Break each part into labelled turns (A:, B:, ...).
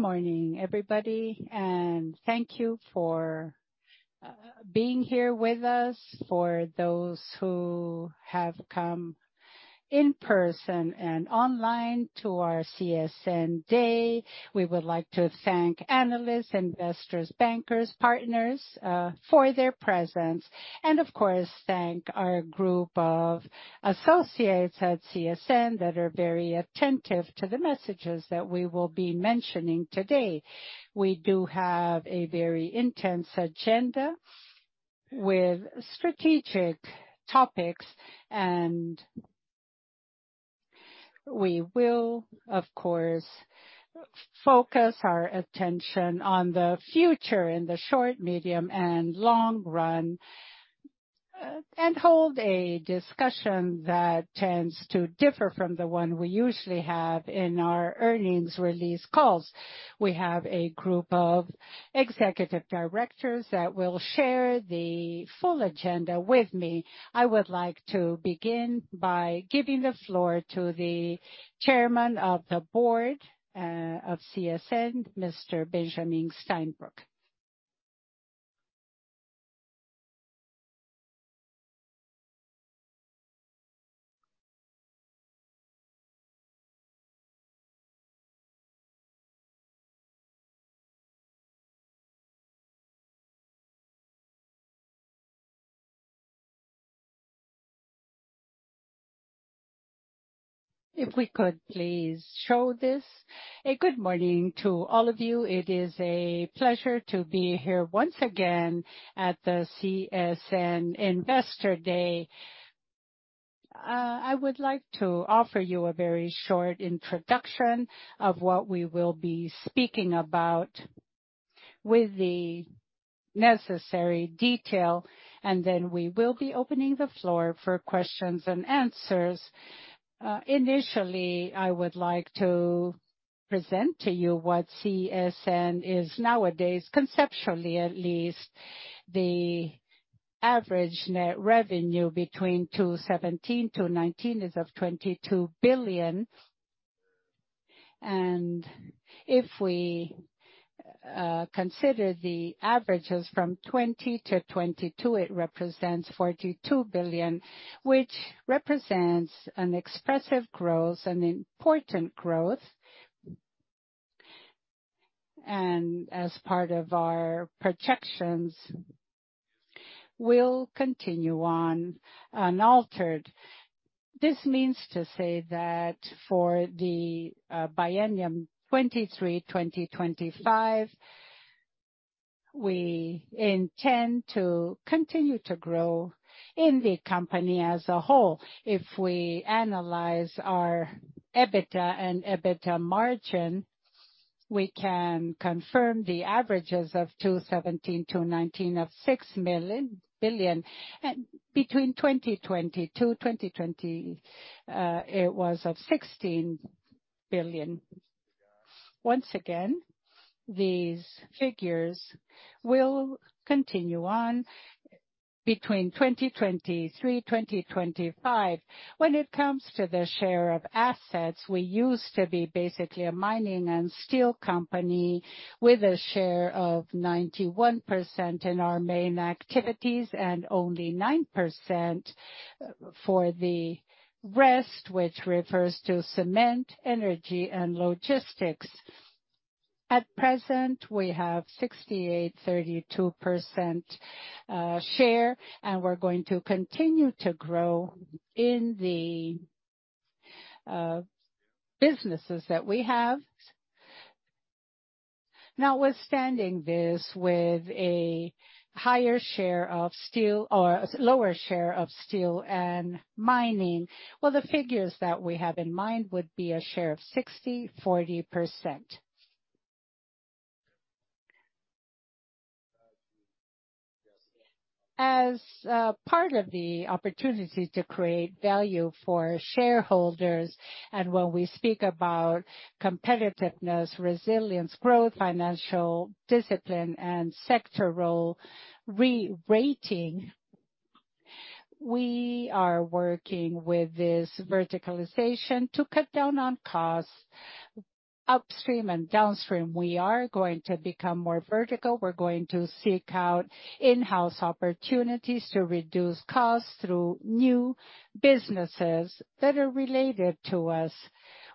A: Good morning, everybody, thank you for being here with us. For those who have come in person and online to our CSN day, we would like to thank analysts, investors, bankers, partners for their presence. Of course, thank our group of associates at CSN that are very attentive to the messages that we will be mentioning today. We do have a very intense agenda with strategic topics, and we will, of course, focus our attention on the future in the short, medium and long run, and hold a discussion that tends to differ from the one we usually have in our earnings release calls. We have a group of executive directors that will share the full agenda with me. I would like to begin by giving the floor to the Chairman of the Board of CSN, Mr. Benjamin Steinbruch.
B: If we could please show this. A good morning to all of you. It is a pleasure to be here once again at the CSN Investor Day. I would like to offer you a very short introduction of what we will be speaking about with the necessary detail, then we will be opening the floor for questions and answers. Initially, I would like to present to you what CSN is nowadays, conceptually, at least. The average net revenue between 2017-2019 is of BRL 22 billion. If we consider the averages from 2020-2022, it represents 42 billion, which represents an expressive growth, an important growth. As part of our projections, we'll continue on unaltered. This means to say that for the biennium 2023-2025, we intend to continue to grow in the company as a whole. If we analyze our EBITDA and EBITDA margin, we can confirm the averages of 2017-2019 of $6 billion. Between 2020 to 2020, it was of $16 billion. Once again, these figures will continue on between 2023/2025. When it comes to the share of assets, we used to be basically a mining and steel company with a share of 91% in our main activities and only 9% for the rest, which refers to cement, energy, and logistics. At present, we have 68/32% share, and we're going to continue to grow in the businesses that we have. Notwithstanding this, with a higher share of steel or lower share of steel and mining, well, the figures that we have in mind would be a share of 60/40%. As part of the opportunity to create value for shareholders, and when we speak about competitiveness, resilience, growth, financial discipline, and sector role re-rating, we are working with this verticalization to cut down on costs. Upstream and downstream, we are going to become more vertical. We're going to seek out in-house opportunities to reduce costs through new businesses that are related to us,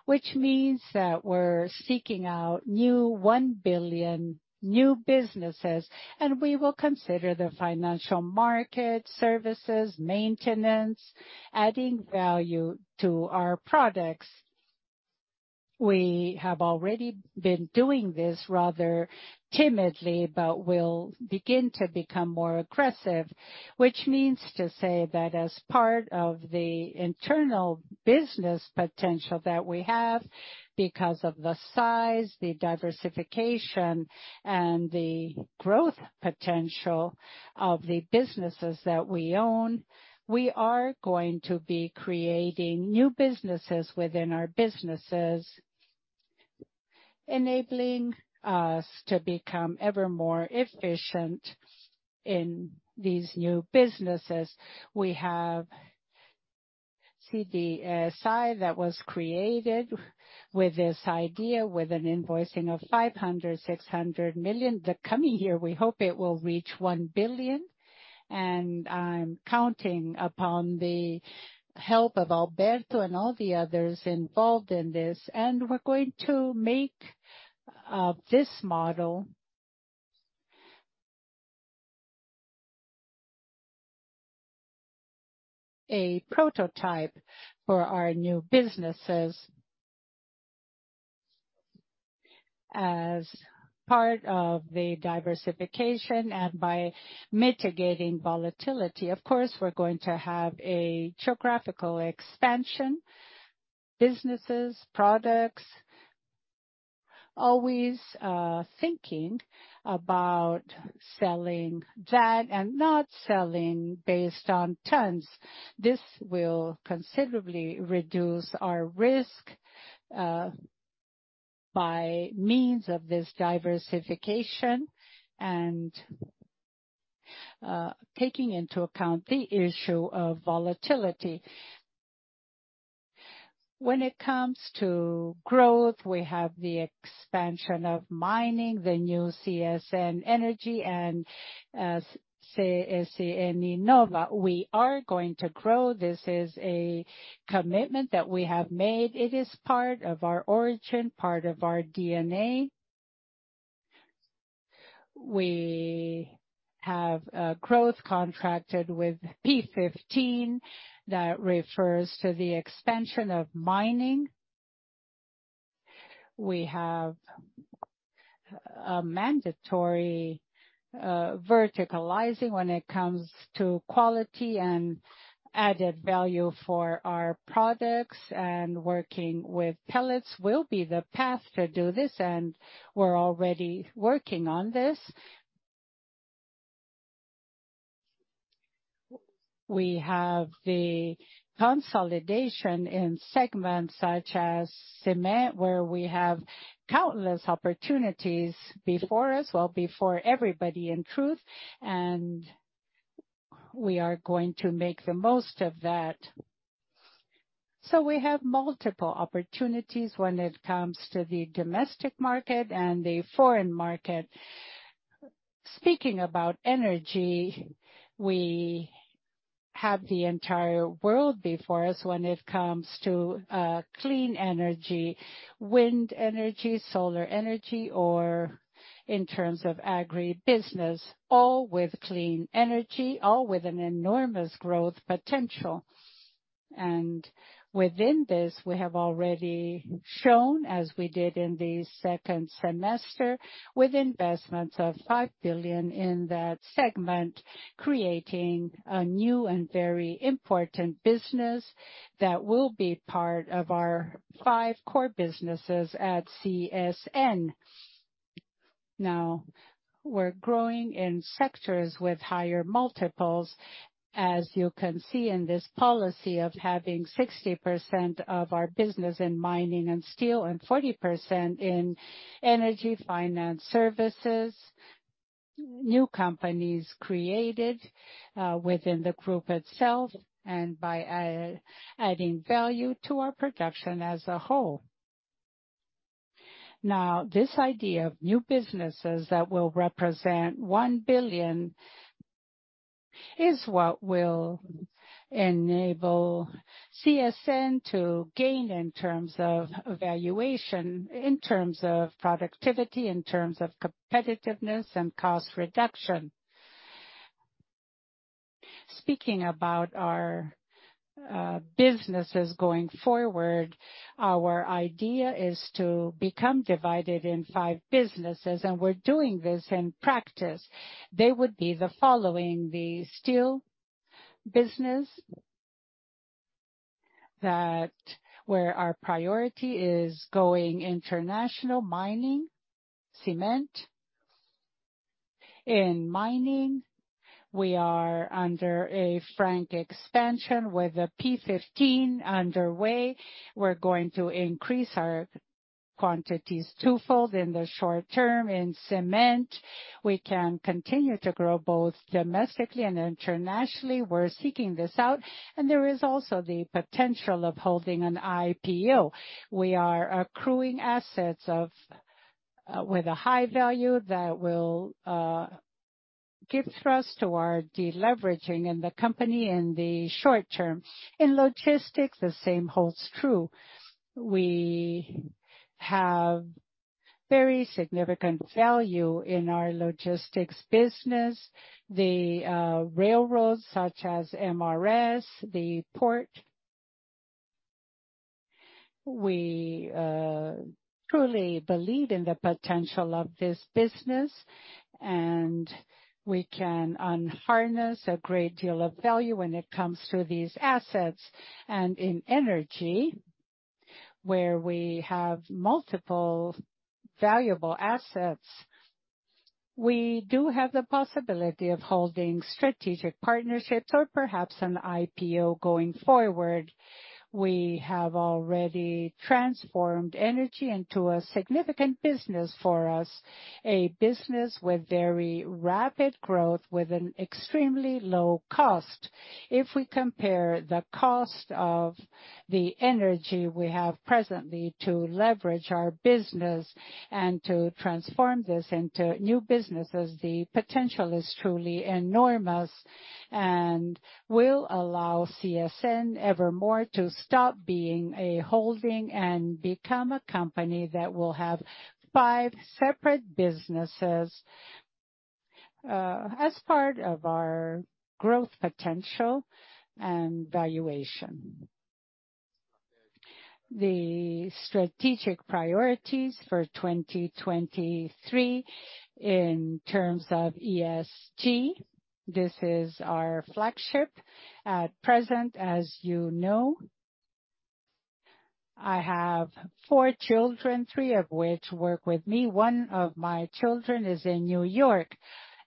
B: which means that we're seeking out new 1 billion new businesses, and we will consider the financial market, services, maintenance, adding value to our products. We have already been doing this rather timidly, but we'll begin to become more aggressive. Which means to say that as part of the internal business potential that we have, because of the size, the diversification, and the growth potential of the businesses that we own, we are going to be creating new businesses within our businesses, enabling us to become ever more efficient in these new businesses we have. CSC that was created with this idea with an invoicing of 500 million-600 million. The coming year, we hope it will reach 1 billion. I'm counting upon the help of Alberto and all the others involved in this. We're going to make this model a prototype for our new businesses as part of the diversification and by mitigating volatility. Of course, we're going to have a geographical expansion, businesses, products, always thinking about selling that and not selling based on tons. This will considerably reduce our risk by means of this diversification and taking into account the issue of volatility. When it comes to growth, we have the expansion of mining, the new CSN Energia and CSN Inova. We are going to grow. This is a commitment that we have made. It is part of our origin, part of our DNA. We have a growth contracted with P15 that refers to the expansion of mining. We have a mandatory verticalizing when it comes to quality and added value for our products and working with pellets will be the path to do this, and we're already working on this. We have the consolidation in segments such as cement, where we have countless opportunities before us. Well, before everybody, in truth, and we are going to make the most of that. We have multiple opportunities when it comes to the domestic market and the foreign market. Speaking about energy, we have the entire world before us when it comes to clean energy, wind energy, solar energy, or in terms of agri-business, all with clean energy, all with an enormous growth potential. Within this, we have already shown, as we did in the second semester, with investments of $5 billion in that segment, creating a new and very important business that will be part of our five core businesses at CSN. We're growing in sectors with higher multiples, as you can see in this policy of having 60% of our business in mining and steel and 40% in energy, finance services, new companies created within the group itself and by adding value to our production as a whole. This idea of new businesses that will represent 1 billion is what will enable CSN to gain in terms of valuation, in terms of productivity, in terms of competitiveness and cost reduction. Speaking about our businesses going forward, our idea is to become divided in five businesses, and we're doing this in practice. They would be the following: the steel business, where our priority is going international, mining, cement. In mining, we are under a frank expansion with the P15 underway. We're going to increase our quantities twofold in the short term. In cement, we can continue to grow both domestically and internationally. We're seeking this out, and there is also the potential of holding an IPO. We are accruing assets of with a high value that will give thrust to our deleveraging in the company in the short term. In logistics, the same holds true. We have very significant value in our logistics business, the railroads such as MRS, the port. We truly believe in the potential of this business. We can unharness a great deal of value when it comes to these assets. In energy, where we have multiple valuable assets. We do have the possibility of holding strategic partnerships or perhaps an IPO going forward. We have already transformed energy into a significant business for us, a business with very rapid growth, with an extremely low cost. If we compare the cost of the energy we have presently to leverage our business and to transform this into new businesses, the potential is truly enormous and will allow CSN evermore to stop being a holding and become a company that will have five separate businesses as part of our growth potential and valuation. The strategic priorities for 2023 in terms of ESG, this is our flagship. At present, as you know, I have four children, three of which work with me. One of my children is in New York.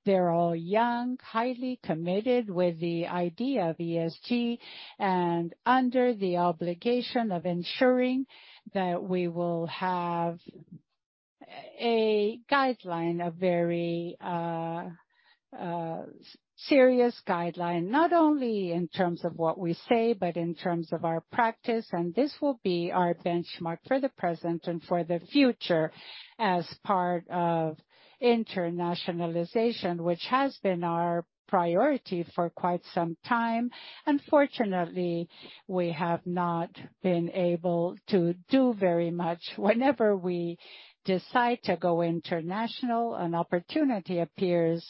B: They're all young, highly committed with the idea of ESG, and under the obligation of ensuring that we will have a guideline, a very serious guideline, not only in terms of what we say, but in terms of our practice. This will be our benchmark for the present and for the future as part of internationalization, which has been our priority for quite some time. Unfortunately, we have not been able to do very much. Whenever we decide to go international, an opportunity appears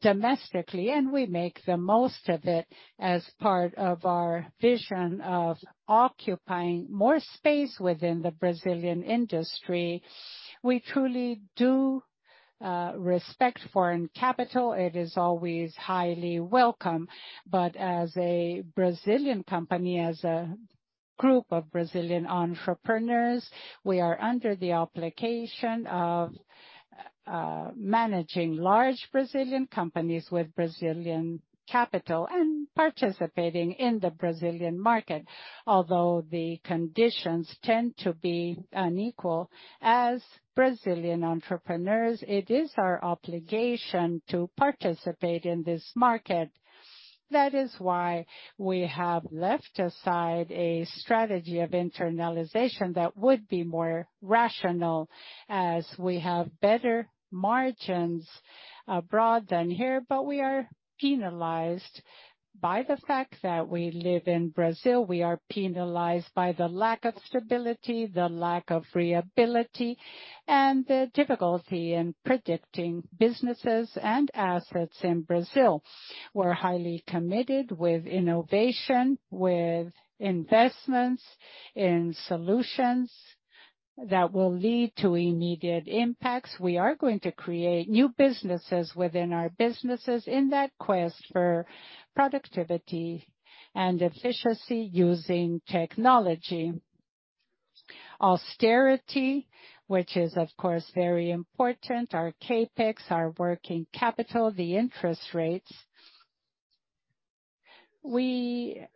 B: domestically, and we make the most of it as part of our vision of occupying more space within the Brazilian industry. We truly do respect foreign capital. It is always highly welcome. As a Brazilian company, as a group of Brazilian entrepreneurs, we are under the obligation of managing large Brazilian companies with Brazilian capital and participating in the Brazilian market. Although the conditions tend to be unequal, as Brazilian entrepreneurs, it is our obligation to participate in this market. That is why we have left aside a strategy of internalization that would be more rational as we have better margins abroad than here, but we are penalized by the fact that we live in Brazil. We are penalized by the lack of stability, the lack of reliability, and the difficulty in predicting businesses and assets in Brazil. We're highly committed with innovation, with investments in solutions that will lead to immediate impacts. We are going to create new businesses within our businesses in that quest for productivity and efficiency using technology. Austerity, which is of course very important, our CapEx, our working capital, the interest rates. We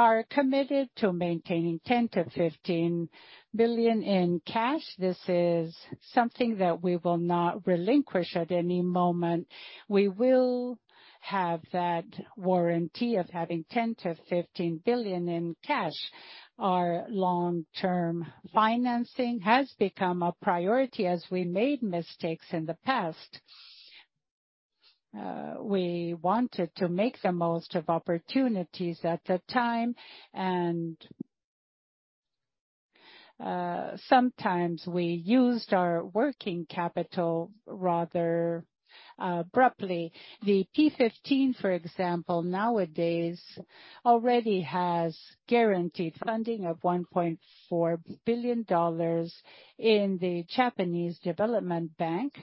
B: are committed to maintaining 10 billion-15 billion in cash. This is something that we will not relinquish at any moment. We will have that warranty of having 10 billion-15 billion in cash. Our long-term financing has become a priority as we made mistakes in the past. We wanted to make the most of opportunities at the time, and sometimes we used our working capital rather abruptly. The P15, for example, nowadays already has guaranteed funding of $1.4 billion in the Japanese Development Bank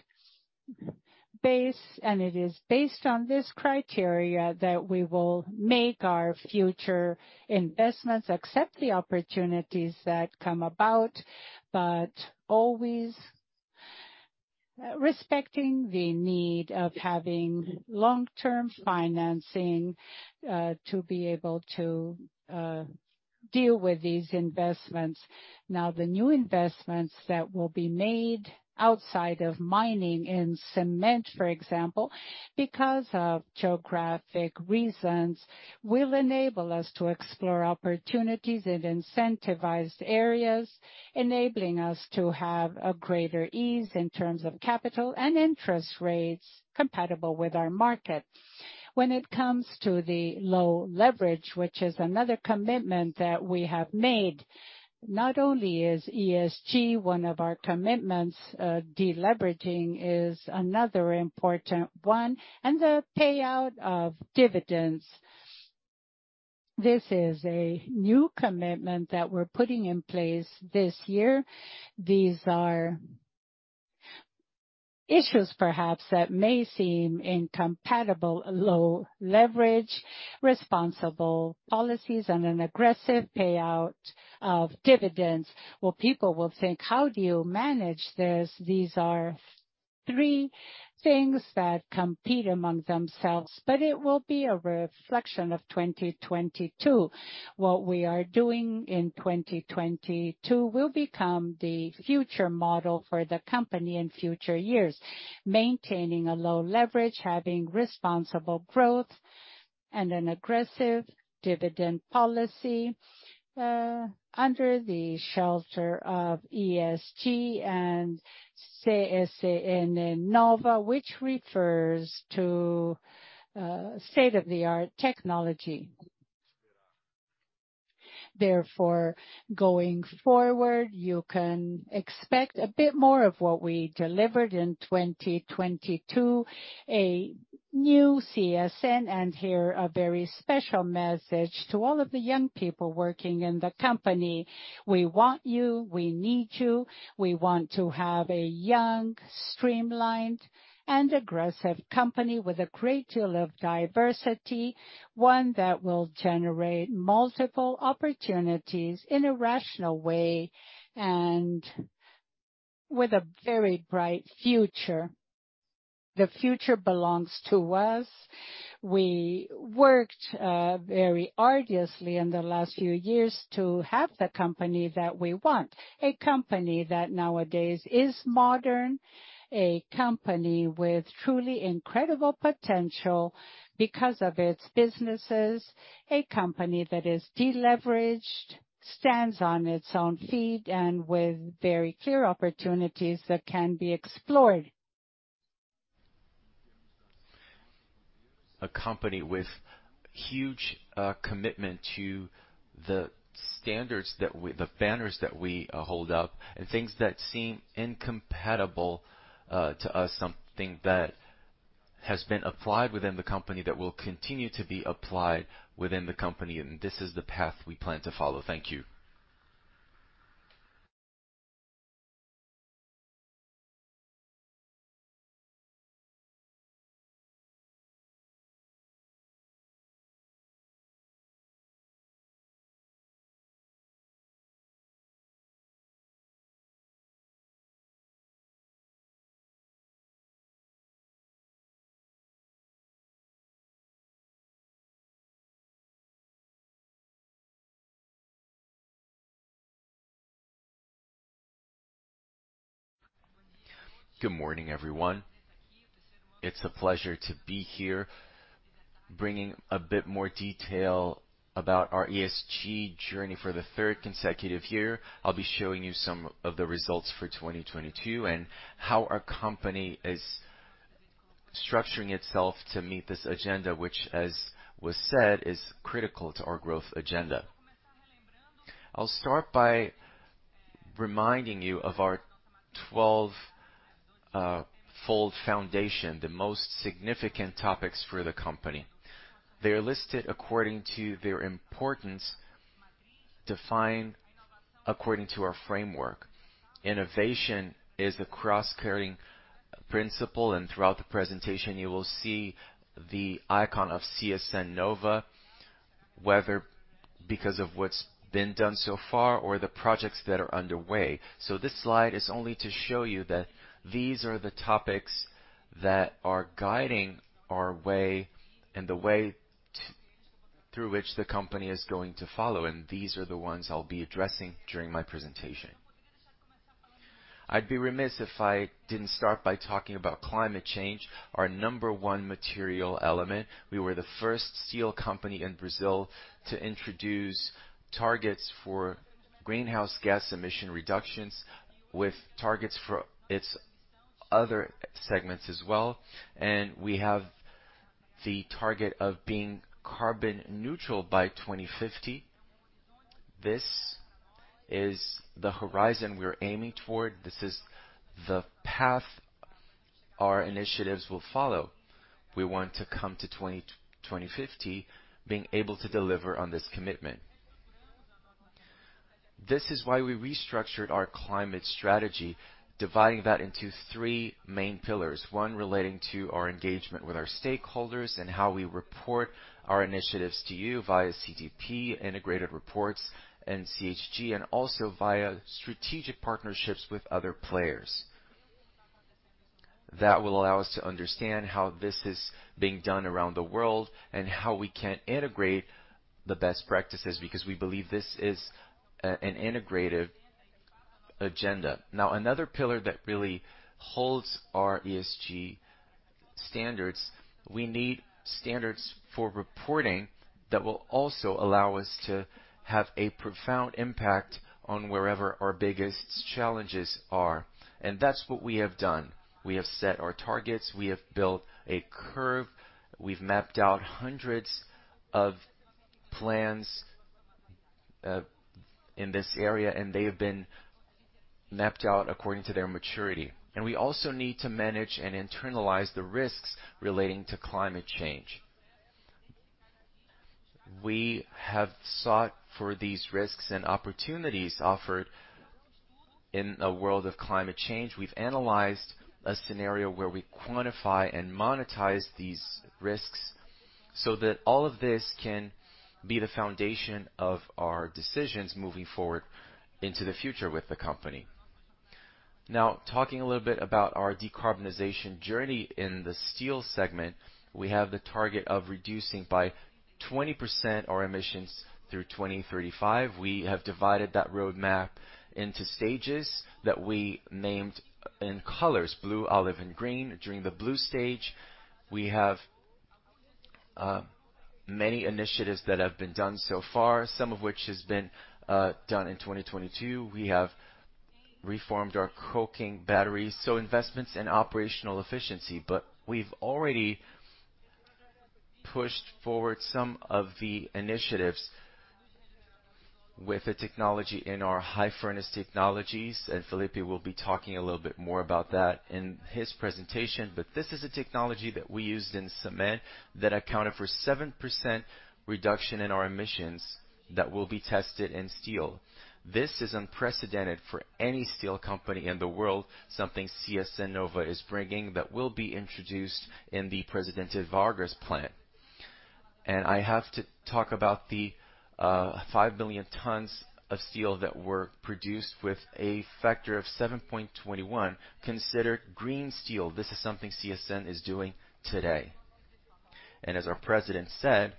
B: base, and it is based on this criteria that we will make our future investments, accept the opportunities that come about, but always respecting the need of having long-term financing to be able to deal with these investments. Now, the new investments that will be made outside of mining in cement, for example, because of geographic reasons, will enable us to explore opportunities in incentivized areas, enabling us to have a greater ease in terms of capital and interest rates compatible with our market. When it comes to the low leverage, which is another commitment that we have made, not only is ESG one of our commitments, deleveraging is another important one, and the payout of dividends. This is a new commitment that we're putting in place this year. These are issues perhaps that may seem incompatible, low leverage, responsible policies, and an aggressive payout of dividends, where people will think, "How do you manage this?" These are three things that compete among themselves. It will be a reflection of 2022. What we are doing in 2022 will become the future model for the company in future years, maintaining a low leverage, having responsible growth and an aggressive dividend policy, under the shelter of ESG and CSN Inova, which refers to state-of-the-art technology. Going forward, you can expect a bit more of what we delivered in 2022, a new CSN. Here a very special message to all of the young people working in the company. We want you. We need you. We want to have a young, streamlined, and aggressive company with a great deal of diversity, one that will generate multiple opportunities in a rational way and with a very bright future. The future belongs to us. We worked very arduously in the last few years to have the company that we want, a company that nowadays is modern, a company with truly incredible potential because of its businesses, a company that is deleveraged, stands on its own feet and with very clear opportunities that can be explored. A company with huge commitment to the standards that we the banners that we hold up and things that seem incompatible to us, something that has been applied within the company that will continue to be applied within the company. This is the path we plan to follow. Thank you.
C: Good morning, everyone. It's a pleasure to be here bringing a bit more detail about our ESG journey for the third consecutive year. I'll be showing you some of the results for 2022 and how our company is structuring itself to meet this agenda, which, as was said, is critical to our growth agenda. I'll start by reminding you of our 12 fold foundation, the most significant topics for the company. They are listed according to their importance, defined according to our framework. Innovation is the cross-cutting principle. Throughout the presentation, you will see the icon of CSN Inova, whether because of what's been done so far or the projects that are underway. This slide is only to show you that these are the topics that are guiding our way and the way through which the company is going to follow, and these are the ones I'll be addressing during my presentation. I'd be remiss if I didn't start by talking about climate change, our number one material element. We were the first steel company in Brazil to introduce targets for greenhouse gas emission reductions with targets for its other segments as well. We have the target of being carbon neutral by 2050. This is the horizon we're aiming toward. This is the path our initiatives will follow. We want to come to 2050 being able to deliver on this commitment. This is why we restructured our climate strategy, dividing that into three main pillars. One relating to our engagement with our stakeholders and how we report our initiatives to you via GRI integrated reports and GHG and also via strategic partnerships with other players. That will allow us to understand how this is being done around the world and how we can integrate the best practices because we believe this is an integrated agenda. Another pillar that really holds our ESG standards, we need standards for reporting that will also allow us to have a profound impact on wherever our biggest challenges are, and that's what we have done. We have set our targets. We have built a curve. We've mapped out hundreds of plans in this area. They have been mapped out according to their maturity. We also need to manage and internalize the risks relating to climate change. We have sought for these risks and opportunities offered in a world of climate change. We've analyzed a scenario where we quantify and monetize these risks. That all of this can be the foundation of our decisions moving forward into the future with the company. Talking a little bit about our decarbonization journey in the steel segment, we have the target of reducing by 20% our emissions through 2035. We have divided that roadmap into stages that we named in colors Blue, Olive, and Green. During the Blue stage, we have many initiatives that have been done so far, some of which has been done in 2022. We have reformed our coking batteries, so investments in operational efficiency. We've already pushed forward some of the initiatives with the technology in our high furnace technologies, and Felipe will be talking a little bit more about that in his presentation. This is a technology that we used in cement that accounted for 7% reduction in our emissions that will be tested in steel. This is unprecedented for any steel company in the world, something CSN Inova is bringing that will be introduced in the Presidente Vargas plant. I have to talk about the 5 million tons of steel that were produced with a factor of 7.21, considered green steel. This is something CSN is doing today. As our president said,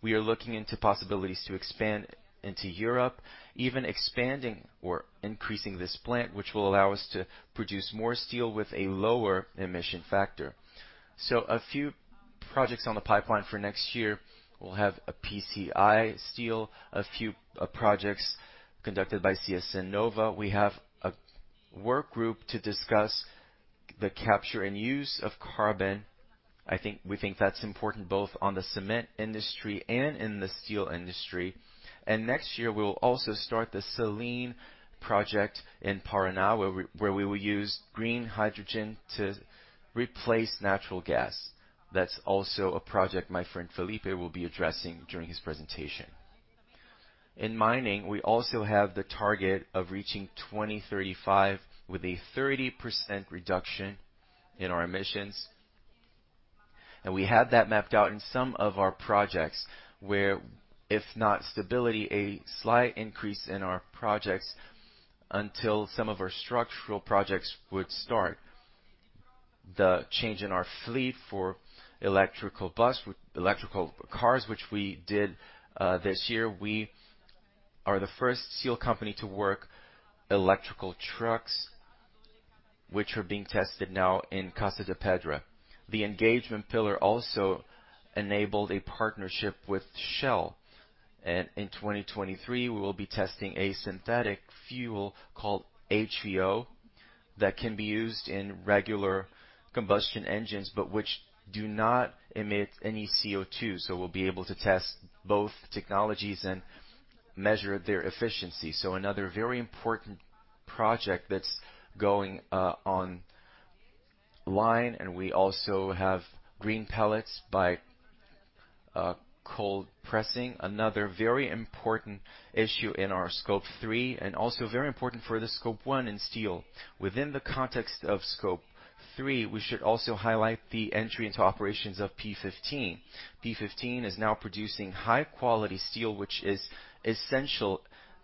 C: we are looking into possibilities to expand into Europe, even expanding or increasing this plant, which will allow us to produce more steel with a lower emission factor. A few projects on the pipeline for next year, we'll have a PCI coal, a few projects conducted by CSN Inova. We have a work group to discuss the capture and use of carbon. We think that's important both on the cement industry and in the steel industry. Next year, we will also start the Salina project in Paraná, where we will use green hydrogen to replace natural gas. That's also a project my friend Felipe will be addressing during his presentation. In mining, we also have the target of reaching 2035 with a 30% reduction in our emissions. We have that mapped out in some of our projects where, if not stability, a slight increase in our projects until some of our structural projects would start. The change in our fleet for electrical cars, which we did this year. We are the first steel company to work electrical trucks, which are being tested now in Casa de Pedra. The engagement pillar also enabled a partnership with Shell. In 2023, we will be testing a synthetic fuel called HVO that can be used in regular combustion engines, but which do not emit any CO2. We'll be able to test both technologies and measure their efficiency. Another very important project that's going online, and we also have green pellets by cold pressing. Another very important issue in our Scope 3 and also very important for the Scope 1 in steel. Within the context of Scope 3, we should also highlight the entry into operations of P15. P15 is now producing high-quality steel, which is essential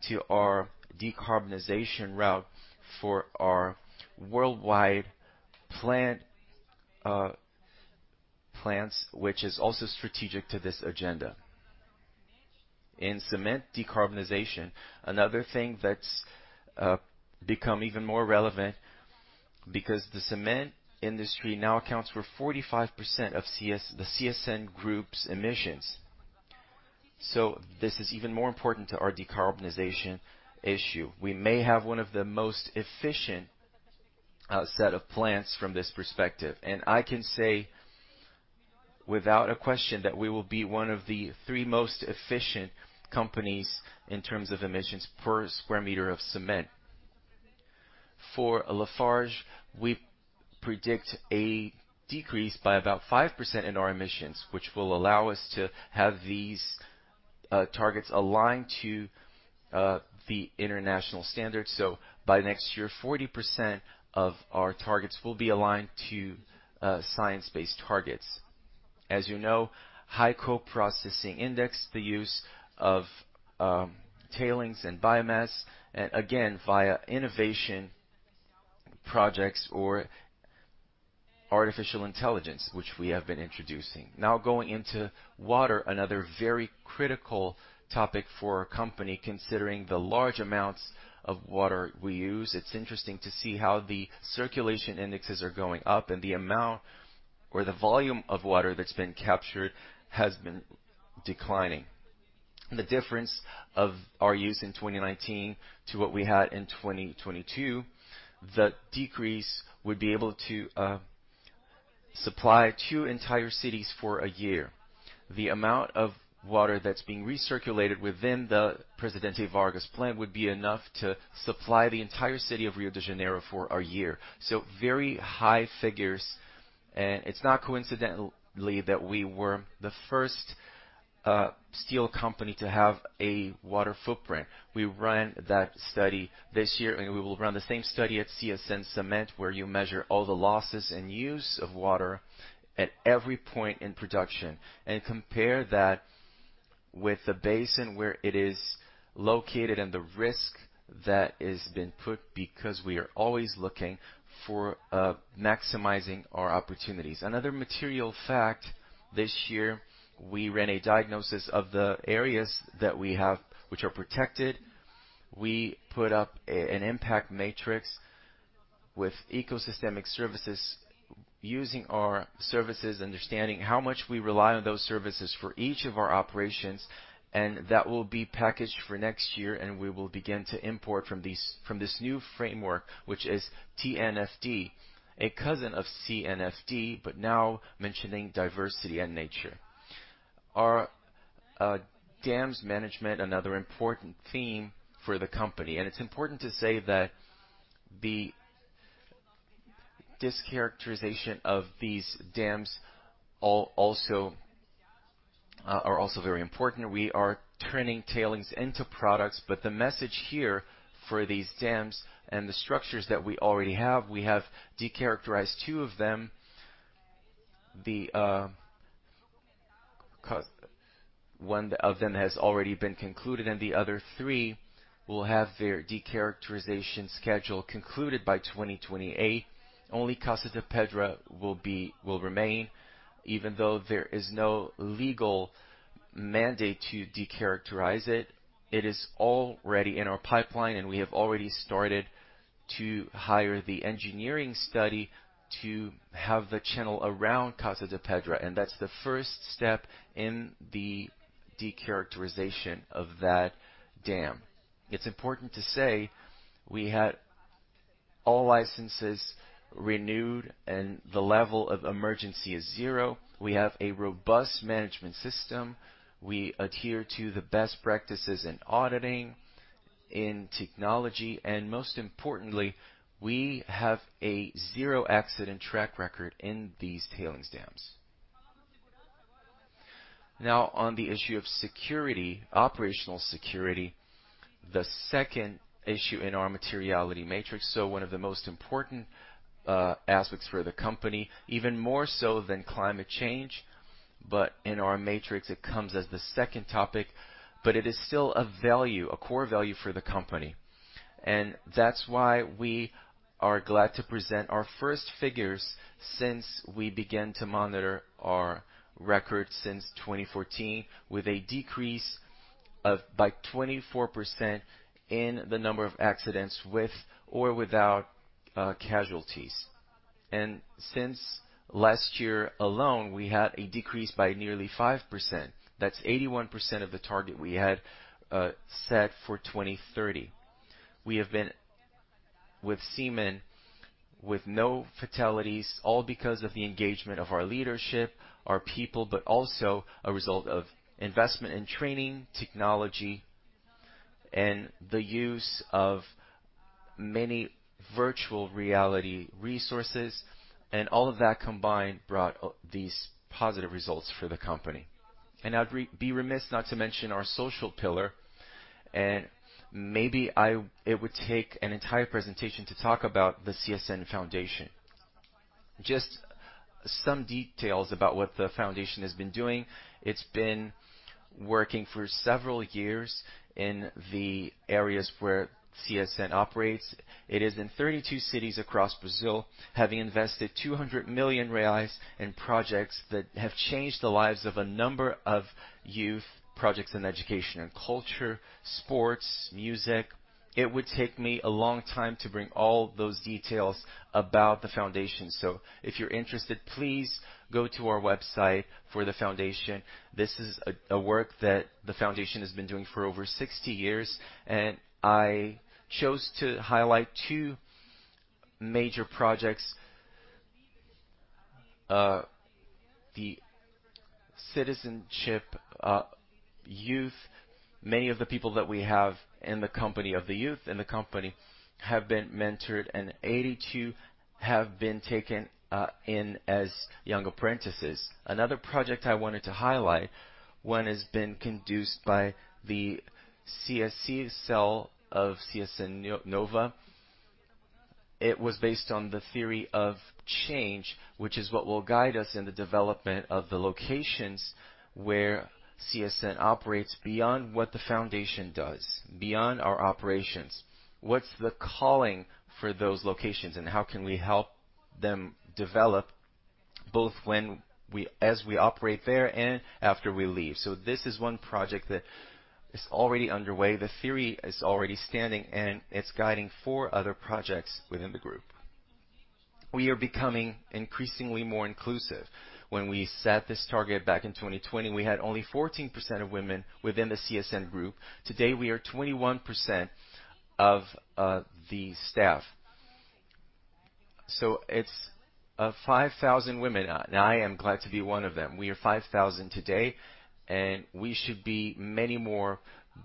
C: to our decarbonization route for our worldwide plant, plants, which is also strategic to this agenda. In cement decarbonization, another thing that's become even more relevant because the cement industry now accounts for 45% of the CSN Group's emissions. This is even more important to our decarbonization issue. We may have one of the most efficient set of plants from this perspective, and I can say without a question that we will be one of the three most efficient companies in terms of emissions per square meter of cement. For Lafarge, we predict a decrease by about 5% in our emissions, which will allow us to have these targets aligned to the international standards. By next year, 40% of our targets will be aligned to science-based targets. As you know, high coke processing index, the use of tailings and biomass, again, via innovation projects or artificial intelligence, which we have been introducing. Going into water, another very critical topic for our company, considering the large amounts of water we use. It's interesting to see how the circulation indexes are going up and the amount or the volume of water that's been captured has been declining. The difference of our use in 2019 to what we had in 2022, the decrease would be able to supply two entire cities for a year. The amount of water that's being recirculated within the Presidente Vargas plant would be enough to supply the entire city of Rio de Janeiro for a year. Very high figures, and it's not coincidentally that we were the first steel company to have a water footprint. We ran that study this year, and we will run the same study at CSN Cimentos, where you measure all the losses and use of water at every point in production and compare that with the basin where it is located and the risk that has been put, because we are always looking for maximizing our opportunities. Another material fact, this year we ran a diagnosis of the areas that we have, which are protected. We put up an impact matrix with ecosystemic services, using our services, understanding how much we rely on those services for each of our operations, that will be packaged for next year and we will begin to import from this new framework, which is TNFD, a cousin of TNFD, but now mentioning diversity and nature. Our dams management, another important theme for the company. It's important to say that the decharacterization of these dams also are also very important. We are turning tailings into products, but the message here for these dams and the structures that we already have, we have decharacterized two of them. The... One of them has already been concluded and the other three will have their decharacterization schedule concluded by 2028. Only Casa de Pedra will remain. Even though there is no legal mandate to decharacterize it is already in our pipeline. We have already started to hire the engineering study to have the channel around Casa de Pedra. That's the first step in the decharacterization of that dam. It's important to say we had all licenses renewed and the level of emergency is zero. We have a robust management system. We adhere to the best practices in auditing, in technology. Most importantly, we have a zero accident track record in these tailings dams. On the issue of security, operational security, the second issue in our materiality matrix. One of the most important aspects for the company, even more so than climate change. In our matrix it comes as the second topic, but it is still a value, a core value for the company. That's why we are glad to present our first figures since we began to monitor our records since 2014, with a decrease by 24% in the number of accidents with or without casualties. Since last year alone, we had a decrease by nearly 5%. That's 81% of the target we had set for 2030. We have been with Cimentos, with no fatalities, all because of the engagement of our leadership, our people, but also a result of investment in training, technology, and the use of many virtual reality resources. All of that combined brought these positive results for the company. I'd be remiss not to mention our social pillar. Maybe it would take an entire presentation to talk about the CSN Foundation. Just some details about what the foundation has been doing. It's been working for several years in the areas where CSN operates. It is in 32 cities across Brazil, having invested 200 million reais in projects that have changed the lives of a number of youth projects in education and culture, sports, music. It would take me a long time to bring all those details about the Foundation. If you're interested, please go to our website for the Foundation. This is a work that the Foundation has been doing for over 60 years, and I chose to highlight two major projects. The citizenship youth. Many of the people that we have in the company, of the youth in the company have been mentored and 82 have been taken in as young apprentices. Another project I wanted to highlight, one has been conducted by the CSC cell of CSN Inova. It was based on the theory of change, which is what will guide us in the development of the locations where CSN operates beyond what the Foundation does, beyond our operations. What's the calling for those locations, and how can we help them develop, both as we operate there and after we leave? This is one project that is already underway. The theory is already standing, and it's guiding four other projects within the Group. We are becoming increasingly more inclusive. When we set this target back in 2020, we had only 14% of women within the CSN Group. Today, we are 21% of the staff. It's 5,000 women. Now, I am glad to be one of them. We are 5,000 today, and we should be many more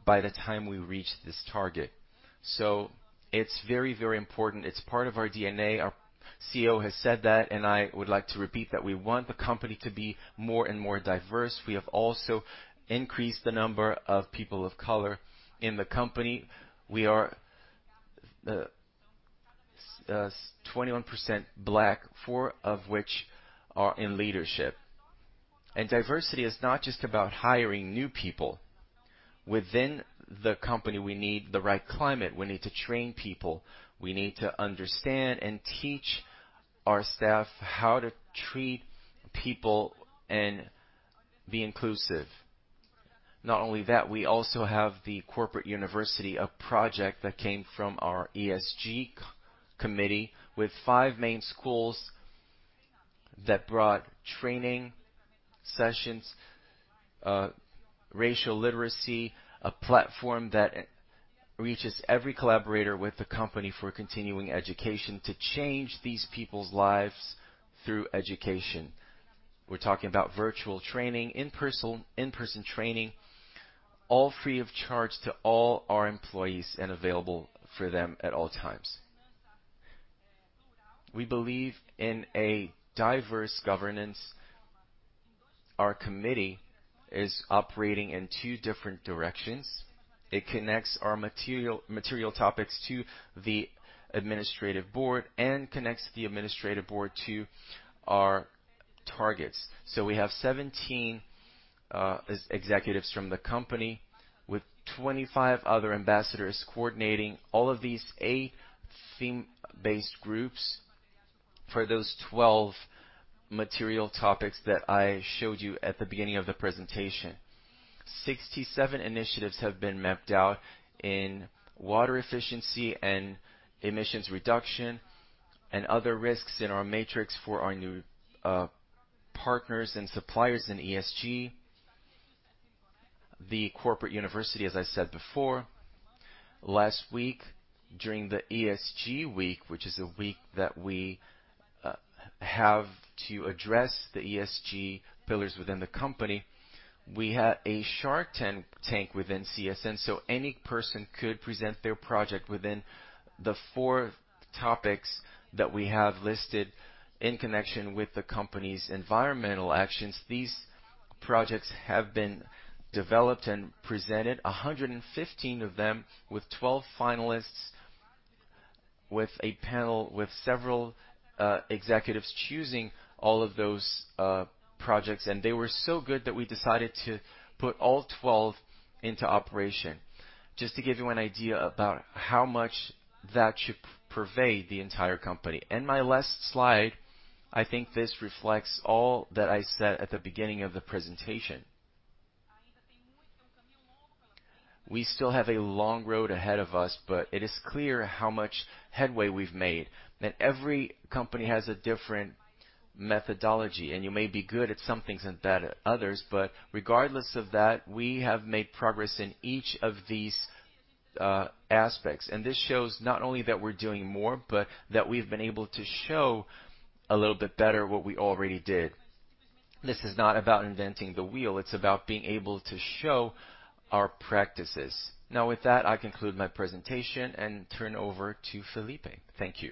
C: by the time we reach this target. It's very, very important. It's part of our DNA. Our CEO has said that, and I would like to repeat that we want the company to be more and more diverse. We have also increased the number of people of color in the company. We are 21% black, four of which are in leadership. Diversity is not just about hiring new people. Within the company, we need the right climate. We need to train people. We need to understand and teach our staff how to treat people and be inclusive. Not only that, we also have the corporate university, a project that came from our ESG committee, with five main schools that brought training sessions, racial literacy, a platform that reaches every collaborator with the company for continuing education to change these people's lives through education. We're talking about virtual training, in-person training, all free of charge to all our employees and available for them at all times. We believe in a diverse governance. Our committee is operating in two different directions. It connects our material topics to the administrative board and connects the administrative board to our targets. We have 17 ex-executives from the company with 25 other ambassadors coordinating all of these 8 theme-based groups for those 12 material topics that I showed you at the beginning of the presentation. 67 initiatives have been mapped out in water efficiency and emissions reduction and other risks in our matrix for our new partners and suppliers in ESG. The corporate university, as I said before. Last week, during the ESG week, which is a week that we have to address the ESG pillars within the company, we had a Shark Tank within CSN. Any person could present their project within the 4 topics that we have listed in connection with the company's environmental actions. These projects have been developed and presented, 115 of them, with 12 finalists, with a panel, with several executives choosing all of those projects. They were so good that we decided to put all 12 into operation. Just to give you an idea about how much that should pervade the entire company. My last slide, I think this reflects all that I said at the beginning of the presentation. We still have a long road ahead of us, but it is clear how much headway we've made. Every company has a different methodology, and you may be good at some things and bad at others, but regardless of that, we have made progress in each of these aspects. This shows not only that we're doing more, but that we've been able to show a little bit better what we already did. This is not about inventing the wheel. It's about being able to show our practices. With that, I conclude my presentation and turn over to Felipe. Thank you.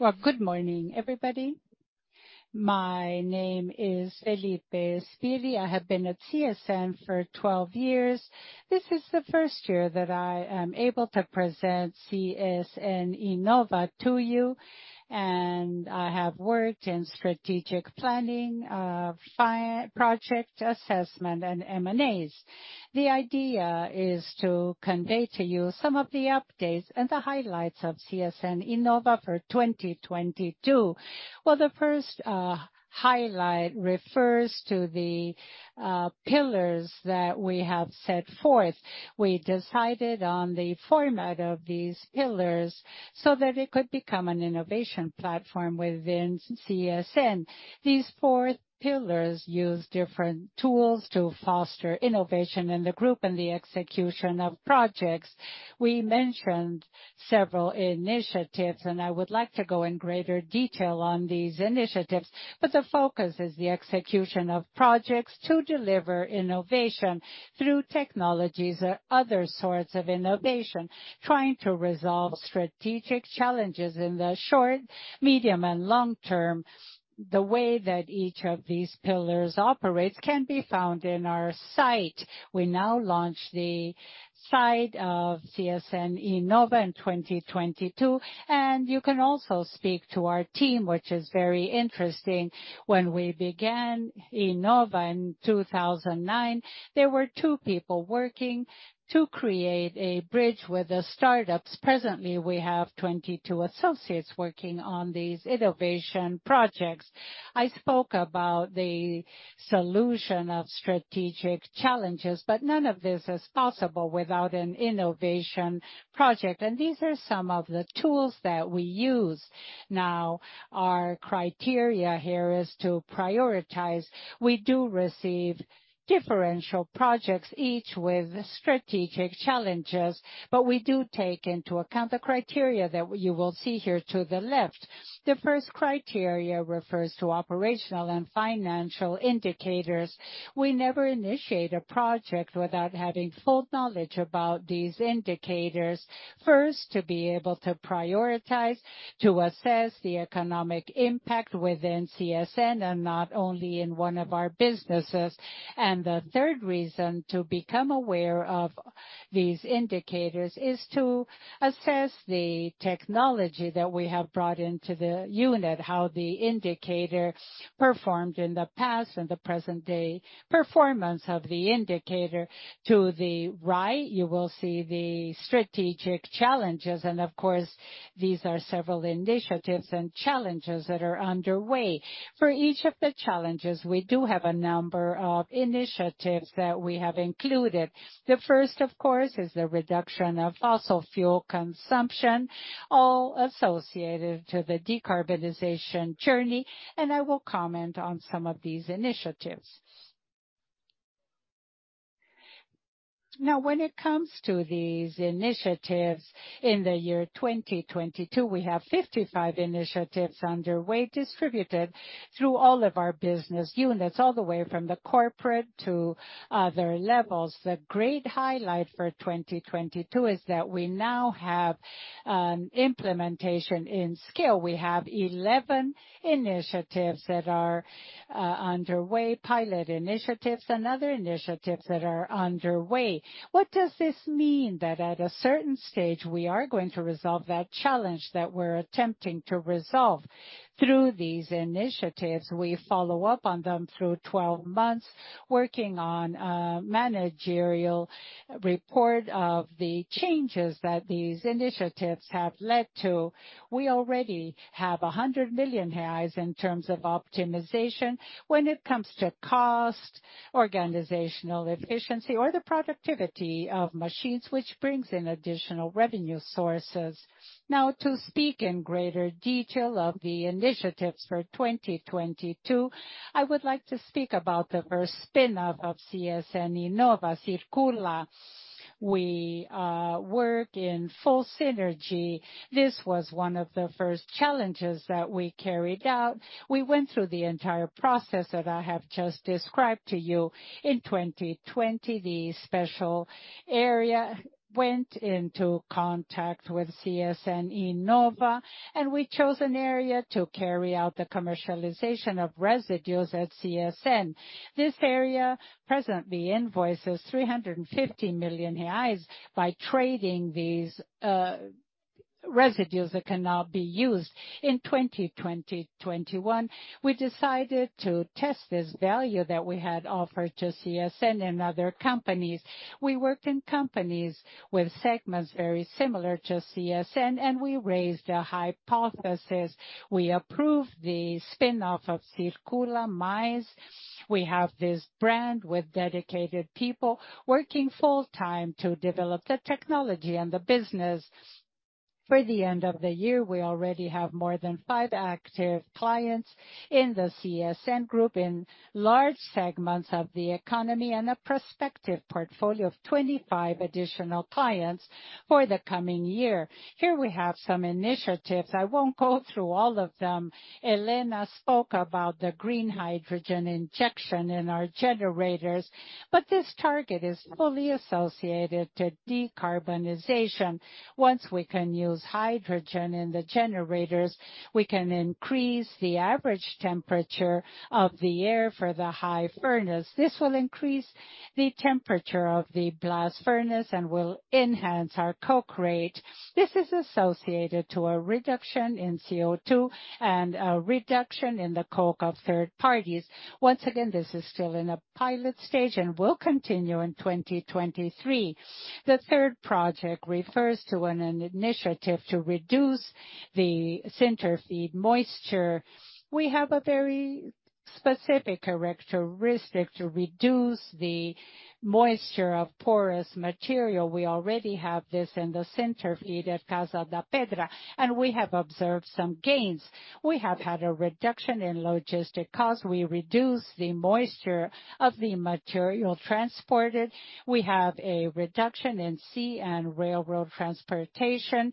D: Well, good morning, everybody. My name is Felipe Spiri. I have been at CSN for 12 years. This is the first year that I am able to present CSN Inova to you, and I have worked in strategic planning, project assessment, and M&As. The idea is to convey to you some of the updates and the highlights of CSN Inova for 2022. Well, the first highlight refers to the pillars that we have set forth. We decided on the format of these pillars so that it could become an innovation platform within CSN. These four pillars use different tools to foster innovation in the group and the execution of projects. We mentioned several initiatives, and I would like to go in greater detail on these initiatives, but the focus is the execution of projects to deliver innovation through technologies or other sorts of innovation, trying to resolve strategic challenges in the short, medium, and long term. The way that each of these pillars operates can be found in our site. We now launch the site of CSN Inova in 2022, and you can also speak to our team, which is very interesting. When we began Inova in 2009, there were two people working to create a bridge with the startups. Presently, we have 22 associates working on these innovation projects. I spoke about the solution of strategic challenges, but none of this is possible without an innovation project. These are some of the tools that we use. Our criteria here is to prioritize. We do receive differential projects, each with strategic challenges. We do take into account the criteria that you will see here to the left. The first criteria refers to operational and financial indicators. We never initiate a project without having full knowledge about these indicators. First, to be able to prioritize, to assess the economic impact within CSN and not only in one of our businesses. The third reason, to become aware of these indicators is to assess the technology that we have brought into the unit, how the indicator performed in the past and the present day performance of the indicator. To the right, you will see the strategic challenges and of course, these are several initiatives and challenges that are underway. For each of the challenges, we do have a number of initiatives that we have included. The first, of course, is the reduction of fossil fuel consumption, all associated to the decarbonization journey, and I will comment on some of these initiatives. When it comes to these initiatives in the year 2022, we have 55 initiatives underway, distributed through all of our business units, all the way from the corporate to other levels. The great highlight for 2022 is that we now have implementation in scale. We have 11 initiatives that are underway, pilot initiatives and other initiatives that are underway. What does this mean? At a certain stage, we are going to resolve that challenge that we're attempting to resolve through these initiatives. We follow up on them through 12 months, working on a managerial report of the changes that these initiatives have led to. We already have 100 million reais in terms of optimization when it comes to cost, organizational efficiency or the productivity of machines, which brings in additional revenue sources. To speak in greater detail of the initiatives for 2022, I would like to speak about the first spin-off of CSN Inova, Circula. We work in full synergy. This was one of the first challenges that we carried out. We went through the entire process that I have just described to you in 2020. The special area went into contact with CSN Inova, and we chose an area to carry out the commercialization of residues at CSN. This area presently invoices 350 million reais by trading these residues that can now be used. In 2020-2021, we decided to test this value that we had offered to CSN and other companies. We work in companies with segments very similar to CSN. We raised a hypothesis. We approved the spin-off of Circula Mais. We have this brand with dedicated people working full time to develop the technology and the business. For the end of the year, we already have more than five active clients in the CSN group in large segments of the economy and a prospective portfolio of 25 additional clients for the coming year. Here we have some initiatives. I won't go through all of them. Helena spoke about the green hydrogen injection in our generators. This target is fully associated to decarbonization. Once we can use hydrogen in the generators, we can increase the average temperature of the air for the high furnace. This will increase the temperature of the blast furnace and will enhance our coke rate. This is associated to a reduction in CO2 and a reduction in the coke of third parties. Once again, this is still in a pilot stage and will continue in 2023. The third project refers to an initiative to reduce the sinter feed moisture. We have a very specific characteristic to reduce the moisture of porous material. We already have this in the sinter feed at Casa de Pedra. We have observed some gains. We have had a reduction in logistic cost. We reduced the moisture of the material transported. We have a reduction in sea and railroad transportation.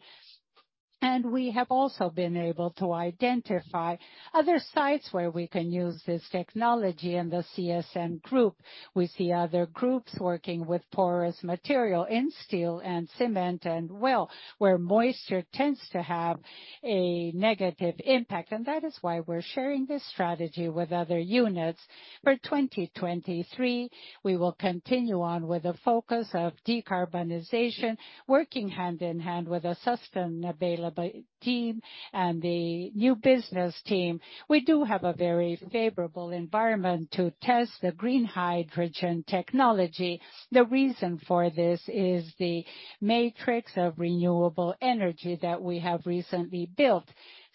D: We have also been able to identify other sites where we can use this technology in the CSN Group. We see other groups working with porous material in steel and cement and well, where moisture tends to have a negative impact. That is why we're sharing this strategy with other units. For 2023, we will continue on with the focus of decarbonization, working hand in hand with the sustain available team and the new business team. We do have a very favorable environment to test the green hydrogen technology. The reason for this is the matrix of renewable energy that we have recently built.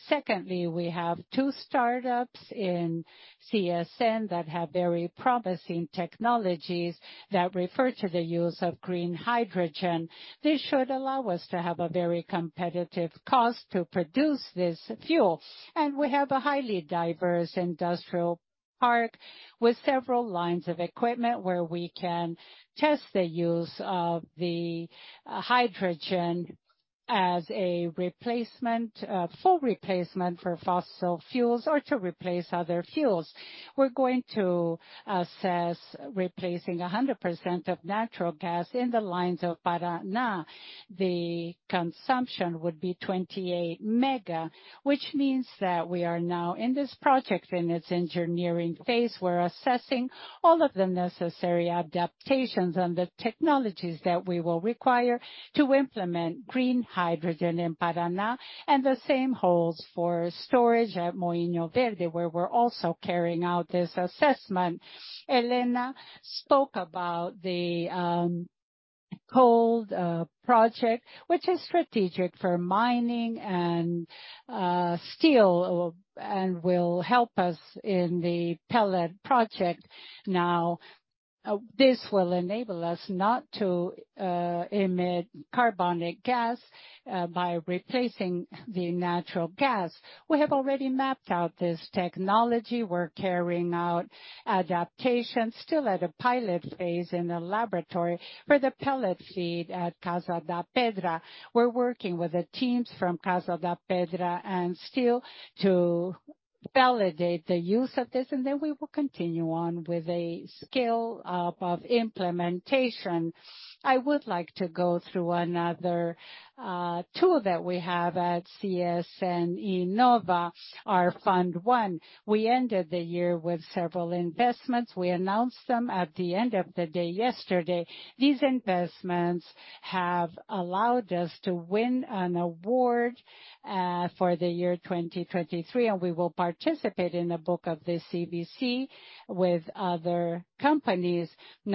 D: Secondly, we have two startups in CSN that have very promising technologies that refer to the use of green hydrogen. This should allow us to have a very competitive cost to produce this fuel. We have a highly diverse industrial park with several lines of equipment where we can test the use of the hydrogen as a replacement, full replacement for fossil fuels or to replace other fuels. We're going to assess replacing 100% of natural gas in the lines of Paraná. The consumption would be 28 mega, which means that we are now in this project in its engineering phase. We're assessing all of the necessary adaptations and the technologies that we will require to implement green hydrogen in Paraná, and the same holds for storage at Moinho Verde, where we're also carrying out this assessment. Helena spoke about the Cold project, which is strategic for mining and steel, and will help us in the pellet project. Now, this will enable us not to emit carbonic gas by replacing the natural gas. We have already mapped out this technology. We're carrying out adaptation still at a pilot phase in the laboratory for the pellet feed at Casa de Pedra. We're working with the teams from Casa de Pedra and steel to validate the use of this. We will continue on with a scale-up of implementation. I would like to go through another tool that we have at CSN Inova, our fund one. We ended the year with several investments. We announced them at the end of the day yesterday. These investments have allowed us to win an award for the year 2023, and we will participate in the book of the CBC with other companies.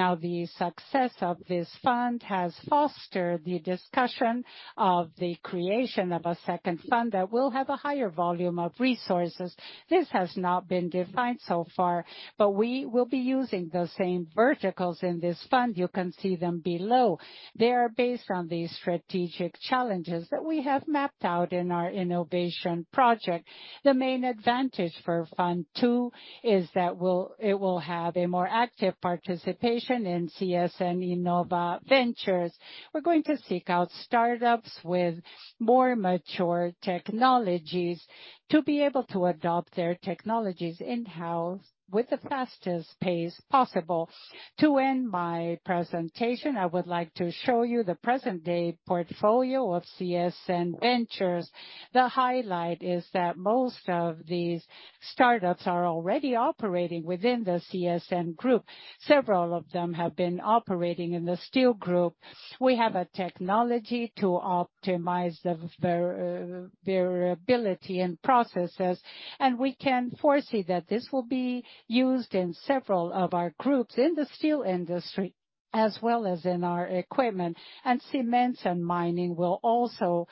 D: The success of this fund has fostered the discussion of the creation of a second fund that will have a higher volume of resources. This has not been defined so far, but we will be using the same verticals in this fund. You can see them below. They are based on the strategic challenges that we have mapped out in our innovation project. The main advantage for fund two is that it will have a more active participation in CSN Inova Ventures. We're going to seek out startups with more mature technologies to be able to adopt their technologies in-house with the fastest pace possible. To end my presentation, I would like to show you the present-day portfolio of CSN Ventures. The highlight is that most of these startups are already operating within the CSN group. Several of them have been operating in the steel group. We have a technology to optimize the variability in processes. We can foresee that this will be used in several of our groups in the steel industry, as well as in our equipment. Cements and mining will also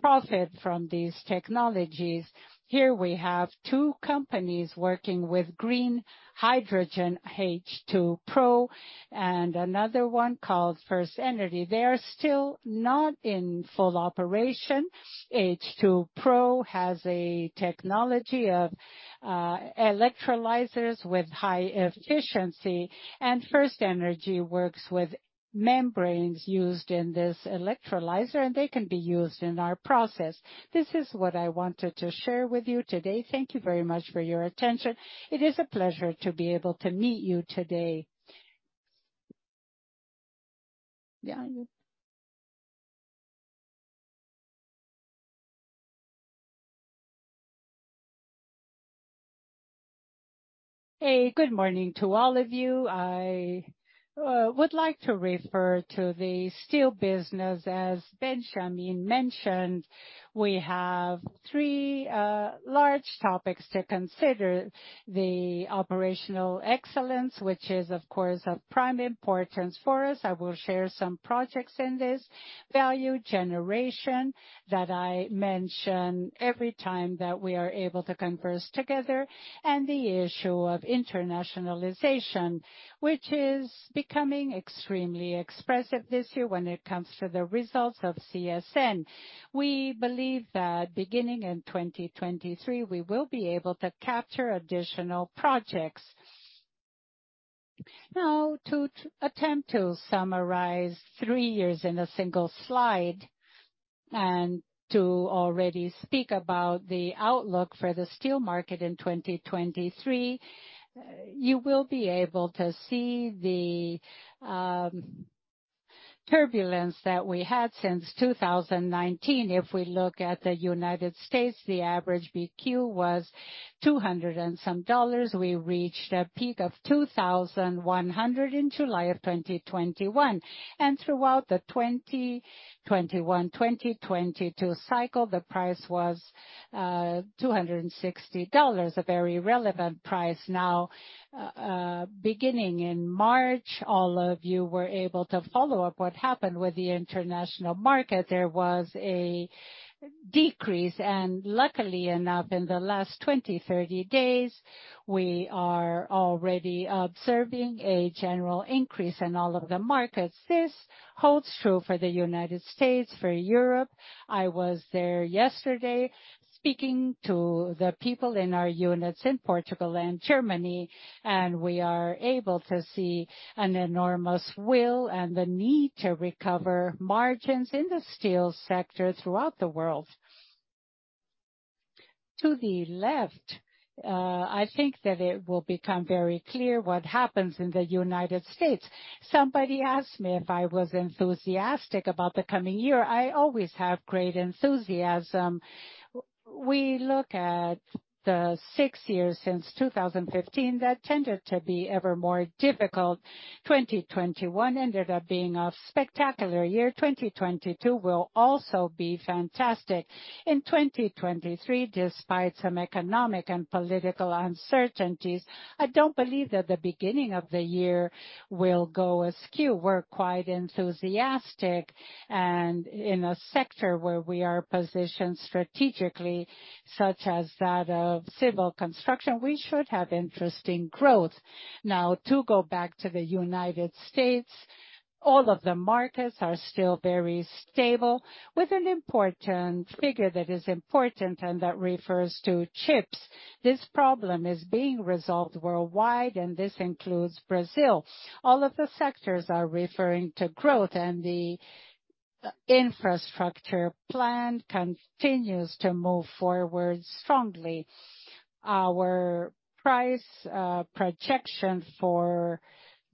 D: profit from these technologies. Here we have two companies working with Green Hydrogen H2Pro and another one called First Energy. They are still not in full operation. H2Pro has a technology of electrolyzers with high efficiency. First Energy works with membranes used in this electrolyzer, and they can be used in our process. This is what I wanted to share with you today. Thank you very much for your attention. It is a pleasure to be able to meet you today.
E: Hey, good morning to all of you. I would like to refer to the steel business. As Benjamin mentioned, we have 3 large topics to consider. The operational excellence, which is, of course, of prime importance for us. I will share some projects in this. Value generation that I mention every time that we are able to converse together. The issue of internationalization, which is becoming extremely expressive this year when it comes to the results of CSN. We believe that beginning in 2023, we will be able to capture additional projects. To attempt to summarize three years in a single slide and to already speak about the outlook for the steel market in 2023, you will be able to see the turbulence that we had since 2019. If we look at the United States, the average BQ was $200 and some dollars. We reached a peak of 2,100 in July of 2021. Throughout the 2021, 2022 cycle, the price was $260, a very relevant price. Beginning in March, all of you were able to follow up what happened with the international market. There was a decrease. Luckily enough, in the last 20, 30 days, we are already observing a general increase in all of the markets. This holds true for the United States, for Europe. I was there yesterday speaking to the people in our units in Portugal and Germany, we are able to see an enormous will and the need to recover margins in the steel sector throughout the world. To the left, I think that it will become very clear what happens in the United States. Somebody asked me if I was enthusiastic about the coming year. I always have great enthusiasm. We look at the 6 years since 2015 that tended to be ever more difficult. 2021 ended up being a spectacular year. 2022 will also be fantastic. In 2023, despite some economic and political uncertainties, I don't believe that the beginning of the year will go askew. We're quite enthusiastic. In a sector where we are positioned strategically. Such as that of civil construction, we should have interesting growth. To go back to the United States, all of the markets are still very stable with an important figure that is important and that refers to chips. This problem is being resolved worldwide, and this includes Brazil. All of the sectors are referring to growth and the infrastructure plan continues to move forward strongly. Our price projection for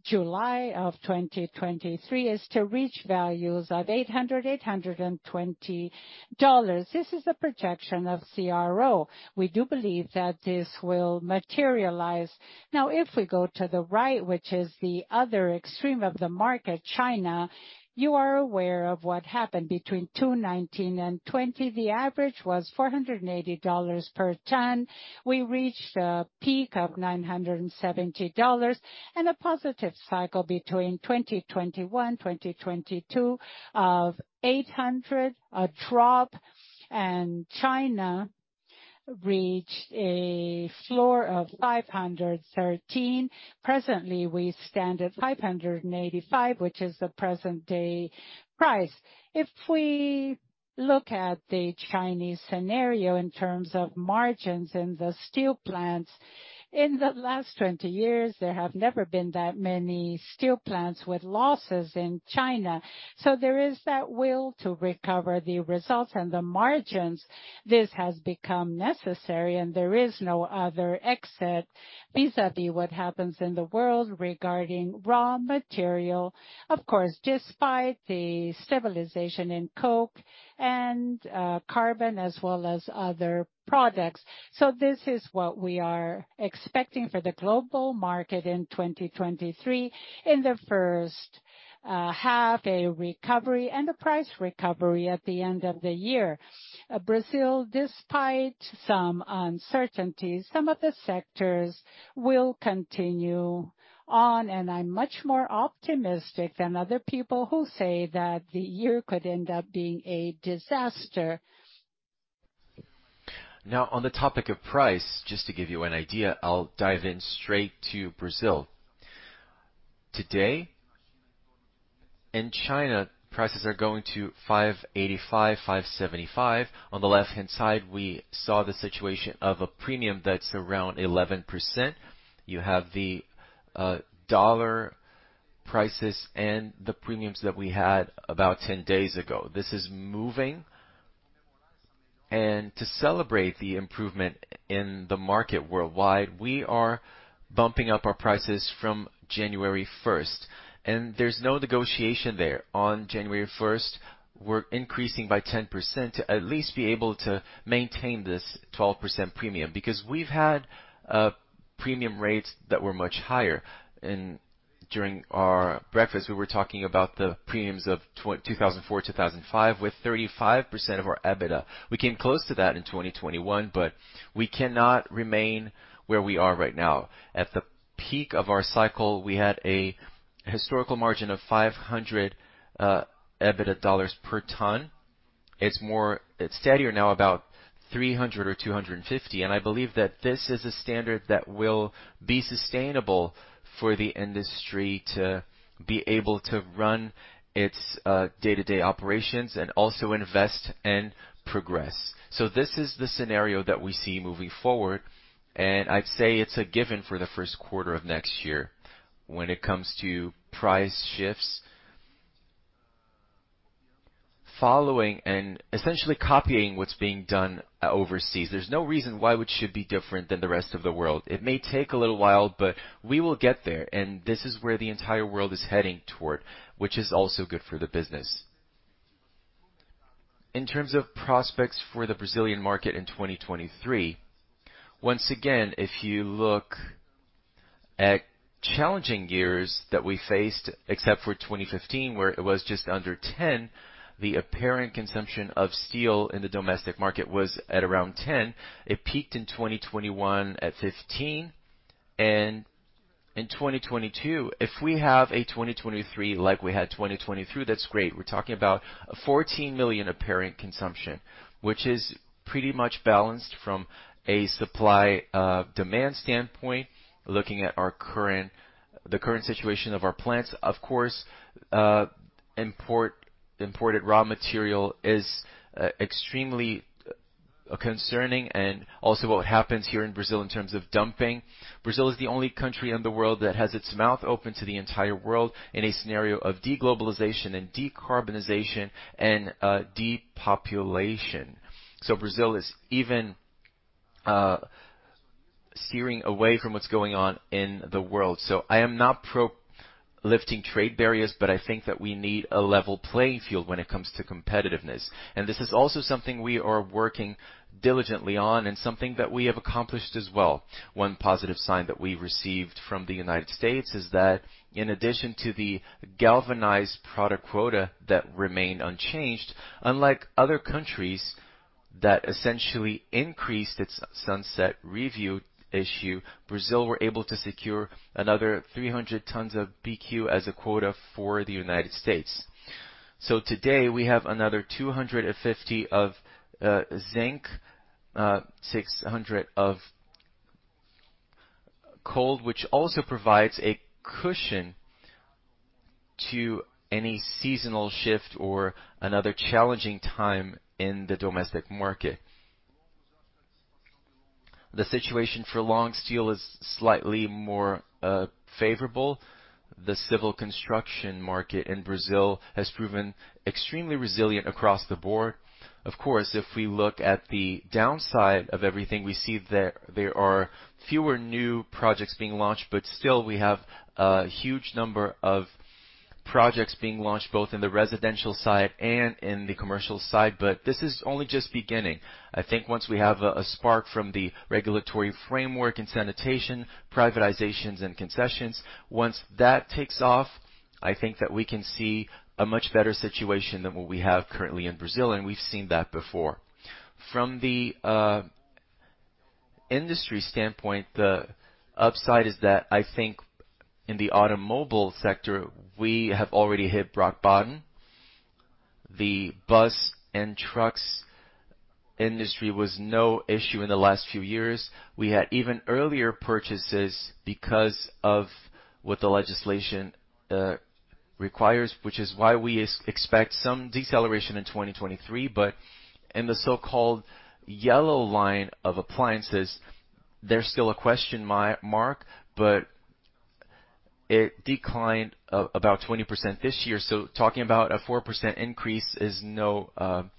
E: July of 2023 is to reach values of $800-$820. This is a projection of CRO. We do believe that this will materialize. Now, if we go to the right, which is the other extreme of the market, China, you are aware of what happened between two, 2019 and 2020. The average was $480 per ton. We reached a peak of $970 and a positive cycle between 2021, 2022 of $800, a drop, and China reached a floor of $513. Presently, we stand at $585, which is the present day price. If we look at the Chinese scenario in terms of margins in the steel plants, in the last 20 years, there have never been that many steel plants with losses in China. There is that will to recover the results and the margins. This has become necessary and there is no other exit vis-à-vis what happens in the world regarding raw material. Of course, despite the stabilization in coke and carbon as well as other products. This is what we are expecting for the global market in 2023. The first half a recovery and a price recovery at the end of the year. Brazil, despite some uncertainties, some of the sectors will continue on, and I'm much more optimistic than other people who say that the year could end up being a disaster.
F: On the topic of price, just to give you an idea, I'll dive in straight to Brazil. Today, in China, prices are going to $585, $575. On the left-hand side, we saw the situation of a premium that's around 11%. You have the dollar prices and the premiums that we had about 10 days ago. This is moving. To celebrate the improvement in the market worldwide, we are bumping up our prices from January 1st, and there's no negotiation there. On January 1st, we're increasing by 10% to at least be able to maintain this 12% premium, because we've had premium rates that were much higher. During our breakfast, we were talking about the premiums of 2004, 2005 with 35% of our EBITDA. We came close to that in 2021, we cannot remain where we are right now. At the peak of our cycle, we had a historical margin of $500 EBITDA per ton. It's steadier now about $300 or $250. I believe that this is a standard that will be sustainable for the industry to be able to run its day-to-day operations and also invest and progress. This is the scenario that we see moving forward, and I'd say it's a given for the first quarter of next year. When it comes to price shifts, following and essentially copying what's being done overseas, there's no reason why it should be different than the rest of the world. It may take a little while, but we will get there. This is where the entire world is heading toward, which is also good for the business. In terms of prospects for the Brazilian market in 2023, once again, if you look at challenging years that we faced, except for 2015, where it was just under 10, the apparent consumption of steel in the domestic market was at around 10. It peaked in 2021 at 15 and in 2022. If we have a 2023 like we had 2022, that's great. We're talking about a 14 million apparent consumption, which is pretty much balanced from a supply, demand standpoint, looking at the current situation of our plants. Of course, imported raw material is extremely concerning and also what happens here in Brazil in terms of dumping. Brazil is the only country in the world that has its mouth open to the entire world in a scenario of deglobalization and decarbonization and depopulation. Brazil is even searing away from what's going on in the world. I am not pro lifting trade barriers, but I think that we need a level playing field when it comes to competitiveness. This is also something we are working diligently on and something that we have accomplished as well. One positive sign that we received from the United States is that in addition to the galvanized product quota that remained unchanged, unlike other countries that essentially increased its Sunset Review issue, Brazil were able to secure another 300 tons of BQ as a quota for the United States. Today we have another 250 of zinc, 600 of cold, which also provides a cushion to any seasonal shift or another challenging time in the domestic market. The situation for long steel is slightly more favorable. The civil construction market in Brazil has proven extremely resilient across the board. Of course, if we look at the downside of everything, we see that there are fewer new projects being launched, but still we have a huge number of projects being launched, both in the residential side and in the commercial side. This is only just beginning. I think once we have a spark from the regulatory framework and sanitation, privatizations and concessions, once that takes off, I think that we can see a much better situation than what we have currently in Brazil, and we've seen that before. From the industry standpoint, the upside is that I think in the automobile sector, we have already hit rock bottom. The bus and trucks industry was no issue in the last few years. We had even earlier purchases because of what the legislation requires, which is why we expect some deceleration in 2023. In the so-called yellow line of appliances, there's still a question mark, but it declined about 20% this year. Talking about a 4% increase is not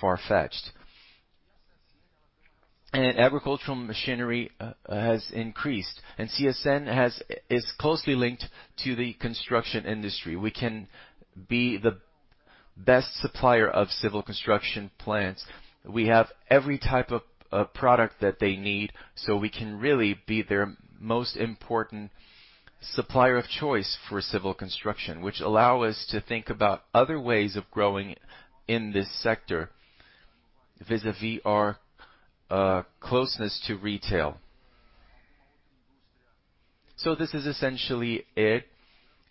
F: far-fetched. Agricultural machinery has increased, and CSN is closely linked to the construction industry. We can be the best supplier of civil construction plants. We have every type of product that they need, so we can really be their most important supplier of choice for civil construction, which allow us to think about other ways of growing in this sector vis-à-vis our closeness to retail. This is essentially it.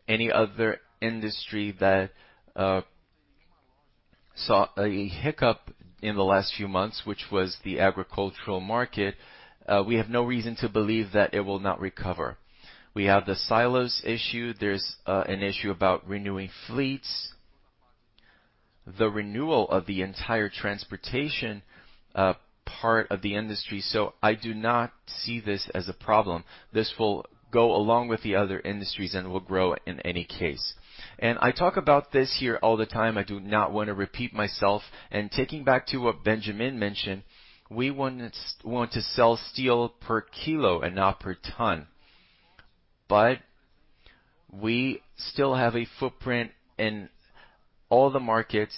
F: Any other industry that saw a hiccup in the last few months, which was the agricultural market, we have no reason to believe that it will not recover. We have the silos issue. There's an issue about renewing fleets, the renewal of the entire transportation part of the industry, so I do not see this as a problem. This will go along with the other industries and will grow in any case. I talk about this here all the time. I do not wanna repeat myself. Taking back to what Benjamin mentioned, we want to sell steel per kilo and not per ton. We still have a footprint in all the markets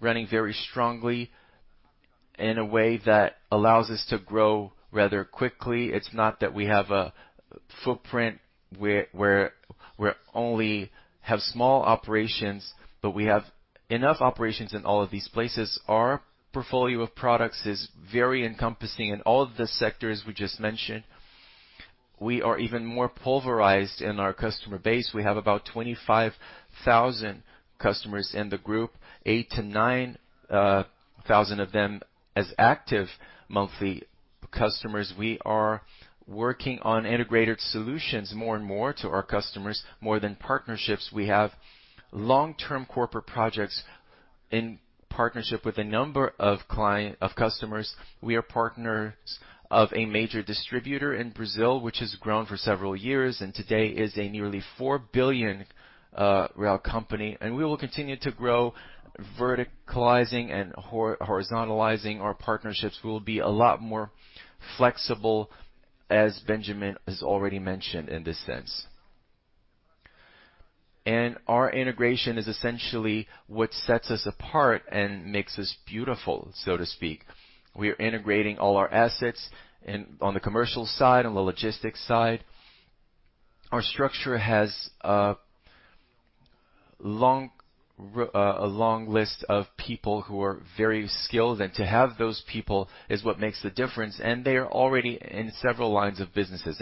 F: running very strongly in a way that allows us to grow rather quickly. It's not that we have a footprint where only have small operations, but we have enough operations in all of these places. Our portfolio of products is very encompassing in all of the sectors we just mentioned. We are even more pulverized in our customer base. We have about 25,000 customers in the group, 8,000-9,000 of them as active monthly customers. We are working on integrated solutions more and more to our customers, more than partnerships. We have long-term corporate projects in partnership with a number of customers. We are partners of a major distributor in Brazil, which has grown for several years, and today is a nearly 4 billion company, and we will continue to grow verticalizing and horizontalizing our partnerships. We will be a lot more flexible, as Benjamin has already mentioned in this sense. Our integration is essentially what sets us apart and makes us beautiful, so to speak. We are integrating all our assets on the commercial side, on the logistics side. Our structure has a long list of people who are very skilled, and to have those people is what makes the difference, and they are already in several lines of businesses.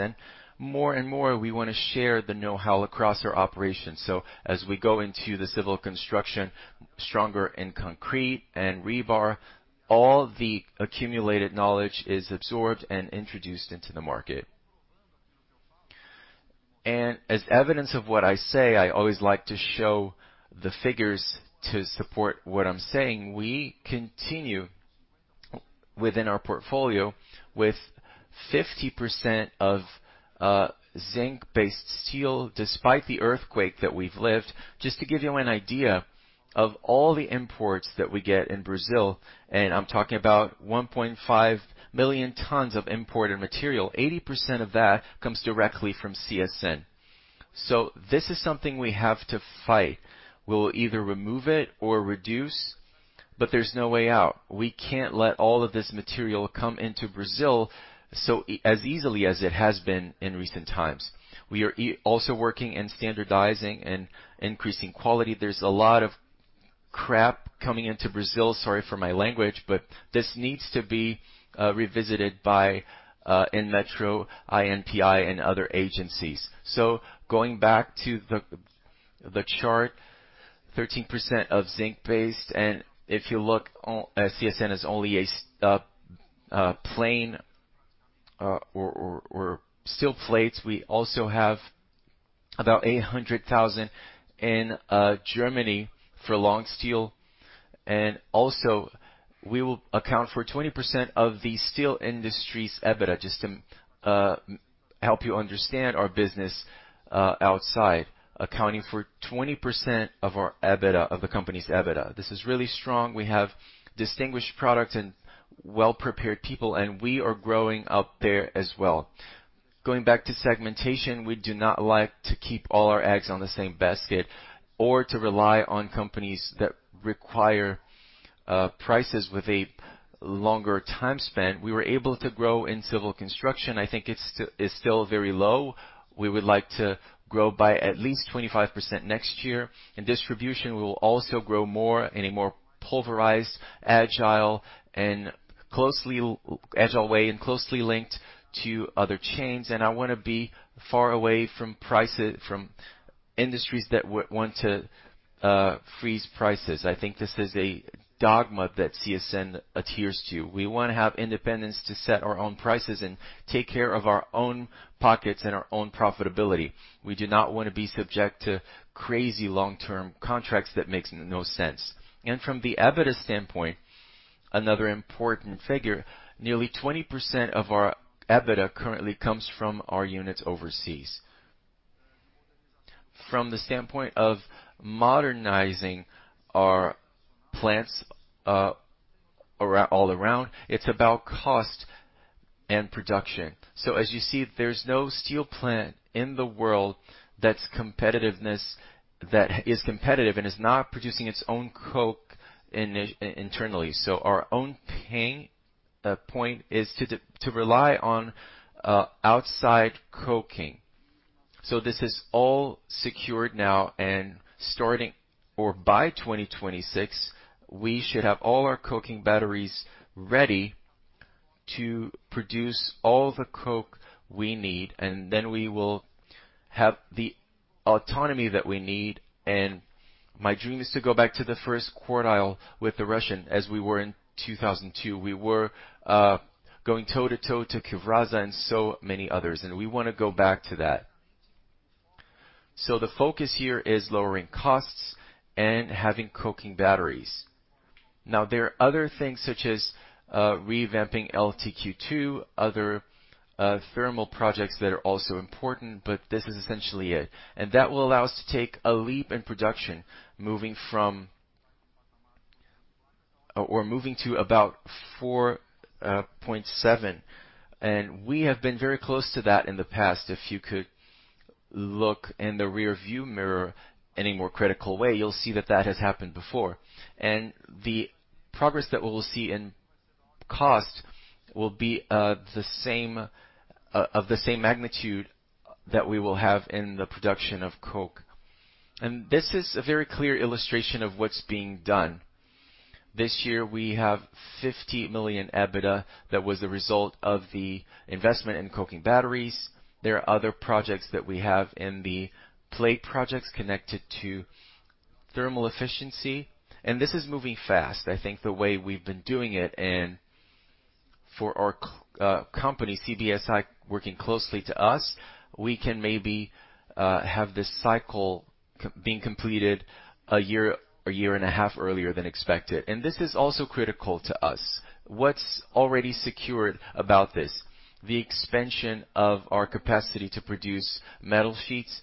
F: More and more, we wanna share the know-how across our operations. As we go into the civil construction, stronger in concrete and rebar, all the accumulated knowledge is absorbed and introduced into the market. As evidence of what I say, I always like to show the figures to support what I'm saying. We continue within our portfolio with 50% of zinc-based steel despite the earthquake that we've lived. Just to give you an idea of all the imports that we get in Brazil, and I'm talking about 1.5 million tons of imported material. 80% of that comes directly from CSN. This is something we have to fight. We'll either remove it or reduce, but there's no way out. We can't let all of this material come into Brazil as easily as it has been in recent times. We are also working in standardizing and increasing quality. There's a lot of crap coming into Brazil. Sorry for my language, but this needs to be revisited by INMETRO INPI and other agencies. Going back to the chart, 13% of zinc-based, and if you look at CSN is only a plane or steel plates. We also have about 800,000 in Germany for long steel. Also we will account for 20% of the steel industry's EBITDA, just to help you understand our business outside, accounting for 20% of our EBITDA, of the company's EBITDA. This is really strong. We have distinguished products and well-prepared people, and we are growing up there as well. Going back to segmentation, we do not like to keep all our eggs on the same basket or to rely on companies that require prices with a longer time spent. We were able to grow in civil construction. I think it's still very low. We would like to grow by at least 25% next year. In distribution, we will also grow more in a more pulverized, agile, and closely agile way and closely linked to other chains. I wanna be far away from industries that want to freeze prices. I think this is a dogma that CSN adheres to. We wanna have independence to set our own prices and take care of our own pockets and our own profitability. We do not wanna be subject to crazy long-term contracts that makes no sense. From the EBITDA standpoint, another important figure, nearly 20% of our EBITDA currently comes from our units overseas. From the standpoint of modernizing our plants, all around, it's about cost and production. As you see, there's no steel plant in the world that is competitive and is not producing its own coke internally. Our own pain point is to rely on outside coking. This is all secured now and starting or by 2026, we should have all our coking batteries ready to produce all the coke we need, and then we will have the autonomy that we need. My dream is to go back to the first quartile with the Russian as we were in 2002. We were going toe-to-toe to Evraz and so many others, and we wanna go back to that. The focus here is lowering costs and having coking batteries. Now, there are other things such as revamping LTQ 2, other thermal projects that are also important, but this is essentially it. That will allow us to take a leap in production, moving from or moving to about 4.7. We have been very close to that in the past. If you could look in the rearview mirror in a more critical way, you'll see that that has happened before. The progress that we will see in cost will be the same of the same magnitude that we will have in the production of coke. This is a very clear illustration of what's being done. This year we have $50 million EBITDA that was a result of the investment in coking batteries. There are other projects that we have in the plate projects connected to thermal efficiency, and this is moving fast. I think the way we've been doing it and for our company, CBSI, working closely to us, we can maybe have this cycle being completed a year, a year and a half earlier than expected. This is also critical to us. What's already secured about this? The expansion of our capacity to produce metal sheets.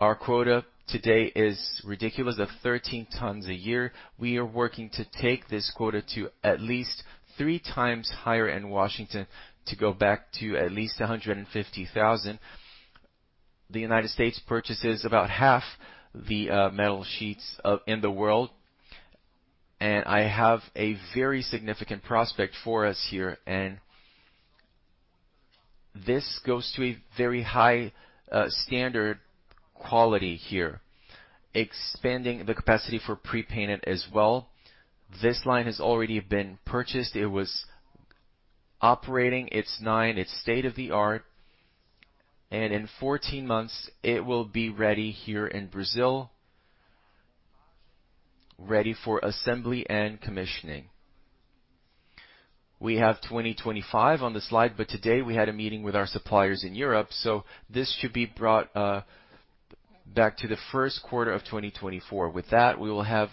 F: Our quota today is ridiculous of 13 tons a year. We are working to take this quota to at least 3 times higher in Washington to go back to at least 150,000 tons. The United States purchases about half the metal sheets in the world. I have a very significant prospect for us here. This goes to a very high standard quality here, expanding the capacity for pre-painted as well. This line has already been purchased. It was operating. It's nine. It's state-of-the-art. In 14 months, it will be ready here in Brazil, ready for assembly and commissioning. We have 2025 on the slide. Today we had a meeting with our suppliers in Europe, so this should be brought back to the first quarter of 2024. With that, we will have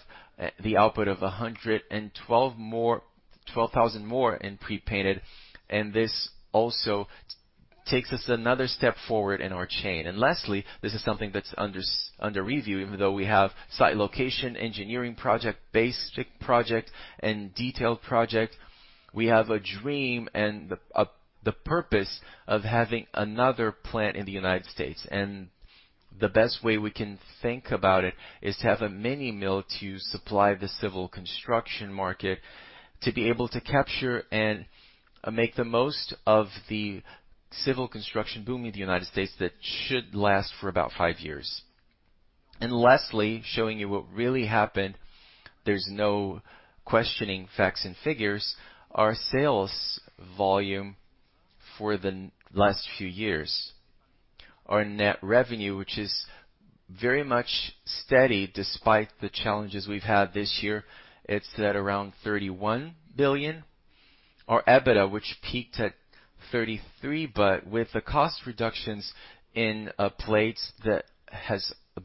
F: the output of 112,000 more in pre-painted. This also takes us another step forward in our chain. Lastly, this is something that's under review, even though we have site location, engineering project, basic project, and detailed project. We have a dream and the purpose of having another plant in the United States. The best way we can think about it is to have a mini mill to supply the civil construction market, to be able to capture and make the most of the civil construction boom in the United States that should last for about five years. Lastly, showing you what really happened, there's no questioning facts and figures. Our sales volume for the last few years. Our net revenue, which is very much steady despite the challenges we've had this year. It's at around 31 billion. Our EBITDA, which peaked at 33 billion, but with the cost reductions in plates that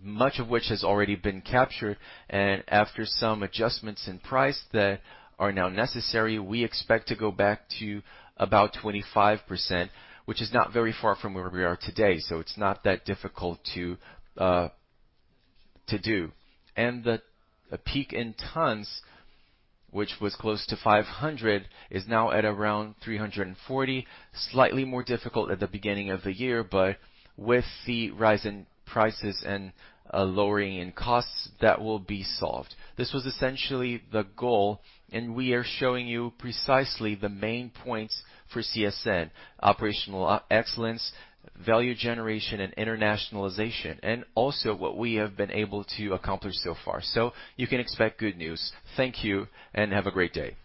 F: much of which has already been captured. After some adjustments in price that are now necessary, we expect to go back to about 25%, which is not very far from where we are today, so it's not that difficult to do. A peak in tons, which was close to 500, is now at around 340. Slightly more difficult at the beginning of the year, but with the rise in prices and lowering in costs, that will be solved. This was essentially the goal, and we are showing you precisely the main points for CSN: operational e-excellence, value generation and internationalization, and also what we have been able to accomplish so far. You can expect good news. Thank you, and have a great day.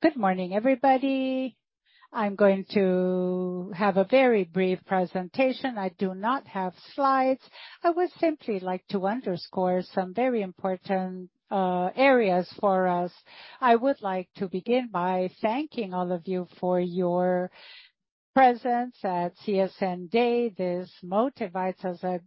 G: Good morning, everybody. I'm going to have a very brief presentation. I do not have slides. I would simply like to underscore some very important areas for us. I would like to begin by thanking all of you for your presence at CSN day. This motivates us a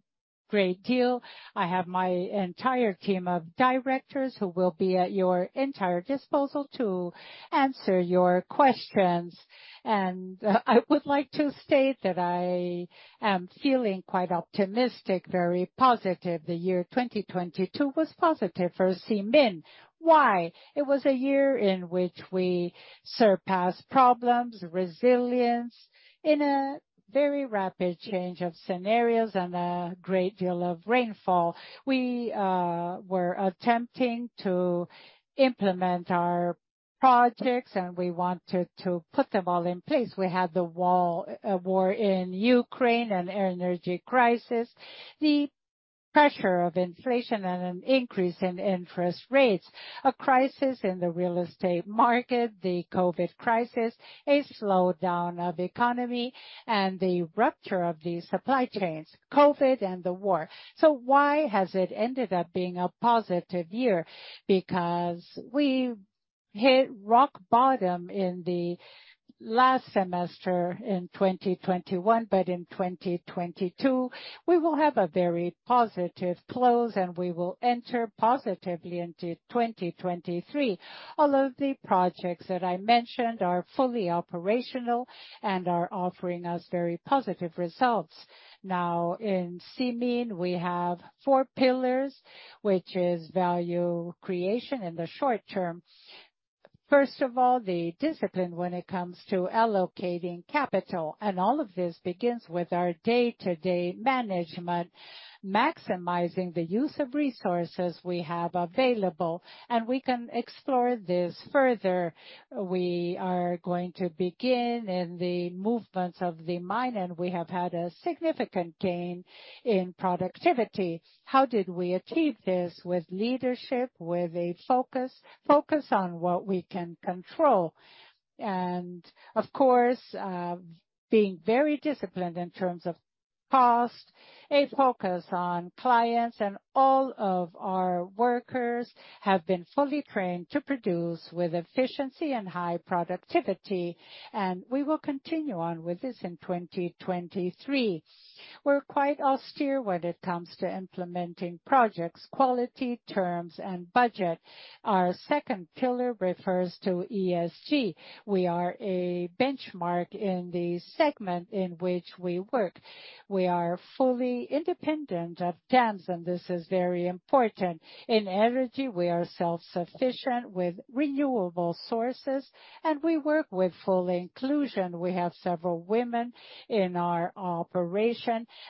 G: great deal. I have my entire team of directors who will be at your entire disposal to answer your questions. I would like to state that I am feeling quite optimistic, very positive. The year 2022 was positive for CSN. Why? It was a year in which we surpassed problems, resilience in a very rapid change of scenarios and a great deal of rainfall. We were attempting to implement our projects, and we wanted to put them all in place. We had the war in Ukraine, an energy crisis, the pressure of inflation and an increase in interest rates, a crisis in the real estate market, the COVID crisis, a slowdown of economy, and the rupture of the supply chains, COVID and the war. Why has it ended up being a positive year? We hit rock bottom in the last semester in 2021, but in 2022, we will have a very positive close, and we will enter positively into 2023. All of the projects that I mentioned are fully operational and are offering us very positive results. In CSN, we have four pillars, which is value creation in the short term. First of all, the discipline when it comes to allocating capital. All of this begins with our day-to-day management, maximizing the use of resources we have available, and we can explore this further. We are going to begin in the movements of the mine, and we have had a significant gain in productivity. How did we achieve this? With leadership, with a focus on what we can control. Of course, being very disciplined in terms of cost, a focus on clients and all of our workers have been fully trained to produce with efficiency and high productivity. We will continue on with this in 2023. We're quite austere when it comes to implementing projects, quality, terms and budget. Our second pillar refers to ESG. We are a benchmark in the segment in which we work. We are fully independent of trends, and this is very important. In energy, we are self-sufficient with renewable sources. We work with full inclusion. We have several women in our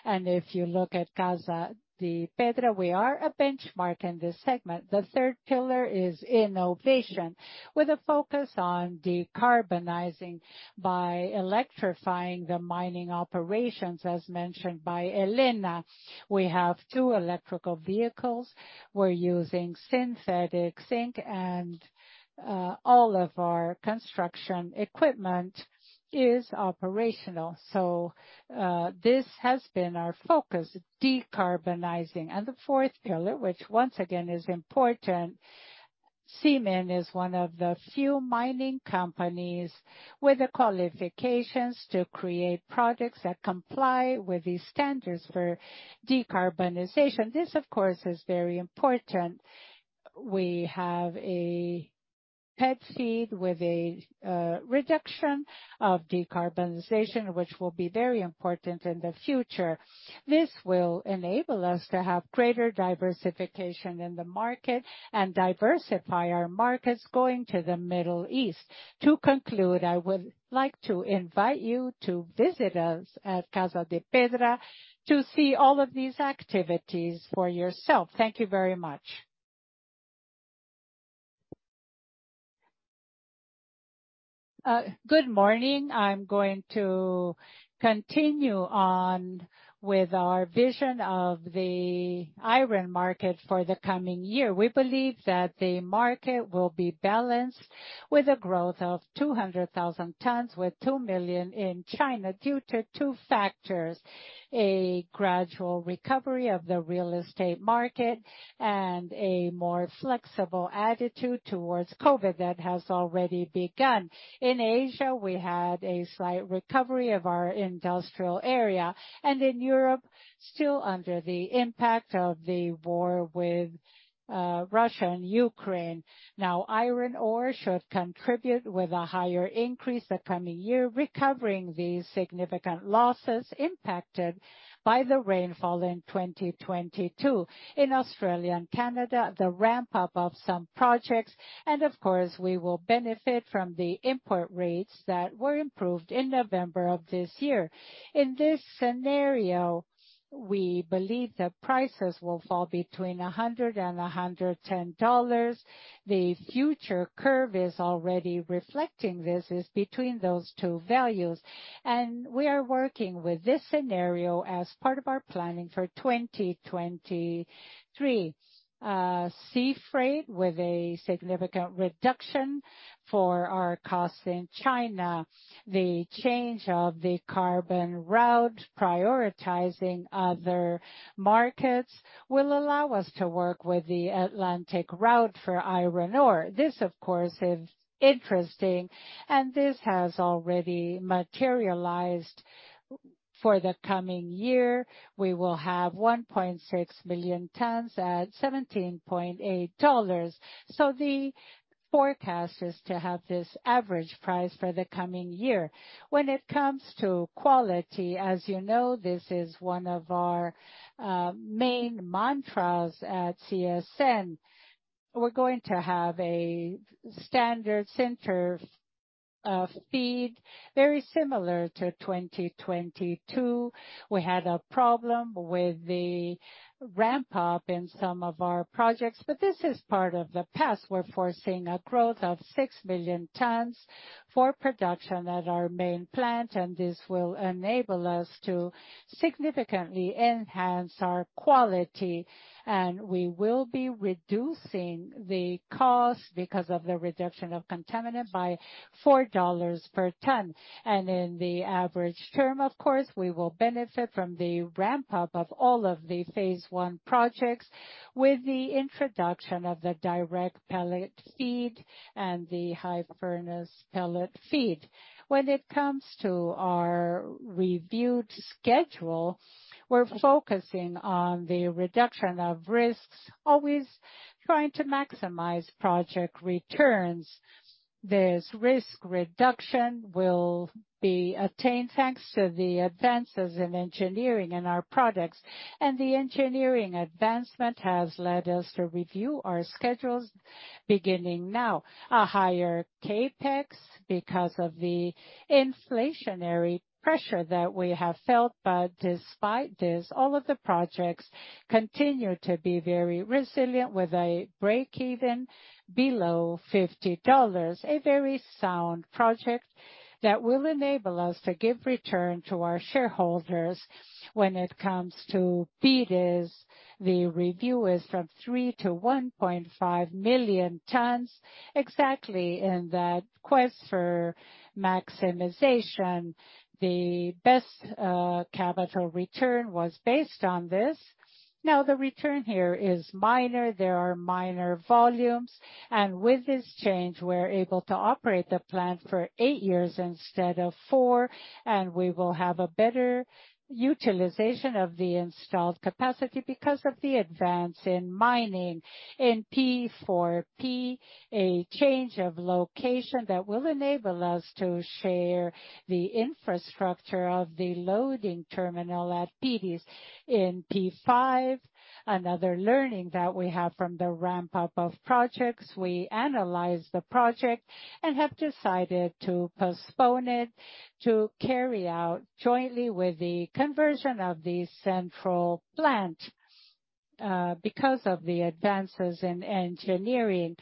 G: operation. If you look at Casa de Pedra, we are a benchmark in this segment. The third pillar is innovation, with a focus on decarbonizing by electrifying the mining operations, as mentioned by Helena. We have two electrical vehicles. We're using synthetic zinc, and all of our construction equipment is operational. So this has been our focus, decarbonizing. The fourth pillar, which once again is important, CSN is one of the few mining companies with the qualifications to create products that comply with the standards for decarbonization. This, of course, is very important. We have a pellet feed with a reduction of decarbonization, which will be very important in the future. This will enable us to have greater diversification in the market and diversify our markets going to the Middle East. To conclude, I would like to invite you to visit us at Casa de Pedra to see all of these activities for yourself. Thank you very much. Good morning. I'm going to continue on with our vision of the iron market for the coming year. We believe that the market will be balanced with a growth of 200,000 tons with 2 million in China due to two factors: a gradual recovery of the real estate market and a more flexible attitude towards COVID that has already begun. In Asia, we had a slight recovery of our industrial area, and in Europe, still under the impact of the war with Russia and Ukraine. Now, iron ore should contribute with a higher increase the coming year, recovering the significant losses impacted by the rainfall in 2022. In Australia and Canada, the ramp-up of some projects, and of course, we will benefit from the import rates that were improved in November of this year. In this scenario, we believe the prices will fall between $100-$110. The future curve is already reflecting. This is between those two values. We are working with this scenario as part of our planning for 2023. Sea freight with a significant reduction for our costs in China. The change of the carbon route, prioritizing other markets, will allow us to work with the Atlantic route for iron ore. This, of course, is interesting, and this has already materialized. For the coming year, we will have 1.6 million tons at $17.8. The forecast is to have this average price for the coming year. When it comes to quality, as you know, this is one of our main mantras at CSN. We're going to have a standard center of feed, very similar to 2022. We had a problem with the ramp-up in some of our projects, this is part of the past. We're foresee a growth of 6 million tons for production at our main plant, and this will enable us to significantly enhance our quality. We will be reducing the cost because of the reduction of contaminant by $4 per ton. In the average term, of course, we will benefit from the ramp-up of all of the phase one projects with the introduction of the direct reduction pellet feed and the blast furnace pellet feed. When it comes to our reviewed schedule, we're focusing on the reduction of risks, always trying to maximize project returns. This risk reduction will be attained thanks to the advances in engineering in our products. The engineering advancement has led us to review our schedules beginning now. A higher CapEx because of the inflationary pressure that we have felt. Despite this, all of the projects continue to be very resilient with a break-even below $50. A very sound project that will enable us to give return to our shareholders. When it comes to Pires, the review is from 3 to 1.5 million tons. Exactly in that quest for maximization. The best, capital return was based on this. Now, the return here is minor. There are minor volumes, and with this change, we're able to operate the plant for eight years instead of four, and we will have a better utilization of the installed capacity because of the advance in mining. In P4P, a change of location that will enable us to share the infrastructure of the loading terminal at Pires. In P5, another learning that we have from the ramp-up of projects, we analyzed the project and have decided to postpone it to carry out jointly with the conversion of the central plant, because of the advances in engineering.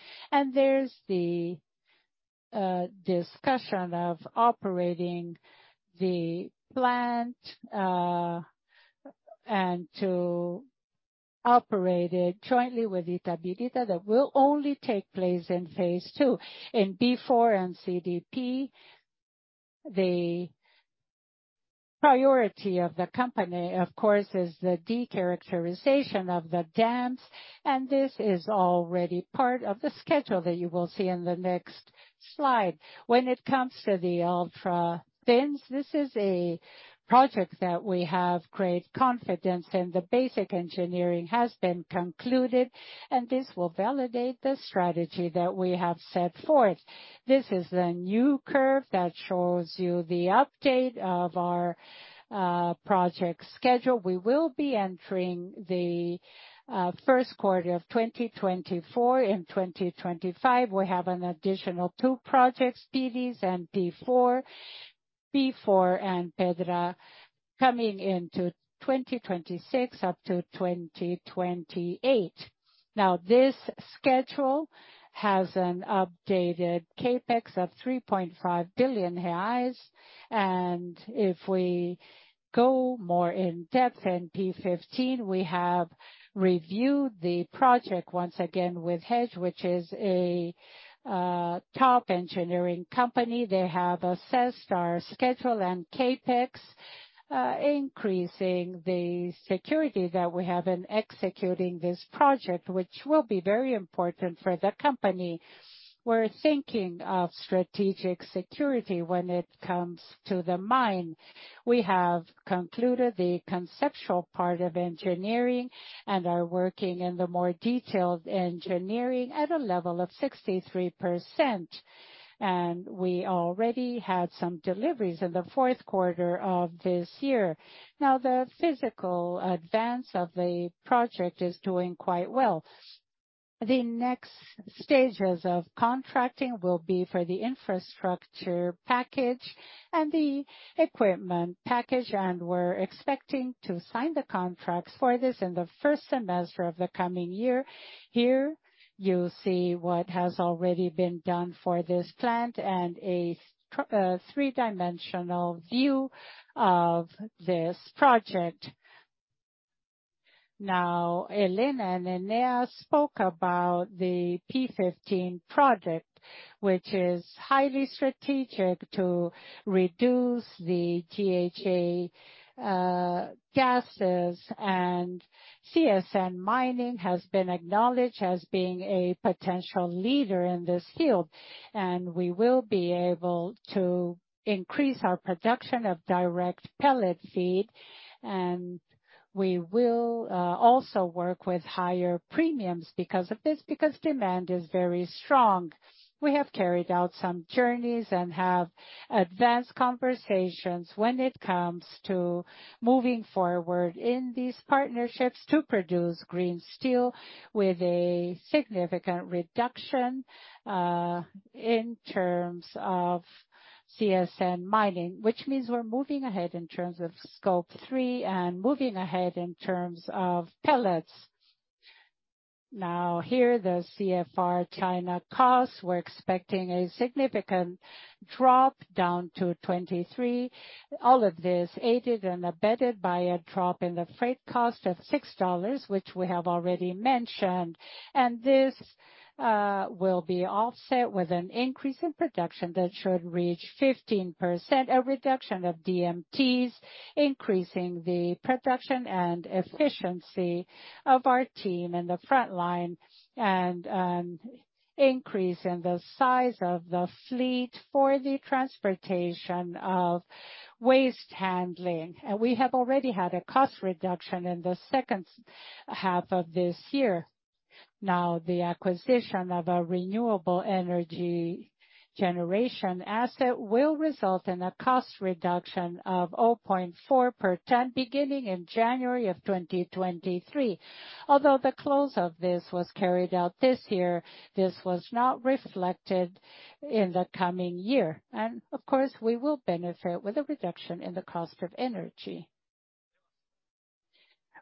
G: There's the discussion of operating the plant, and to operate it jointly with itabirite that will only take place in phase two. In B4 and CDP, the priority of the company, of course, is the decharacterization of the dams, and this is already part of the schedule that you will see in the next slide. When it comes to the ultra-thin, this is a project that we have great confidence in. The basic engineering has been concluded, and this will validate the strategy that we have set forth. This is the new curve that shows you the update of our project schedule. We will be entering the 1st quarter of 2024. In 2025, we have an additional two projects, CDP and B4. B4 and CDP coming into 2026 up to 2028. This schedule has an updated CapEx of 3.5 billion reais. If we go more in depth in P15, we have reviewed the project once again with Hatch, which is a top engineering company. They have assessed our schedule and CapEx, increasing the security that we have in executing this project, which will be very important for the company. We're thinking of strategic security when it comes to the mine. We have concluded the conceptual part of engineering and are working in the more detailed engineering at a level of 63%. We already had some deliveries in the fourth quarter of this year. Now the physical advance of the project is doing quite well. The next stages of contracting will be for the infrastructure package and the equipment package, and we're expecting to sign the contracts for this in the first semester of the coming year. Here you see what has already been done for this plant and a three-dimensional view of this project. Helena and Enéas spoke about the P15 project, which is highly strategic to reduce the GHG gases. CSN Mining has been acknowledged as being a potential leader in this field. We will be able to increase our production of direct reduction pellet feed, and we will also work with higher premiums because of this, because demand is very strong. We have carried out some journeys and have advanced conversations when it comes to moving forward in these partnerships to produce green steel with a significant reduction in terms of CSN Mining, which means we're moving ahead in terms of Scope 3 and moving ahead in terms of pellets. Here, the CFR China costs, we're expecting a significant drop down to 2023. All of this aided and abetted by a drop in the freight cost of $6, which we have already mentioned. This will be offset with an increase in production that should reach 15%, a reduction of DMTs, increasing the production and efficiency of our team in the front line, and an increase in the size of the fleet for the transportation of waste handling. We have already had a cost reduction in the second half of this year. The acquisition of a renewable energy generation asset will result in a cost reduction of 0.4 per ton beginning in January of 2023. Although the close of this was carried out this year, this was not reflected in the coming year. Of course we will benefit with a reduction in the cost of energy.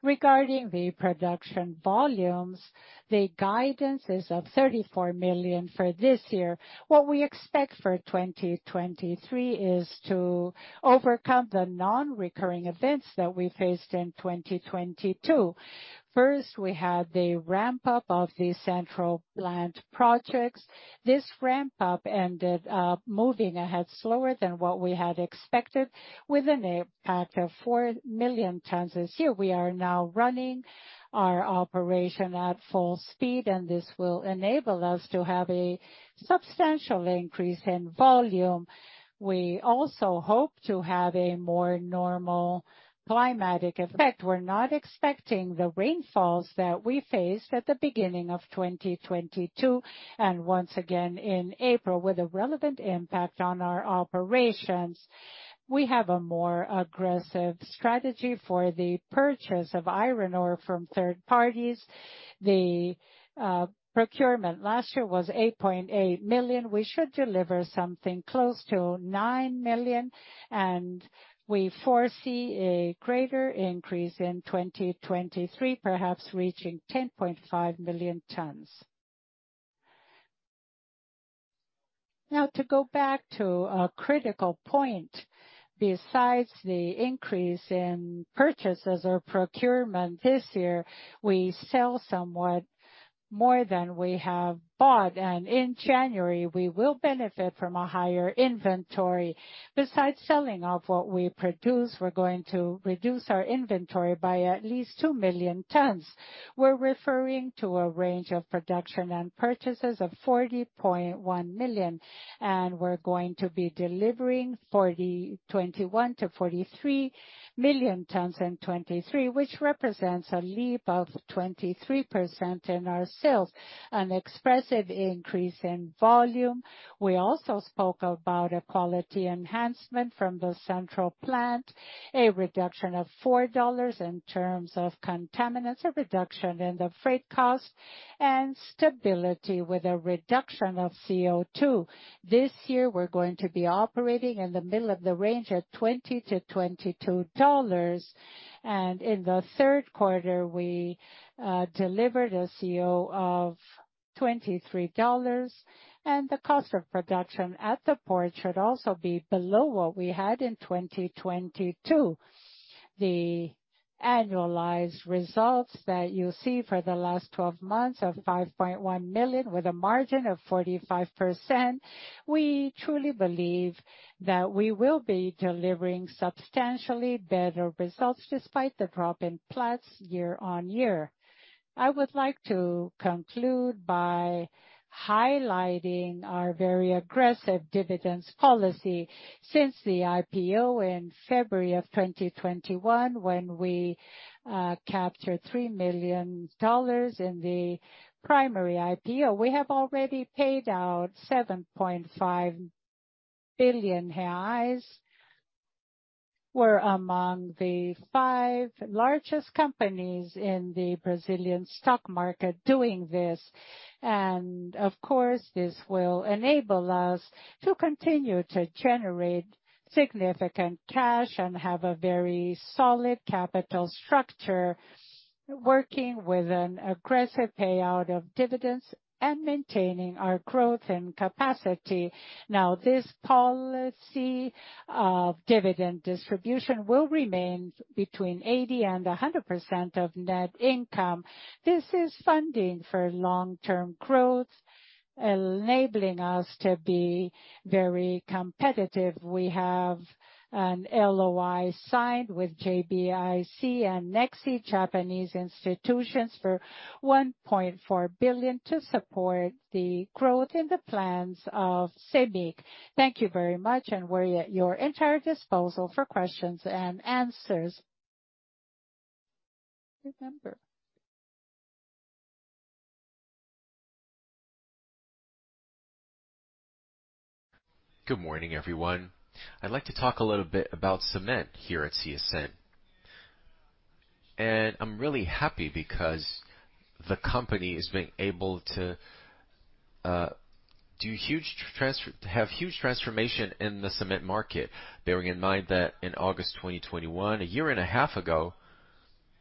G: Regarding the production volumes, the guidance is of 34 million for this year. What we expect for 2023 is to overcome the non-recurring events that we faced in 2022. First, we had the ramp up of the central plant projects. This ramp up ended up moving ahead slower than what we had expected, with an impact of 4 million tons this year. We are now running our operation at full speed, and this will enable us to have a substantial increase in volume. We also hope to have a more normal climatic effect. We're not expecting the rainfalls that we faced at the beginning of 2022, and once again in April, with a relevant impact on our operations. We have a more aggressive strategy for the purchase of iron ore from third parties. The procurement last year was 8.8 million. We should deliver something close to 9 million, and we foresee a greater increase in 2023, perhaps reaching 10.5 million tons. To go back to a critical point, besides the increase in purchases or procurement this year, we sell somewhat more than we have bought, and in January, we will benefit from a higher inventory. Besides selling off what we produce, we're going to reduce our inventory by at least 2 million tons. We're referring to a range of production and purchases of 40.1 million, and we're going to be delivering 40.1 million-43 million tons in 2023, which represents a leap of 23% in our sales, an expressive increase in volume. We also spoke about a quality enhancement from the central plant, a reduction of $4 in terms of contaminants, a reduction in the freight cost, and stability with a reduction of CO2. This year we're going to be operating in the middle of the range at $20-$22. In the third quarter we delivered a CO of $23, and the cost of production at the port should also be below what we had in 2022. The annualized results that you see for the last 12 months of $5.1 million with a margin of 45%, we truly believe that we will be delivering substantially better results despite the drop in Platts year-over-year. I would like to conclude by highlighting our very aggressive dividends policy since the IPO in February of 2021, when we captured $3 million in the primary IPO. We have already paid out 7.5 billion reais. We're among the five largest companies in the Brazilian stock market doing this. Of course, this will enable us to continue to generate significant cash and have a very solid capital structure, working with an aggressive payout of dividends and maintaining our growth and capacity. This policy of dividend distribution will remain between 80% and 100% of net income. This is funding for long-term growth, enabling us to be very competitive. We have an LOI signed with JBIC and NEXI, Japanese institutions for $1.4 billion to support the growth in the plans of JBIC. Thank you very much, and we're at your entire disposal for questions and answers. Remember.
H: Good morning, everyone. I'd like to talk a little bit about cement here at CSN. I'm really happy because the company has been able to have huge transformation in the cement market, bearing in mind that in August 2021, a year and a half ago,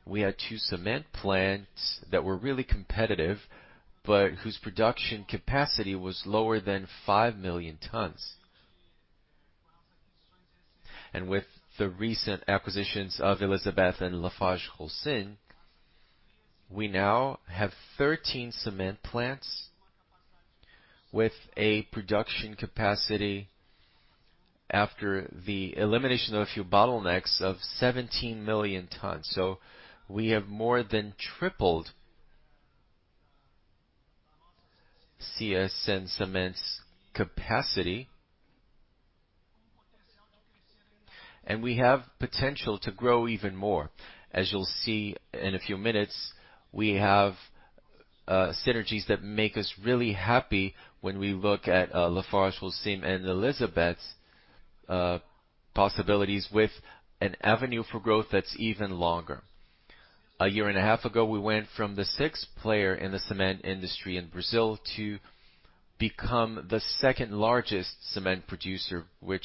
H: we had two cement plants that were really competitive, but whose production capacity was lower than 5 million tons. With the recent acquisitions of Elizabeth and LafargeHolcim, we now have 13 cement plants with a production capacity after the elimination of a few bottlenecks of 17 million tons. We have more than tripled CSN Cement's capacity. We have potential to grow even more. As you'll see in a few minutes, we have synergies that make us really happy when we look at LafargeHolcim and Elizabeth's possibilities with an avenue for growth that's even longer. A year and a half ago, we went from the sixth player in the cement industry in Brazil to become the second largest cement producer, which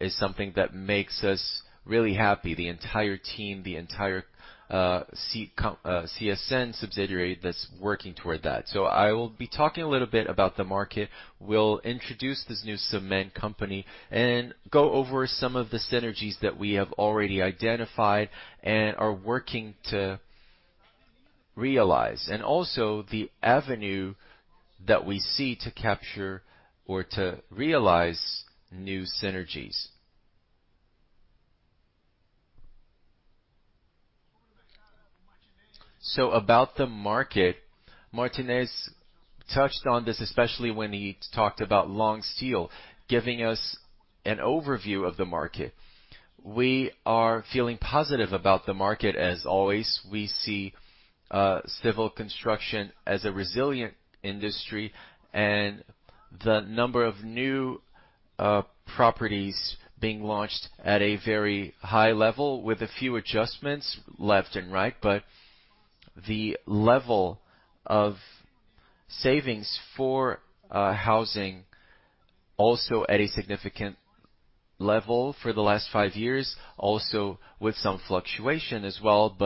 H: is something that makes us really happy, the entire team, the entire CSN subsidiary that's working toward that. I will be talking a little bit about the market. We'll introduce this new cement company and go over some of the synergies that we have already identified and are working to realize, and also the avenue that we see to capture or to realize new synergies. About the market, Martinez touched on this, especially when he talked about long steel, giving us an overview of the market. We are feeling positive about the market, as always. We see civil construction as a resilient industry and the number of new properties being launched at a very high level with a few adjustments left and right. The level of savings for housing also at a significant level for the last five years, also with some fluctuation as well.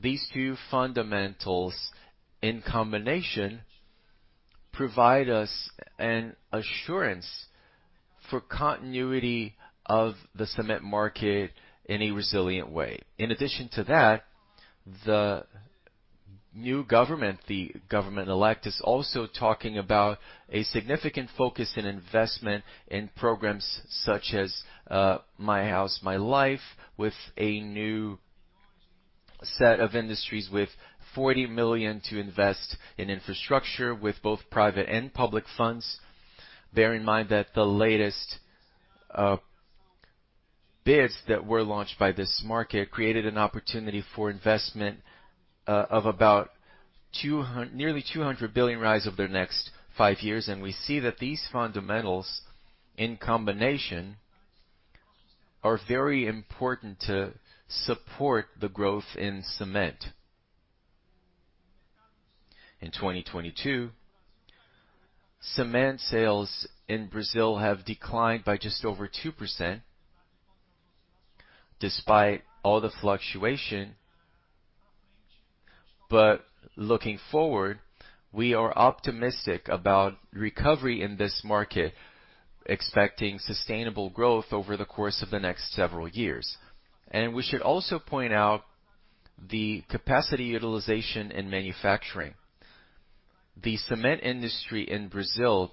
H: These two fundamentals in combination provide us an assurance for continuity of the cement market in a resilient way. In addition to that, the new government, the government elect, is also talking about a significant focus in investment in programs such as My House My Life, with a new set of industries with 40 million to invest in infrastructure with both private and public funds. Bear in mind that the latest bids that were launched by this market created an opportunity for investment of about nearly 200 billion over the next five years. We see that these fundamentals in combination are very important to support the growth in cement. In 2022, cement sales in Brazil have declined by just over 2%. Despite all the fluctuation, but looking forward, we are optimistic about recovery in this market, expecting sustainable growth over the course of the next several years. We should also point out the capacity utilization in manufacturing. The cement industry in Brazil,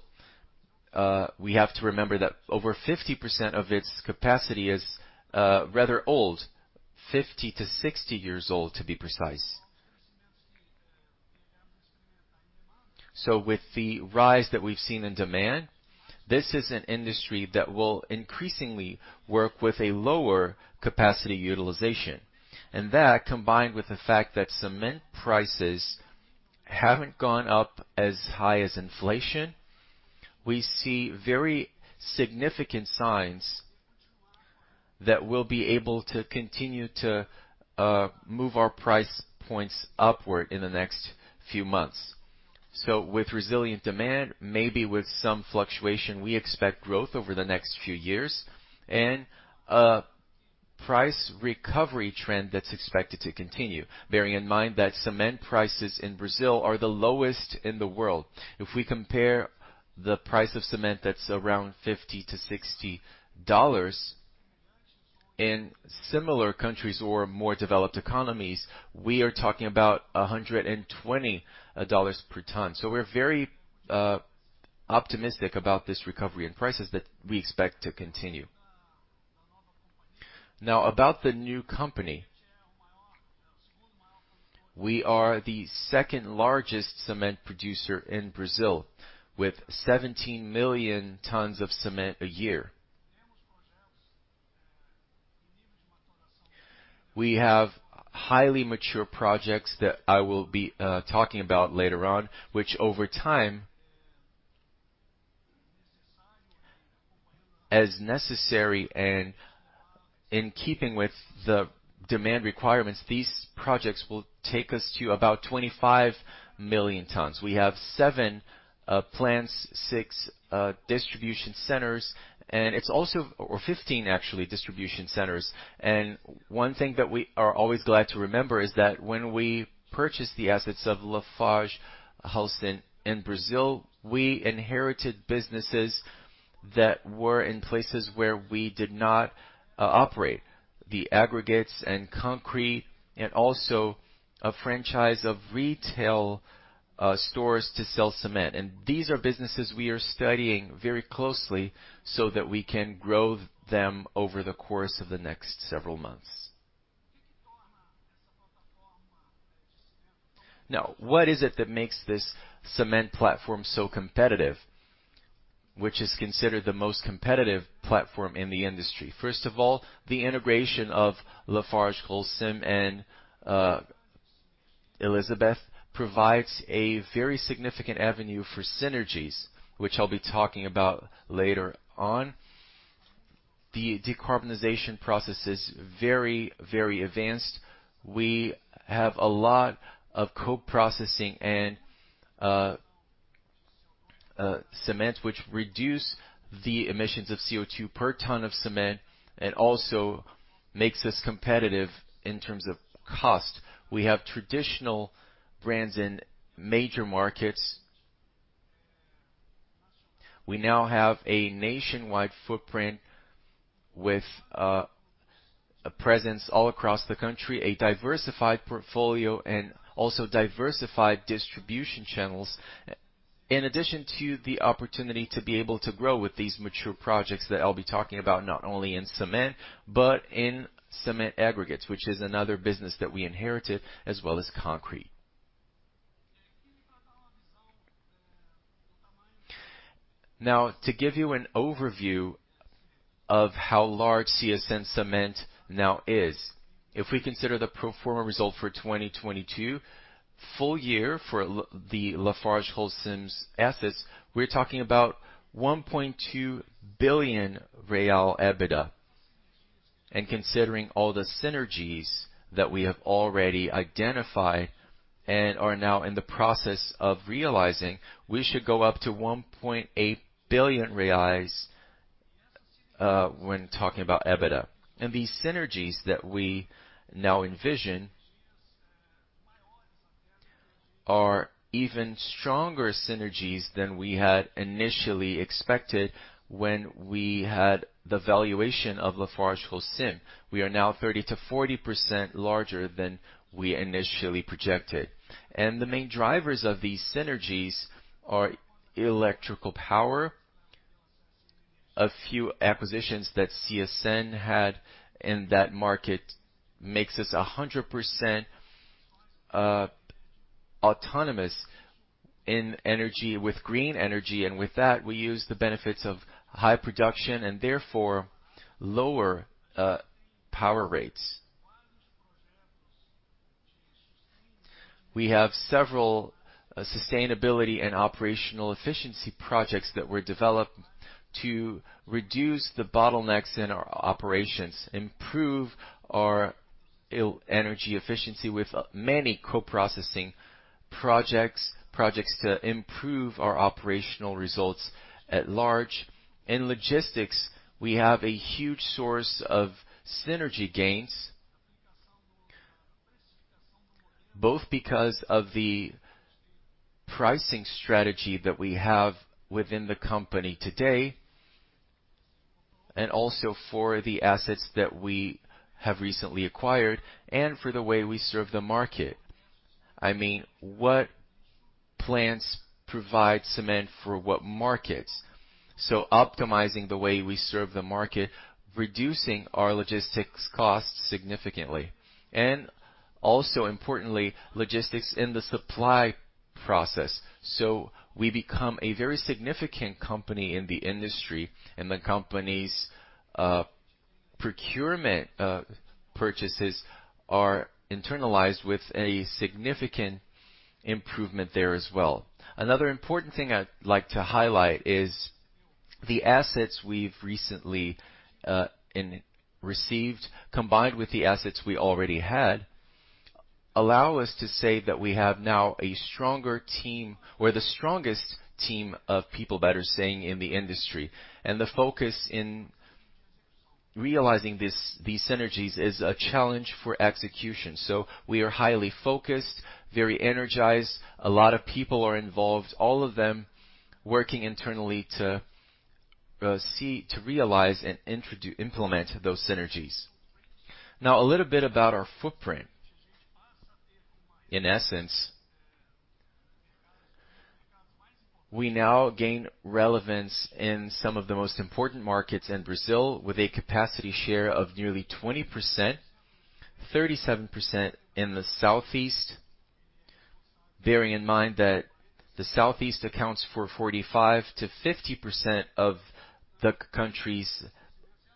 H: we have to remember that over 50% of its capacity is rather old, 50-60 years old, to be precise. With the rise that we've seen in demand, this is an industry that will increasingly work with a lower capacity utilization. That, combined with the fact that cement prices haven't gone up as high as inflation, we see very significant signs that we'll be able to continue to move our price points upward in the next few months. With resilient demand, maybe with some fluctuation, we expect growth over the next few years and a price recovery trend that's expected to continue. Bearing in mind that cement prices in Brazil are the lowest in the world. If we compare the price of cement that's around $50-$60, in similar countries or more developed economies, we are talking about $120 per ton. We're very optimistic about this recovery in prices that we expect to continue. About the new company. We are the second-largest cement producer in Brazil with 17 million tons of cement a year. We have highly mature projects that I will be talking about later on, which over time, as necessary and in keeping with the demand requirements, these projects will take us to about 25 million tons. We have seven plants, six distribution centers, or 15 actually, distribution centers. One thing that we are always glad to remember is that when we purchased the assets of LafargeHolcim in Brazil, we inherited businesses that were in places where we did not operate. The aggregates and concrete, and also a franchise of retail stores to sell cement. These are businesses we are studying very closely so that we can grow them over the course of the next several months. What is it that makes this cement platform so competitive, which is considered the most competitive platform in the industry? First of all, the integration of LafargeHolcim and Elizabeth provides a very significant avenue for synergies, which I'll be talking about later on. The decarbonization process is very advanced. We have a lot of co-processing and cement, which reduce the emissions of CO2 per ton of cement and also makes us competitive in terms of cost. We have traditional brands in major markets. We now have a nationwide footprint with a presence all across the country, a diversified portfolio, and also diversified distribution channels. In addition to the opportunity to be able to grow with these mature projects that I'll be talking about, not only in cement, but in cement aggregates, which is another business that we inherited, as well as concrete. To give you an overview of how large CSN Cement now is, if we consider the pro forma result for 2022 full year for the LafargeHolcim's assets, we're talking about 1.2 billion real EBITDA. Considering all the synergies that we have already identified and are now in the process of realizing, we should go up to 1.8 billion reais when talking about EBITDA. These synergies that we now envision are even stronger synergies than we had initially expected when we had the valuation of LafargeHolcim. We are now 30%-40% larger than we initially projected. The main drivers of these synergies are electrical power. A few acquisitions that CSN had in that market makes us 100% autonomous in energy with green energy, and with that, we use the benefits of high production and therefore lower power rates. We have several sustainability and operational efficiency projects that were developed to reduce the bottlenecks in our operations, improve our energy efficiency with many coprocessing projects to improve our operational results at large. In logistics, we have a huge source of synergy gains, both because of the pricing strategy that we have within the company today and also for the assets that we have recently acquired and for the way we serve the market. I mean, what plants provide cement for what markets. Optimizing the way we serve the market, reducing our logistics costs significantly. Also importantly, logistics in the supply process. We become a very significant company in the industry, and the company's procurement purchases are internalized with a significant improvement there as well. Another important thing I'd like to highlight is the assets we've recently received, combined with the assets we already had, allow us to say that we have now a stronger team or the strongest team of people that are staying in the industry. The focus in realizing these synergies is a challenge for execution. We are highly focused, very energized. A lot of people are involved, all of them working internally to realize and implement those synergies. A little bit about our footprint. In essence, we now gain relevance in some of the most important markets in Brazil with a capacity share of nearly 20%, 37% in the Southeast, bearing in mind that the Southeast accounts for 45%-50% of the country's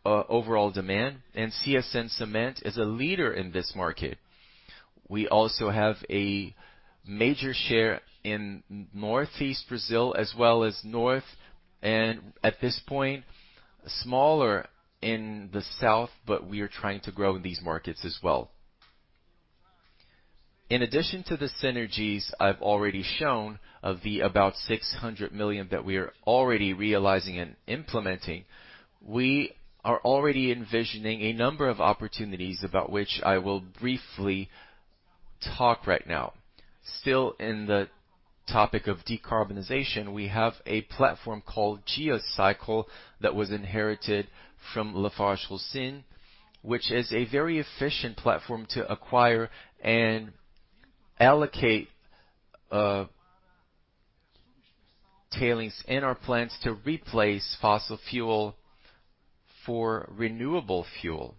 H: overall demand. CSN Cimentos is a leader in this market. We also have a major share in Northeast Brazil as well as North, and at this point, smaller in the South, but we are trying to grow in these markets as well. In addition to the synergies I've already shown of the about 600 million that we are already realizing and implementing, we are already envisioning a number of opportunities about which I will briefly talk right now. Still in the topic of decarbonization, we have a platform called Geocycle that was inherited from LafargeHolcim, which is a very efficient platform to acquire and allocate tailings in our plants to replace fossil fuel for renewable fuel.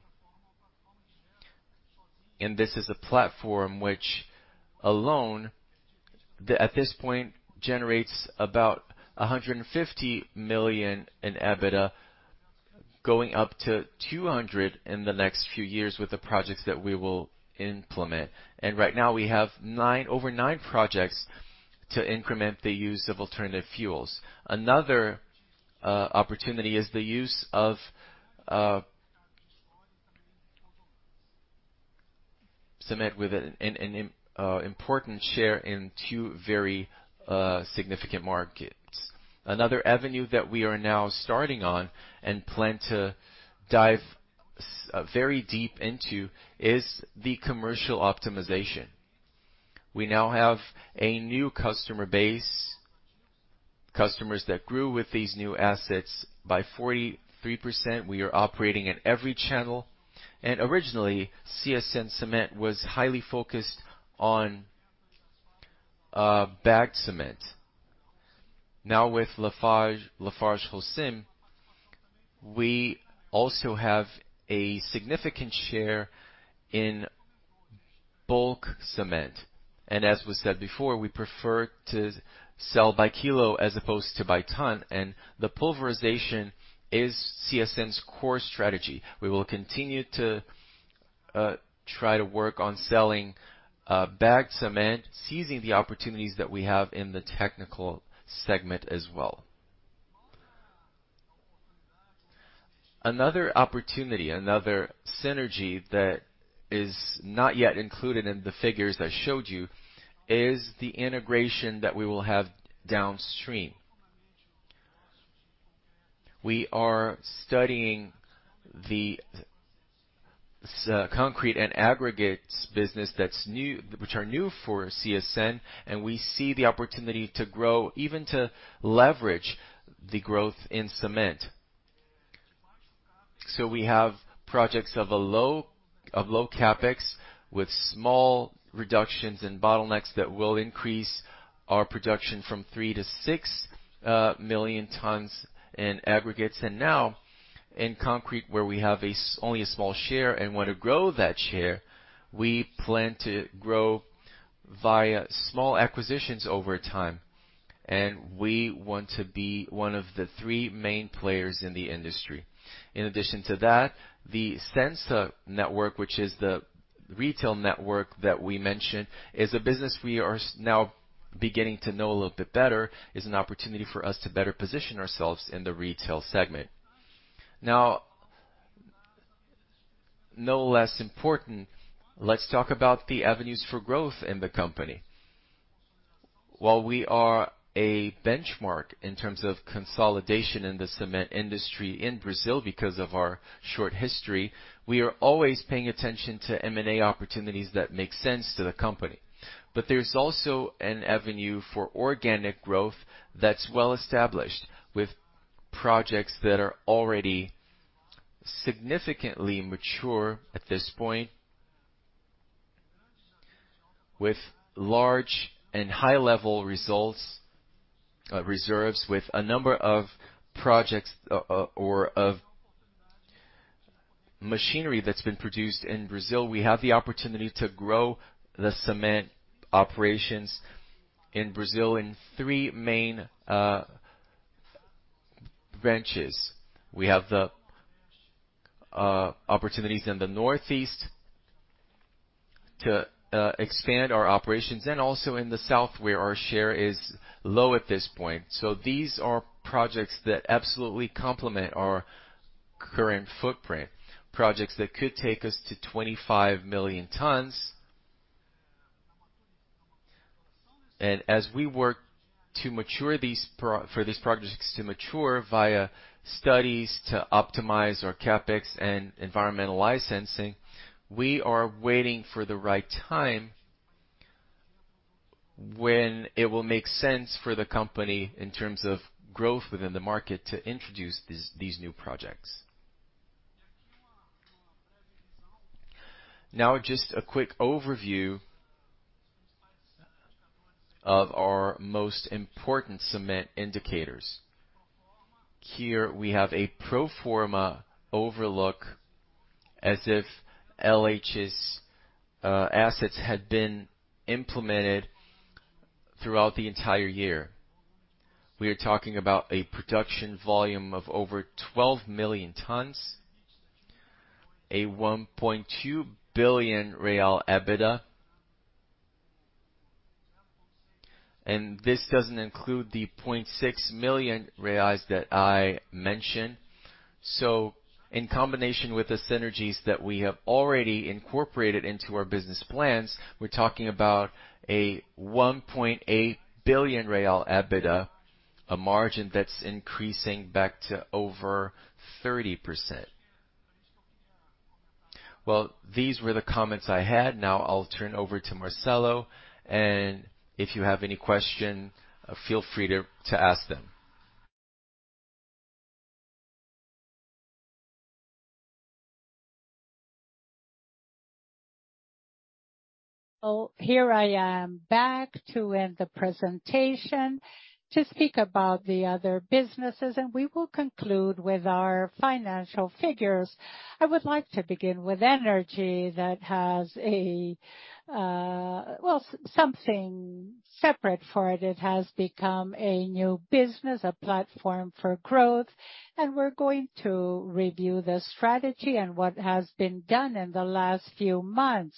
H: This is a platform which alone, at this point, generates about 150 million in EBITDA, going up to 200 million in the next few years with the projects that we will implement. Right now we have over nine projects to increment the use of alternative fuels. Another opportunity is the use of cement with an important share in two very significant markets. Another avenue that we are now starting on and plan to dive very deep into is the commercial optimization. We now have a new customer base, customers that grew with these new assets by 43%. We are operating in every channel. Originally, CSN Cimentos was highly focused on bagged cement. Now, with Lafarge, LafargeHolcim, we also have a significant share in bulk cement. As was said before, we prefer to sell by kilo as opposed to by ton, and the pulverization is CSN's core strategy. We will continue to try to work on selling bagged cement, seizing the opportunities that we have in the technical segment as well. Another opportunity, another synergy that is not yet included in the figures that I showed you, is the integration that we will have downstream. We are studying the concrete and aggregates business which are new for CSN, and we see the opportunity to grow, even to leverage the growth in cement. We have projects of low CapEx with small reductions in bottlenecks that will increase our production from 3 to 6 million tons in aggregates. Now in concrete, where we have only a small share and want to grow that share, we plan to grow via small acquisitions over time, and we want to be one of the three main players in the industry. In addition to that, the Disensa network, which is the retail network that we mentioned, is a business we are beginning to know a little bit better is an opportunity for us to better position ourselves in the retail segment. No less important, let's talk about the avenues for growth in the company. While we are a benchmark in terms of consolidation in the cement industry in Brazil, because of our short history, we are always paying attention to M&A opportunities that make sense to the company. There's also an avenue for organic growth that's well established with projects that are already significantly mature at this point. With large and high level results, reserves, with a number of projects, or of machinery that's been produced in Brazil, we have the opportunity to grow the cement operations in Brazil in three main branches. We have the opportunities in the northeast to expand our operations and also in the south, where our share is low at this point. These are projects that absolutely complement our current footprint, projects that could take us to 25 million tons. As we work to mature for these projects to mature via studies to optimize our CapEx and environmental licensing, we are waiting for the right time when it will make sense for the company in terms of growth within the market to introduce these new projects. Just a quick overview of our most important cement indicators. Here we have a pro forma overlook as if LH's assets had been implemented throughout the entire year. We are talking about a production volume of over 12 million tons, a BRL 1.2 billion EBITDA. This doesn't include the 0.6 million reais that I mentioned. In combination with the synergies that we have already incorporated into our business plans, we're talking about a 1.8 billion real EBITDA, a margin that's increasing back to over 30%. These were the comments I had. Now I'll turn over to Marcelo, and if you have any question, feel free to ask them.
I: Here I am back to end the presentation to speak about the other businesses, and we will conclude with our financial figures. I would like to begin with energy that has a, well, something separate for it. It has become a new business, a platform for growth, and we're going to review the strategy and what has been done in the last few months.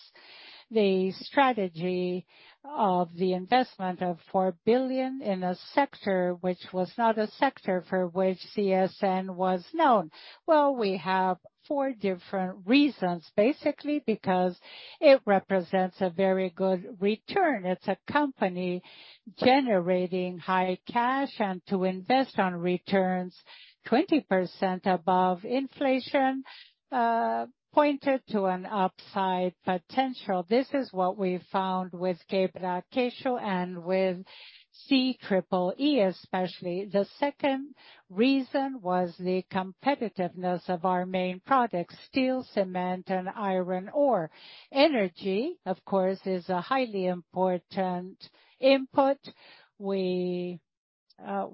I: The strategy of the investment of 4 billion in a sector which was not a sector for which CSN was known. We have four different reasons, basically because it represents a very good return. It's a company generating high cash and to invest on returns 20% above inflation, pointed to an upside potential. This is what we found with Quebra-Queixo and with CEEE especially. The second reason was the competitiveness of our main products, steel, cement and iron ore. Energy, of course, is a highly important input. We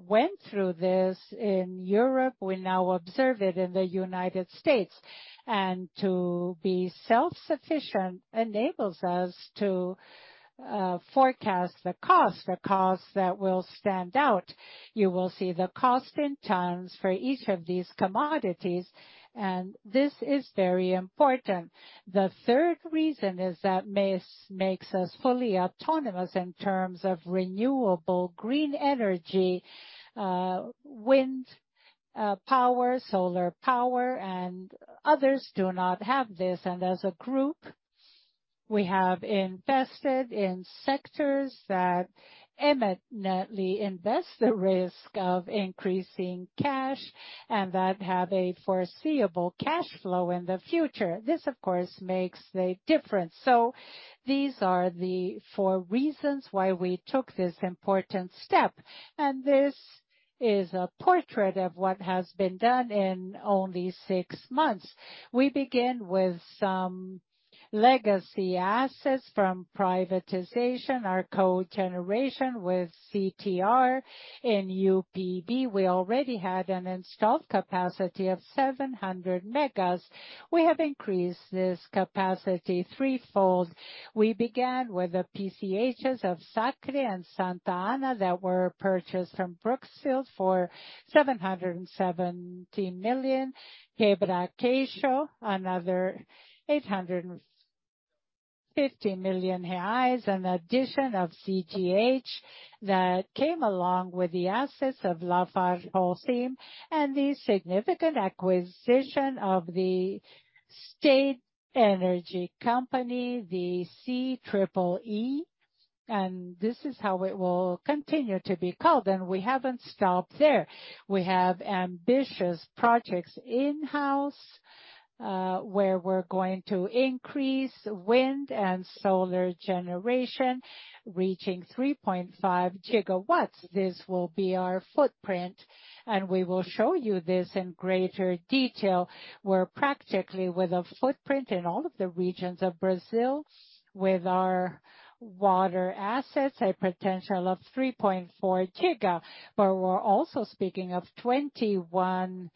I: went through this in Europe. We now observe it in the United States. To be self-sufficient enables us to forecast the cost, the cost that will stand out. You will see the cost in tons for each of these commodities, and this is very important. The third reason is that makes us fully autonomous in terms of renewable green energy, wind power, solar power, and others do not have this. As a group, we have invested in sectors that imminently invest the risk of increasing cash and that have a foreseeable cash flow in the future. This, of course, makes the difference. These are the four reasons why we took this important step, and this is a portrait of what has been done in only six months. We begin with some legacy assets from privatization, our cogeneration with CTR in UPV. We already had an installed capacity of 700 MW. We have increased this capacity threefold. We began with the PCHs of Sacre and Santa Ana that were purchased from Brookfield for 770 million. Quebra-Queixo, another 850 million reais, an addition of CTH that came along with the assets of LafargeHolcim and the significant acquisition of the state energy company, the CEEE-G, and this is how it will continue to be called. We haven't stopped there. We have ambitious projects in-house, where we're going to increase wind and solar generation, reaching 3.5 GW. This will be our footprint, and we will show you this in greater detail. We're practically with a footprint in all of the regions of Brazil with our water assets, a potential of 3.4 GW. We're also speaking of 21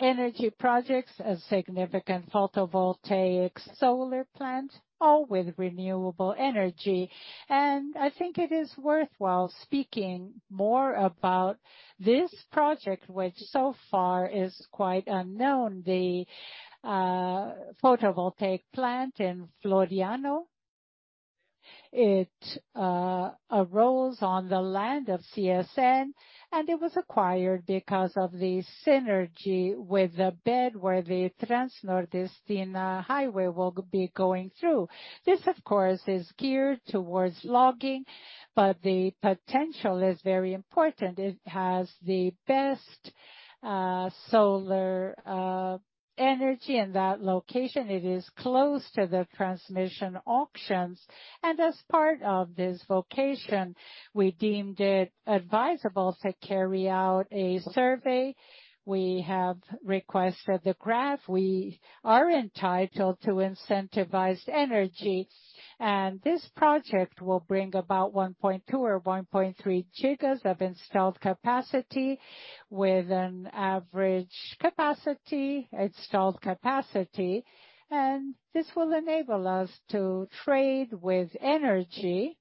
I: energy projects, a significant photovoltaic solar plant, all with renewable energy. I think it is worthwhile speaking more about this project, which so far is quite unknown. The photovoltaic plant in Floriano. It arose on the land of CSN, and it was acquired because of the synergy with the bed where the Transnordestina Railroad will be going through. This, of course, is geared towards logging, but the potential is very important. It has the best solar energy in that location. It is close to the transmission auctions. As part of this vocation, we deemed it advisable to carry out a survey. We have requested the graph. We are entitled to incentivized energy. This project will bring about 1.2 or 1.3 gigas of installed capacity with an average capacity. This will enable us to trade with energy,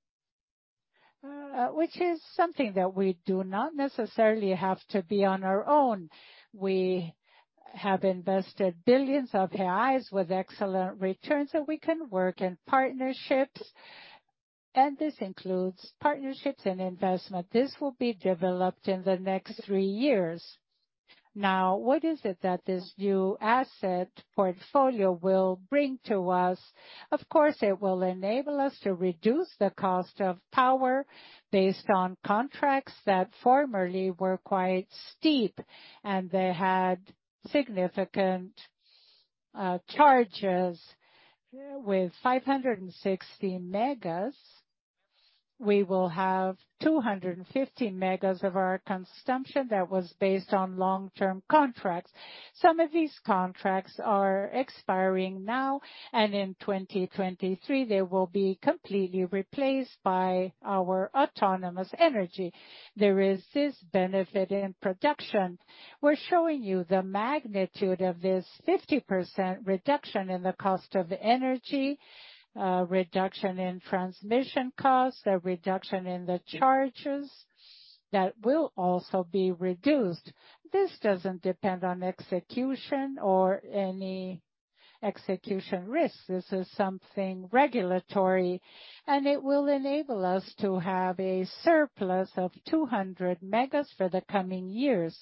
I: which is something that we do not necessarily have to be on our own. We have invested billions of reais with excellent returns, and we can work in partnerships, and this includes partnerships and investment. This will be developed in the next three years. What is it that this new asset portfolio will bring to us? Of course, it will enable us to reduce the cost of power based on contracts that formerly were quite steep, and they had significant charges. With 516 megas, we will have 215 megas of our consumption that was based on long-term contracts. Some of these contracts are expiring now. In 2023, they will be completely replaced by our autonomous energy. There is this benefit in production. We're showing you the magnitude of this 50% reduction in the cost of energy, reduction in transmission costs, a reduction in the charges that will also be reduced. This doesn't depend on execution or any execution risk. This is something regulatory. It will enable us to have a surplus of 200 megas for the coming years.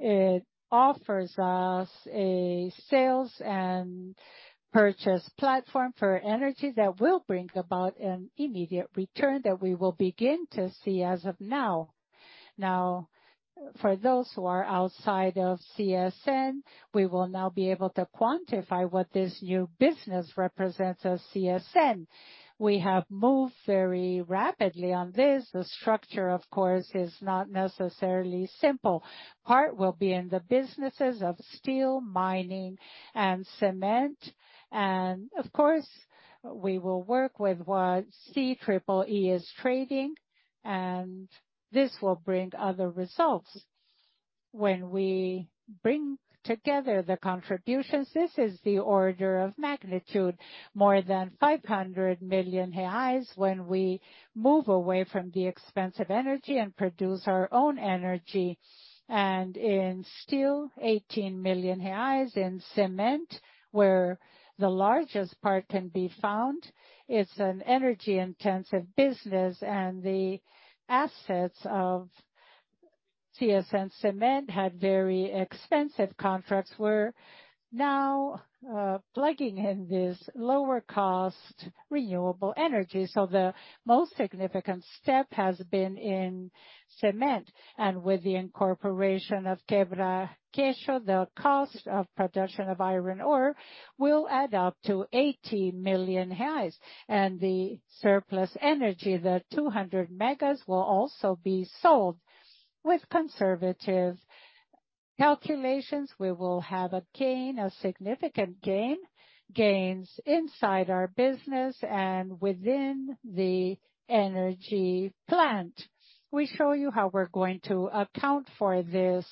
I: It offers us a sales and purchase platform for energy that will bring about an immediate return that we will begin to see as of now. For those who are outside of CSN, we will now be able to quantify what this new business represents as CSN. We have moved very rapidly on this. The structure, of course, is not necessarily simple. Part will be in the businesses of steel, mining, and cement. Of course, we will work with what CEEE is trading, and this will bring other results. When we bring together the contributions, this is the order of magnitude, more than 500 million reais when we move away from the expensive energy and produce our own energy. In steel, 18 million reais. In cement, where the largest part can be found, it's an energy-intensive business, and the assets of CSN Cement had very expensive contracts. We're now plugging in this lower cost renewable energy, so the most significant step has been in cement. With the incorporation of Quebra-Queixo, the cost of production of iron ore will add up to 80 million reais. The surplus energy, the 200 megas, will also be sold. With conservative calculations, we will have a gain, a significant gain, gains inside our business and within the energy plant. We show you how we're going to account for this.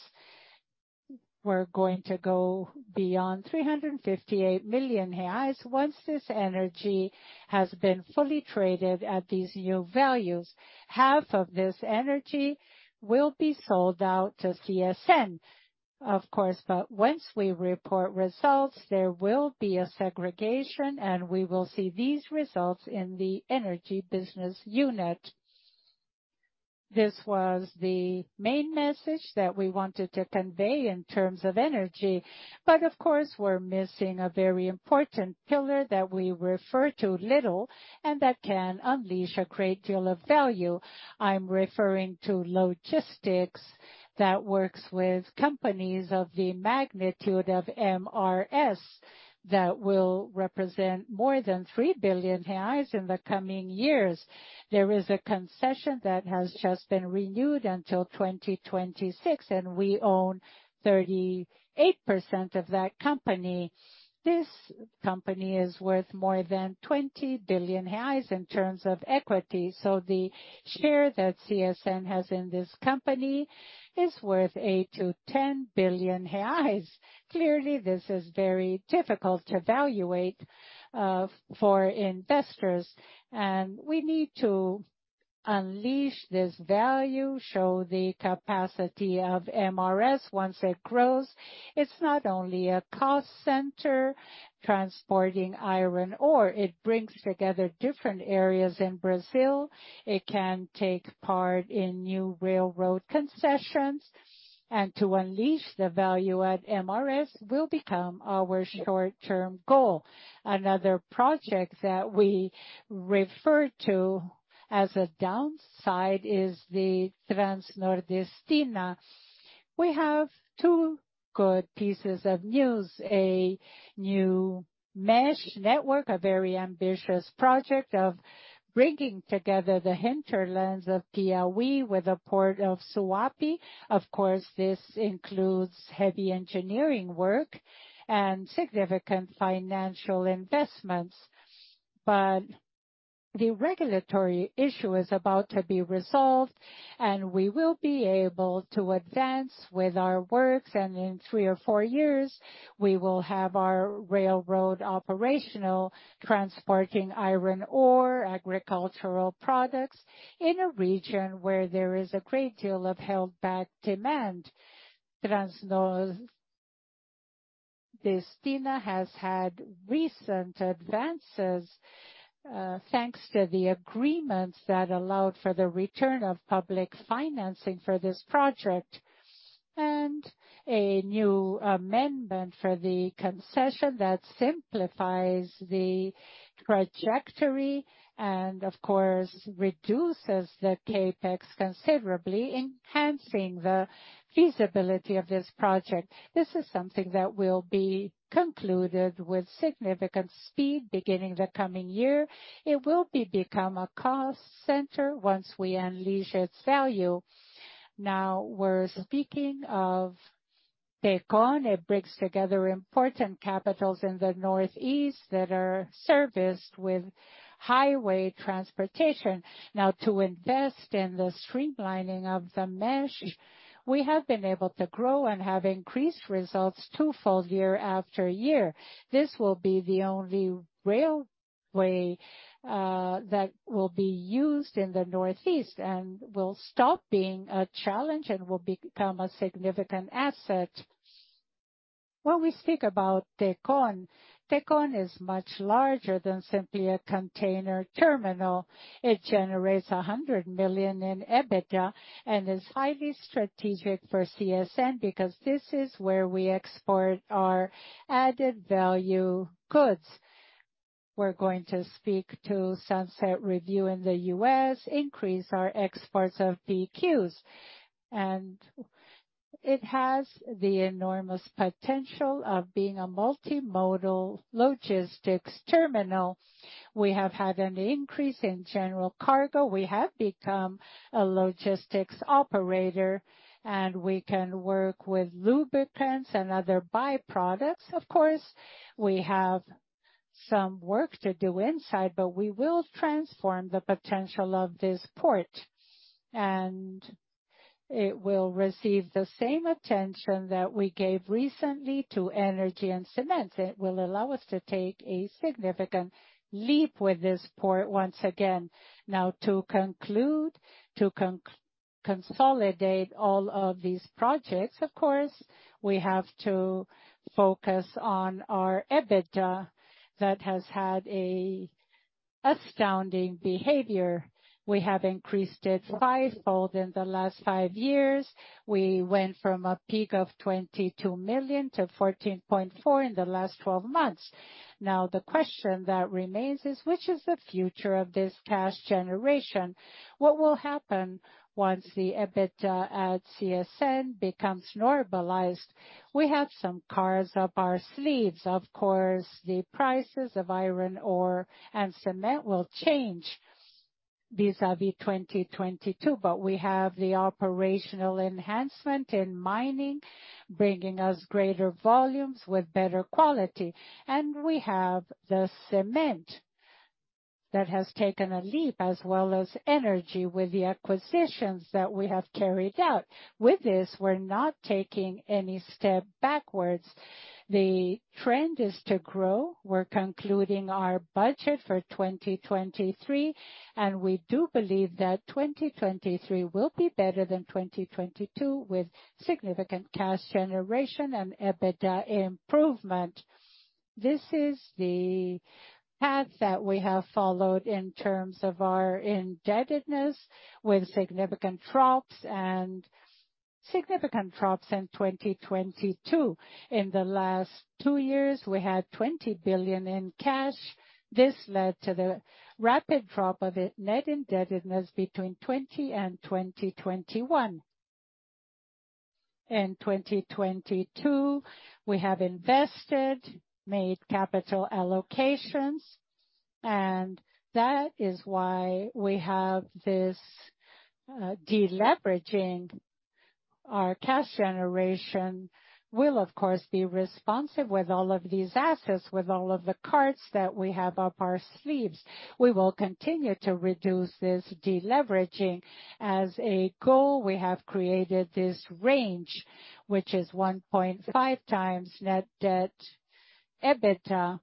I: We're going to go beyond 358 million reais once this energy has been fully traded at these new values. Half of this energy will be sold out to CSN. Of course, once we report results, there will be a segregation, and we will see these results in the energy business unit. This was the main message that we wanted to convey in terms of energy, but of course, we're missing a very important pillar that we refer to little and that can unleash a great deal of value. I'm referring to logistics that works with companies of the magnitude of MRS, that will represent more than 3 billion reais in the coming years. There is a concession that has just been renewed until 2026, we own 38% of that company. This company is worth more than 20 billion reais in terms of equity. The share that CSN has in this company is worth 8 billion-10 billion reais. Clearly, this is very difficult to valuate for investors, we need to unleash this value, show the capacity of MRS once it grows. It's not only a cost center transporting iron ore. It brings together different areas in Brazil. It can take part in new railroad concessions, to unleash the value at MRS will become our short-term goal. Another project that we refer to as a downside is the Transnordestina. We have two good pieces of news, a new mesh network, a very ambitious project of bringing together the hinterlands of Piauí with the port of Suape. Of course, this includes heavy engineering work and significant financial investments. The regulatory issue is about to be resolved, and we will be able to advance with our works, and in three or four years, we will have our railroad operational, transporting iron ore, agricultural products, in a region where there is a great deal of held-back demand. Transnordestina has had recent advances, thanks to the agreements that allowed for the return of public financing for this project and a new amendment for the concession that simplifies the trajectory and of course, reduces the CapEx considerably, enhancing the feasibility of this project. This is something that will be concluded with significant speed beginning the coming year. It will be become a cost center once we unleash its value. We're speaking of Tecon. It brings together important capitals in the northeast that are serviced with highway transportation. Now, to invest in the streamlining of the mesh, we have been able to grow and have increased results twofold year after year. This will be the only railway that will be used in the Northeast and will stop being a challenge and will become a significant asset. When we speak about Tecon is much larger than simply a container terminal. It generates 100 million in EBITDA and is highly strategic for CSN because this is where we export our added-value goods. We're going to speak to Sunset Review in the U.S., increase our exports of VQs. It has the enormous potential of being a multimodal logistics terminal. We have had an increase in general cargo. We have become a logistics operator, and we can work with lubricants and other by-products, of course. We have some work to do inside, but we will transform the potential of this port. It will receive the same attention that we gave recently to energy and cement. It will allow us to take a significant leap with this port once again. To conclude, to consolidate all of these projects, of course, we have to focus on our EBITDA. That has had a astounding behavior. We have increased it fivefold in the last five years. We went from a peak of 22 million to 14.4 million in the last 12 months. The question that remains is: Which is the future of this cash generation? What will happen once the EBITDA at CSN becomes normalized? We have some cards up our sleeves. Of course, the prices of iron ore and cement will change vis-a-vis 2022, we have the operational enhancement in mining, bringing us greater volumes with better quality. We have the cement that has taken a leap, as well as energy with the acquisitions that we have carried out. With this, we're not taking any step backwards. The trend is to grow. We're concluding our budget for 2023, we do believe that 2023 will be better than 2022, with significant cash generation and EBITDA improvement. This is the path that we have followed in terms of our indebtedness with significant drops in 2022. In the last two years, we had 20 billion in cash. This led to the rapid drop of the net indebtedness between 2020 and 2021. In 2022, we have invested, made capital allocations, and that is why we have this deleveraging. Our cash generation will, of course, be responsive with all of these assets, with all of the cards that we have up our sleeves. We will continue to reduce this deleveraging. As a goal, we have created this range, which is 1.5 times net debt EBITDA.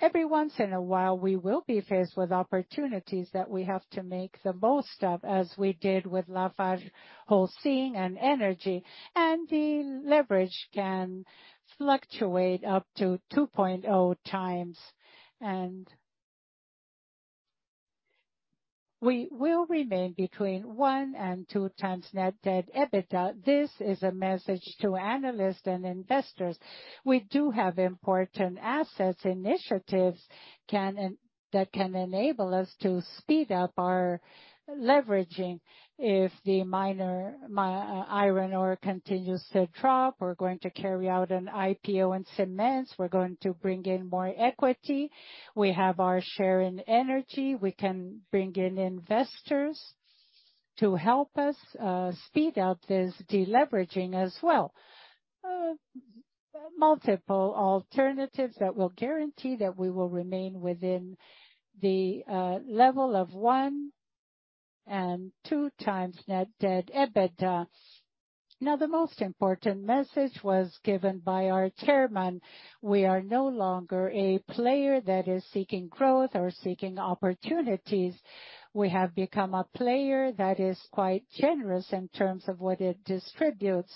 I: every once in a while, we will be faced with opportunities that we have to make the most of, as we did with LafargeHolcim and Energy. The leverage can fluctuate up to 2.0 times. We will remain between 1 and 2 times net debt EBITDA. This is a message to analysts and investors. We do have important assets initiatives that can enable us to speed up our leveraging. If the iron ore continues to drop, we're going to carry out an IPO in cements. We're going to bring in more equity. We have our share in energy. We can bring in investors to help us speed up this deleveraging as well. Multiple alternatives that will guarantee that we will remain within the level of 1 and 2 times net debt EBITDA. The most important message was given by our chairman. We are no longer a player that is seeking growth or seeking opportunities. We have become a player that is quite generous in terms of what it distributes.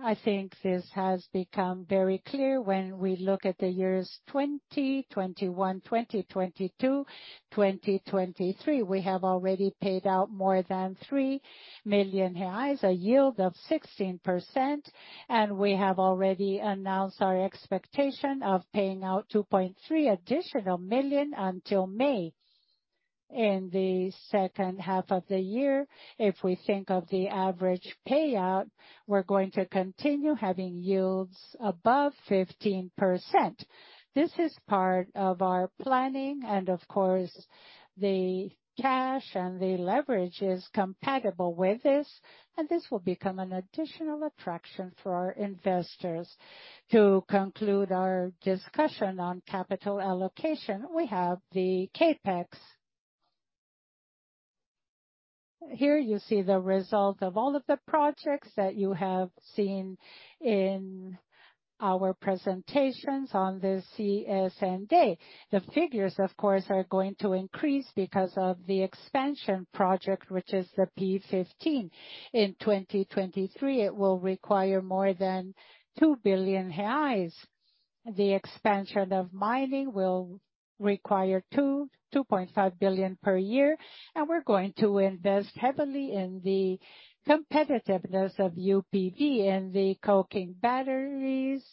I: I think this has become very clear when we look at the years 2020, 2021, 2022, 2023. We have already paid out more than 3 million reais, a yield of 16%, and we have already announced our expectation of paying out 2.3 million additional until May. In the second half of the year, if we think of the average payout, we're going to continue having yields above 15%. This is part of our planning. Of course, the cash and the leverage is compatible with this. This will become an additional attraction for our investors. To conclude our discussion on capital allocation, we have the CapEx. Here you see the result of all of the projects that you have seen in our presentations on this CSN Day. The figures, of course, are going to increase because of the expansion project, which is the P15. In 2023, it will require more than 2 billion reais. The expansion of mining will require 2 billion-2.5 billion per year, we're going to invest heavily in the competitiveness of UPV in the coking batteries,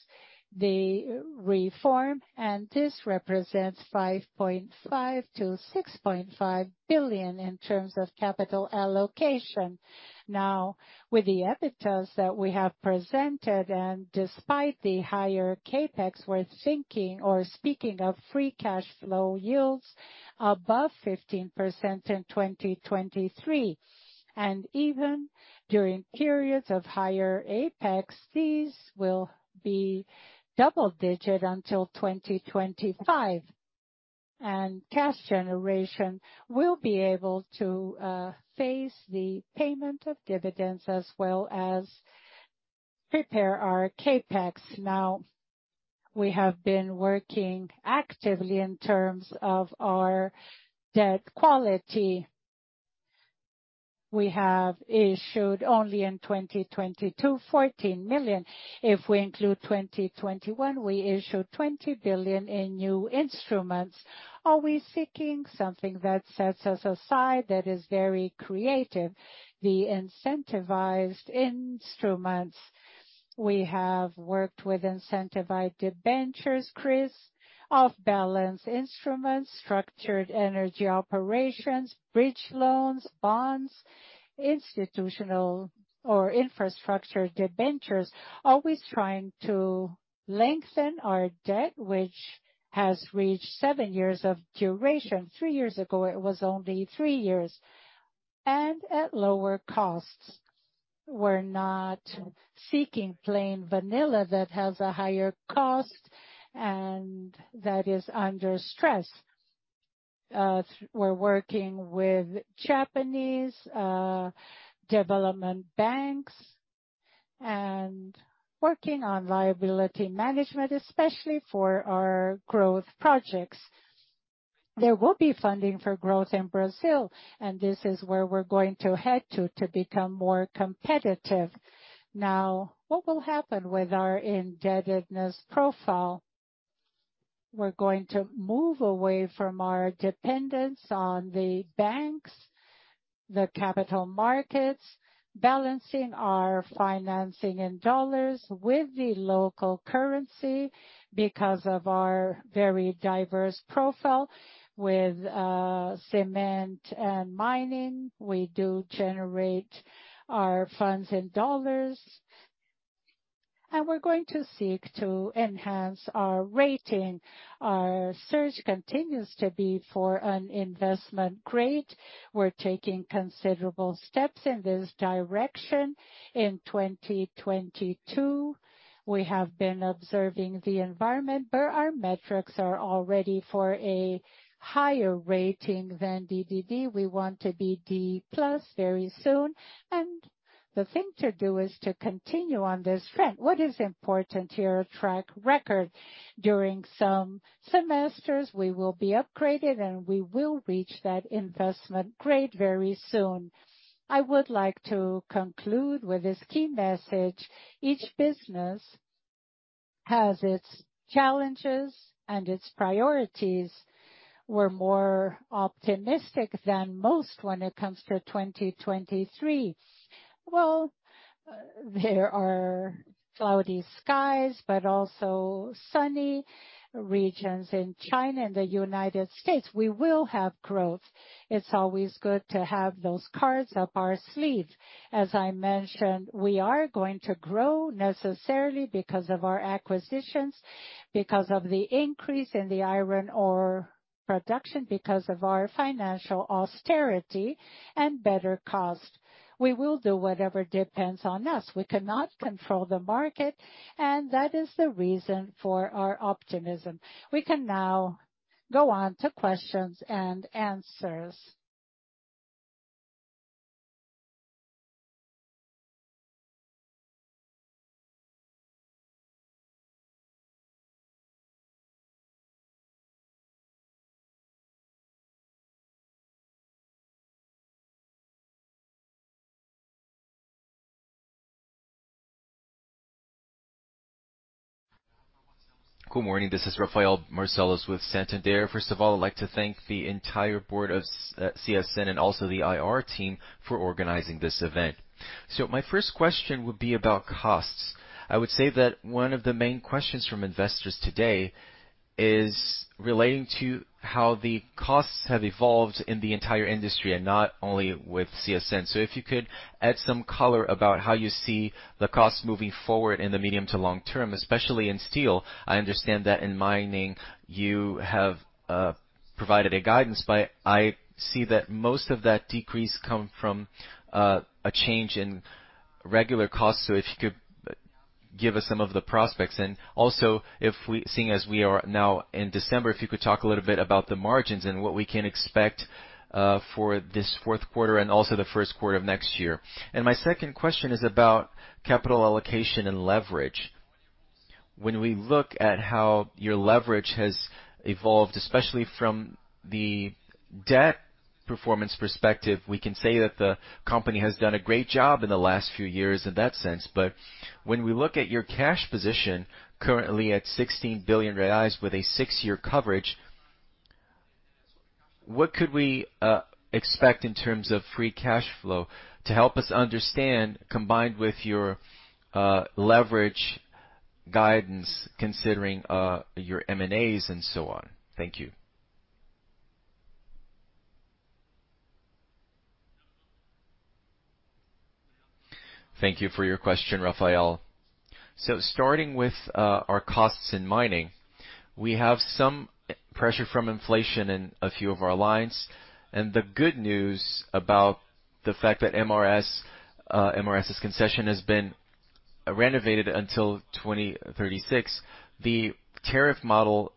I: the reform, and this represents 5.5 billion-6.5 billion in terms of capital allocation. With the EBITDAs that we have presented and despite the higher CapEx, we're thinking or speaking of free cash flow yields above 15% in 2023. Even during periods of higher CapEx, these will be double digit until 2025. Cash generation will be able to face the payment of dividends as well as prepare our CapEx. We have been working actively in terms of our debt quality. We have issued only in 2022, 14 million. If we include 2021, we issued 20 billion in new instruments. Are we seeking something that sets us aside, that is very creative? The incentivized instruments. We have worked with incentivized debentures, CRIs, off-balance instruments, structured energy operations, bridge loans, bonds, institutional or infrastructure debentures. Always trying to lengthen our debt, which has reached seven years of duration. three years ago, it was only three years, and at lower costs. We're not seeking plain vanilla that has a higher cost and that is under stress. We're working with Japanese development banks and working on liability management, especially for our growth projects. There will be funding for growth in Brazil, and this is where we're going to head to become more competitive. Now, what will happen with our indebtedness profile? We're going to move away from our dependence on the banks, the capital markets, balancing our financing in dollars with the local currency. Because of our very diverse profile with cement and mining, we do generate our funds in dollars. We're going to seek to enhance our rating. Our search continues to be for an investment grade. We're taking considerable steps in this direction. In 2022, we have been observing the environment where our metrics are already for a higher rating than DDD. We want to be D+ very soon. The thing to do is to continue on this trend. What is important here, a track record. During some semesters, we will be upgraded, and we will reach that investment grade very soon. I would like to conclude with this key message. Each business has its challenges and its priorities. We're more optimistic than most when it comes to 2023. Well, there are cloudy skies, but also sunny regions in China and the United States. We will have growth. It's always good to have those cards up our sleeve.
D: As I mentioned, we are going to grow necessarily because of our acquisitions, because of the increase in the iron ore production, because of our financial austerity and better cost. We will do whatever depends on us. We cannot control the market. That is the reason for our optimism. We can now go on to questions and answers.
J: Good morning. This is Rafael Marcellus with Santander. First of all, I'd like to thank the entire board of CSN and also the IR team for organizing this event. My first question would be about costs. I would say that one of the main questions from investors today is relating to how the costs have evolved in the entire industry and not only with CSN. If you could add some color about how you see the cost moving forward in the medium to long term, especially in steel. I understand that in mining you have provided a guidance, but I see that most of that decrease come from a change in regular costs. If you could give us some of the prospects. Also, seeing as we are now in December, if you could talk a little bit about the margins and what we can expect for this fourth quarter and also the first quarter of next year. My second question is about capital allocation and leverage. When we look at how your leverage has evolved, especially from the debt performance perspective, we can say that the company has done a great job in the last few years in that sense. When we look at your cash position currently at 16 billion reais with a six-year coverage, what could we expect in terms of free cash flow to help us understand, combined with your leverage guidance, considering your M&A and so on? Thank you.
I: Thank you for your question, Rafael. Starting with our costs in mining, we have some pressure from inflation in a few of our lines. The good news about the fact that MRS's concession has been renovated until 2036. The tariff model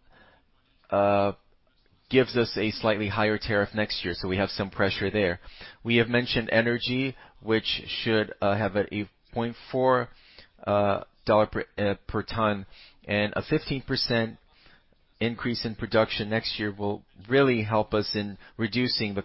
I: gives us a slightly higher tariff next year, so we have some pressure there. We have mentioned energy, which should have a $0.4 per ton. A 15% increase in production next year will really help us in reducing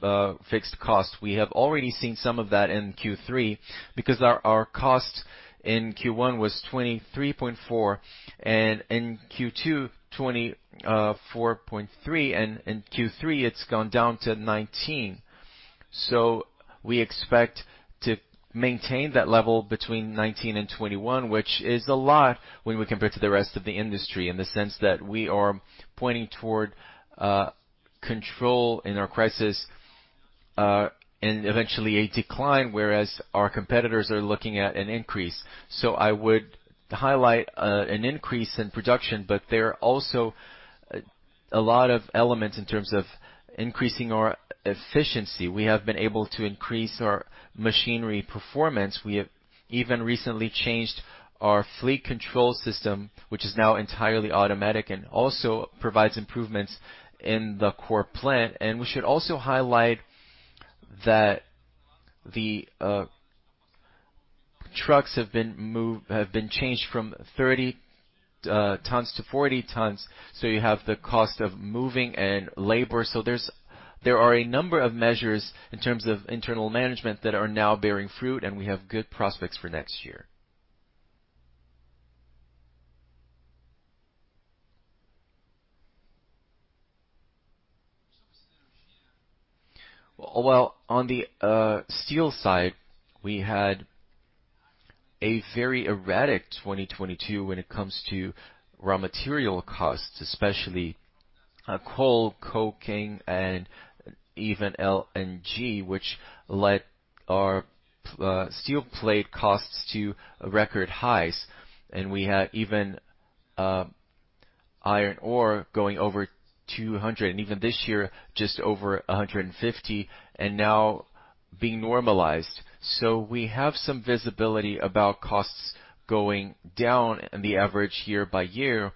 I: the fixed cost. We have already seen some of that in Q3 because our cost in Q1 was $23.4, and in Q2, $24.3, and Q3, it's gone down to $19. We expect to maintain that level between 19 and 21, which is a lot when we compare to the rest of the industry in the sense that we are pointing toward control in our crisis and eventually a decline, whereas our competitors are looking at an increase. I would highlight an increase in production, but there are also a lot of elements in terms of increasing our efficiency. We have been able to increase our machinery performance. We have even recently changed our fleet control system, which is now entirely automatic and also provides improvements in the core plant. We should also highlight that The trucks have been changed from 30 tons to 40 tons, you have the cost of moving and labor. There are a number of measures in terms of internal management that are now bearing fruit, and we have good prospects for next year. Well, on the steel side, we had a very erratic 2022 when it comes to raw material costs, especially coal, coking, and even LNG, which led our steel plate costs to record highs. We had even iron ore going over $200, and even this year, just over $150, and now being normalized. We have some visibility about costs going down in the average year by year,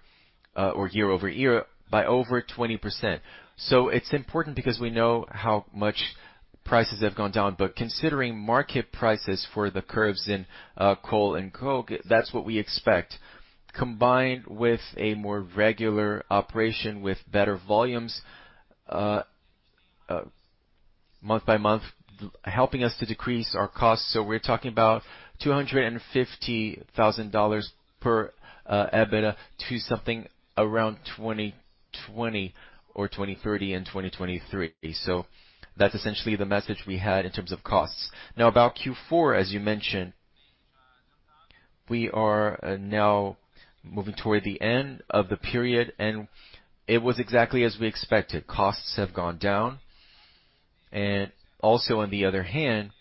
I: or year-over-year by over 20%. It's important because we know how much prices have gone down. Considering market prices for the curves in coal and coke, that's what we expect. Combined with a more regular operation with better volumes, month-by-month, helping us to decrease our costs. We're talking about $250,000 per EBITDA to something around 2020 or 2030 in 2023. That's essentially the message we had in terms of costs. Now, about Q4, as you mentioned, we are now moving toward the end of the period, and it was exactly as we expected. Costs have gone down. Also, on the other hand,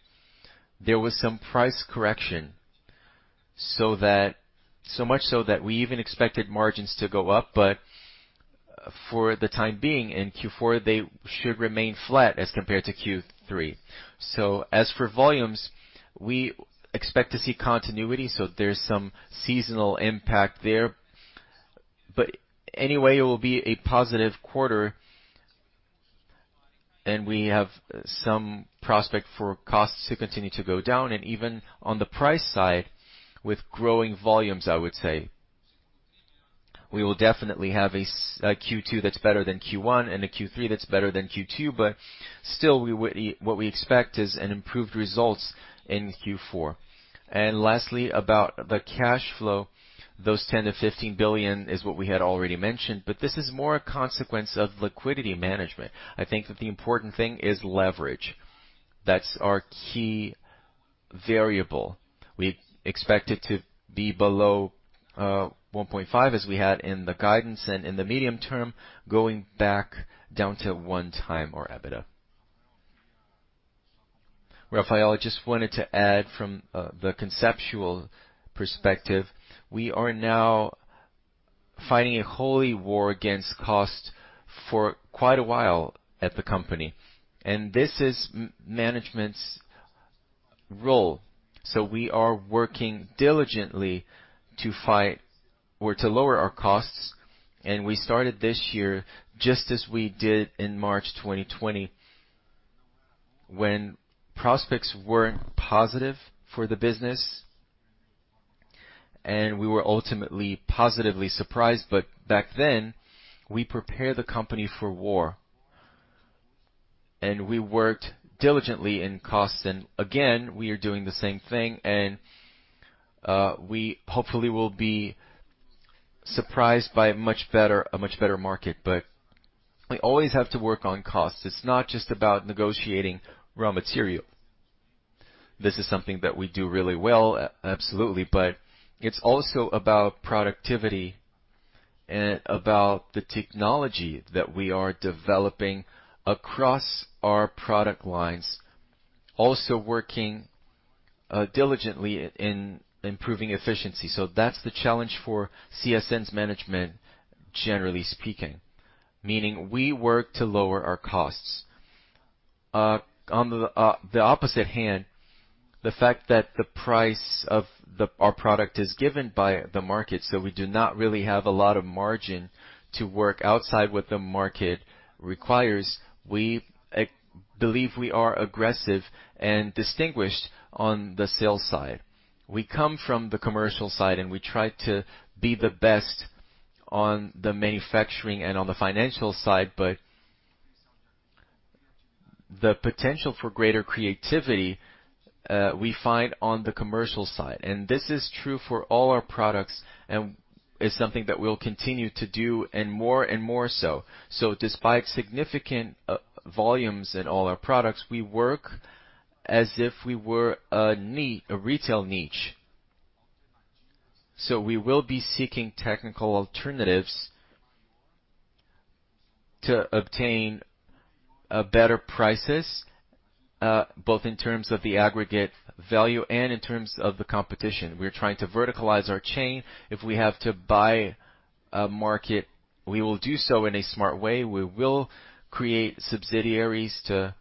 I: there was some price correction, so much so that we even expected margins to go up. For the time being, in Q4, they should remain flat as compared to Q3. As for volumes, we expect to see continuity, so there's some seasonal impact there. Anyway, it will be a positive quarter, and we have some prospect for costs to continue to go down. Even on the price side, with growing volumes, I would say. We will definitely have a Q2 that's better than Q1 and a Q3 that's better than Q2. Still, we would what we expect is an improved results in Q4. Lastly, about the cash flow, those $10 billion-$15 billion is what we had already mentioned, but this is more a consequence of liquidity management. I think that the important thing is leverage. That's our key variable. We expect it to be below 1.5, as we had in the guidance, and in the medium term, going back down to 1x our EBITDA.
B: Rafael, I just wanted to add from the conceptual perspective, we are now fighting a holy war against cost for quite a while at the company, and this is management's role. We are working diligently to fight or to lower our costs. We started this year, just as we did in March 2020, when prospects weren't positive for the business, and we were ultimately positively surprised. Back then, we prepared the company for war, and we worked diligently in costs. Again, we are doing the same thing, and we hopefully will be surprised by a much better market. We always have to work on costs. It's not just about negotiating raw material. This is something that we do really well, absolutely. It's also about productivity and about the technology that we are developing across our product lines, also working diligently in improving efficiency. That's the challenge for CSN's management, generally speaking, meaning we work to lower our costs. On the opposite hand, the fact that the price of our product is given by the market, so we do not really have a lot of margin to work outside what the market requires. We believe we are aggressive and distinguished on the sales side. We come from the commercial side, and we try to be the best on the manufacturing and on the financial side. The potential for greater creativity, we find on the commercial side. This is true for all our products and is something that we'll continue to do and more and more so. Despite significant volumes in all our products, we work as if we were a retail niche. We will be seeking technical alternatives to obtain better prices, both in terms of the aggregate value and in terms of the competition. We're trying to verticalize our chain. If we have to buy a market, we will do so in a smart way. We will create subsidiaries to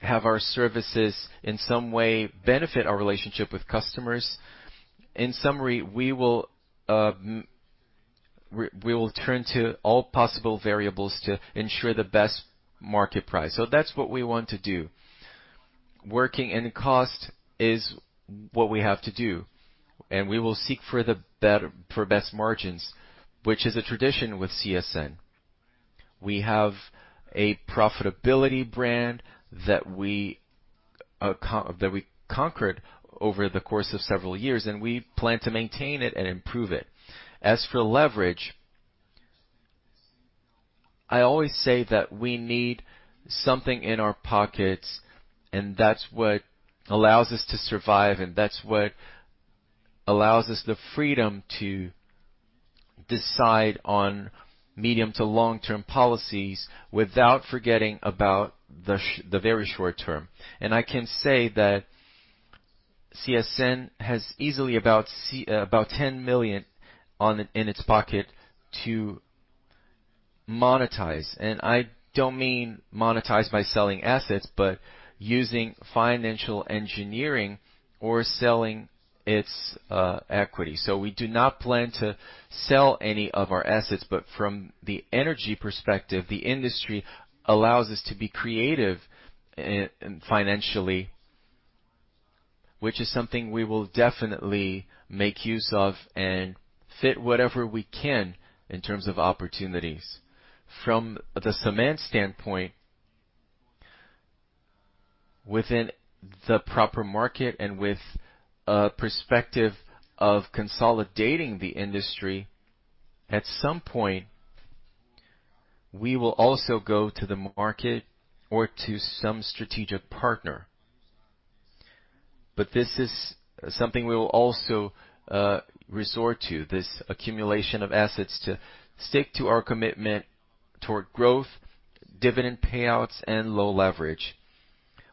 B: have our services, in some way, benefit our relationship with customers. In summary, we will turn to all possible variables to ensure the best market price. That's what we want to do. Working in cost is what we have to do, and we will seek for best margins, which is a tradition with CSN. We have a profitability brand that we conquered over the course of several years, and we plan to maintain it and improve it. As for leverage, I always say that we need something in our pockets, and that's what allows us to survive, and that's what allows us the freedom to decide on medium to long-term policies without forgetting about the very short term. I can say that CSN has easily about 10 million in its pocket to monetize. I don't mean monetize by selling assets, but using financial engineering or selling its equity. We do not plan to sell any of our assets. From the energy perspective, the industry allows us to be creative financially, which is something we will definitely make use of and fit whatever we can in terms of opportunities. From the cement standpoint, within the proper market and with a perspective of consolidating the industry, at some point, we will also go to the market or to some strategic partner. This is something we'll also resort to, this accumulation of assets, to stick to our commitment toward growth, dividend payouts and low leverage,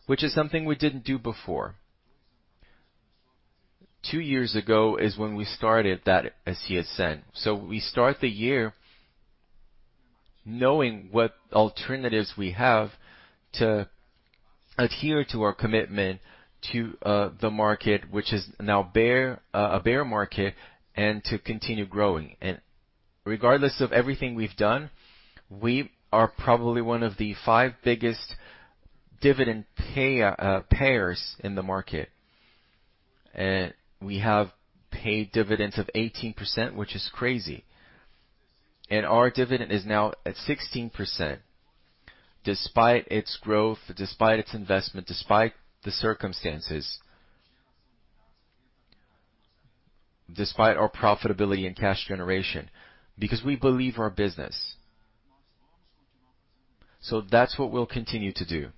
B: which is something we didn't do before. Two years ago is when we started that as CSN. We start the year knowing what alternatives we have to adhere to our commitment to the market, which is now a bear market, and to continue growing. Regardless of everything we've done, we are probably one of the five biggest dividend payers in the market. We have paid dividends of 18%, which is crazy. Our dividend is now at 16%, despite its growth, despite its investment, despite the circumstances, despite our profitability and cash generation, because we believe our business. That's what we'll continue to do.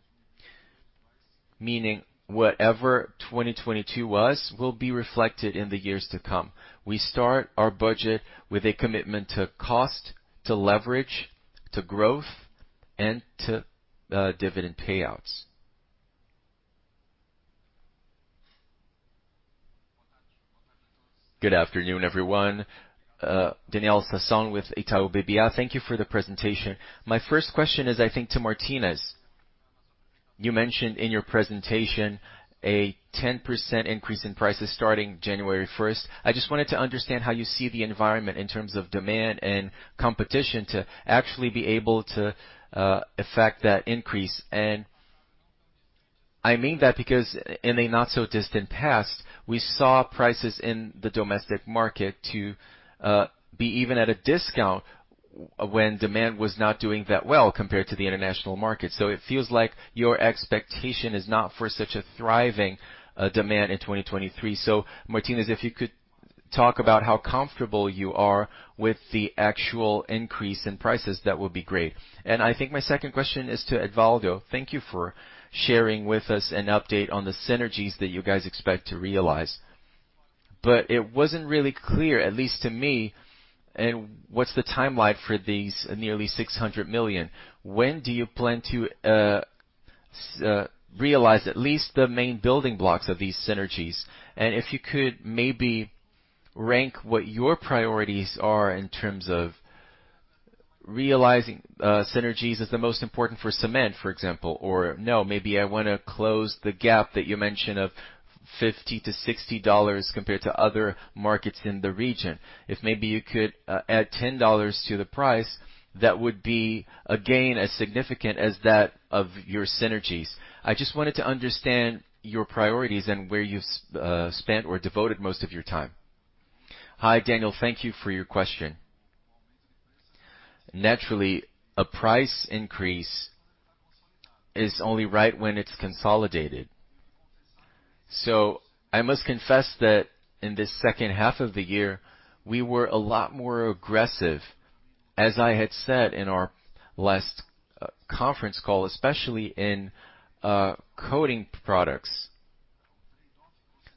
B: Meaning whatever 2022 was, will be reflected in the years to come. We start our budget with a commitment to cost, to leverage, to growth, and to dividend payouts.
K: Good afternoon, everyone. Daniel Sasson with Itaú BBA. Thank you for the presentation. My first question is, I think, to Martinez. You mentioned in your presentation a 10% increase in prices starting January 1st. I just wanted to understand how you see the environment in terms of demand and competition to actually be able to affect that increase. I mean that because in a not so distant past, we saw prices in the domestic market to be even at a discount when demand was not doing that well compared to the international market. It feels like your expectation is not for such a thriving demand in 2023. Martinez, if you could talk about how comfortable you are with the actual increase in prices, that would be great. I think my second question is to Edvaldo. Thank you for sharing with us an update on the synergies that you guys expect to realize. It wasn't really clear, at least to me, and what's the timeline for these nearly $600 million? When do you plan to realize at least the main building blocks of these synergies? If you could maybe rank what your priorities are in terms of realizing synergies as the most important for Cement, for example, or no, maybe I wanna close the gap that you mentioned of $50-$60 compared to other markets in the region. If maybe you could add $10 to the price, that would be, again, as significant as that of your synergies. I just wanted to understand your priorities and where you've spent or devoted most of your time.
F: Hi, Daniel. Thank you for your question. Naturally, a price increase is only right when it's consolidated. I must confess that in this second half of the year, we were a lot more aggressive, as I had said in our last conference call, especially in coating products.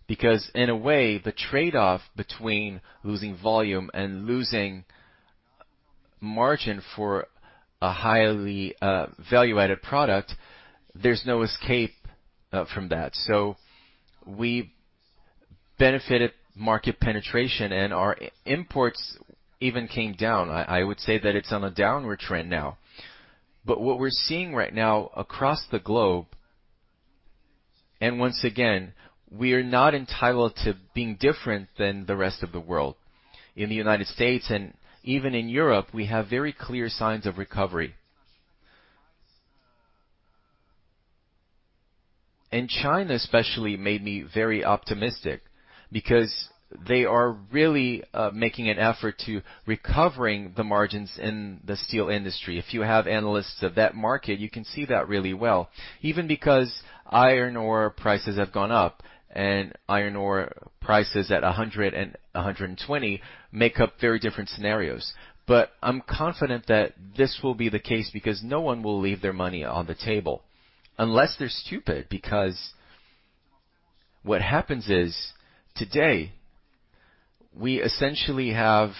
F: In a way, the trade-off between losing volume and losing margin for a highly, value-added product, there's no escape from that. We benefited market penetration, and our imports even came down. I would say that it's on a downward trend now. What we're seeing right now across the globe. Once again, we are not entitled to being different than the rest of the world. In the United States and even in Europe, we have very clear signs of recovery. China especially made me very optimistic because they are really making an effort to recovering the margins in the steel industry. If you have analysts of that market, you can see that really well. Even because iron ore prices have gone up and iron ore prices at 100 and 120 make up very different scenarios. I'm confident that this will be the case because no one will leave their money on the table unless they're stupid. What happens is, today, we essentially have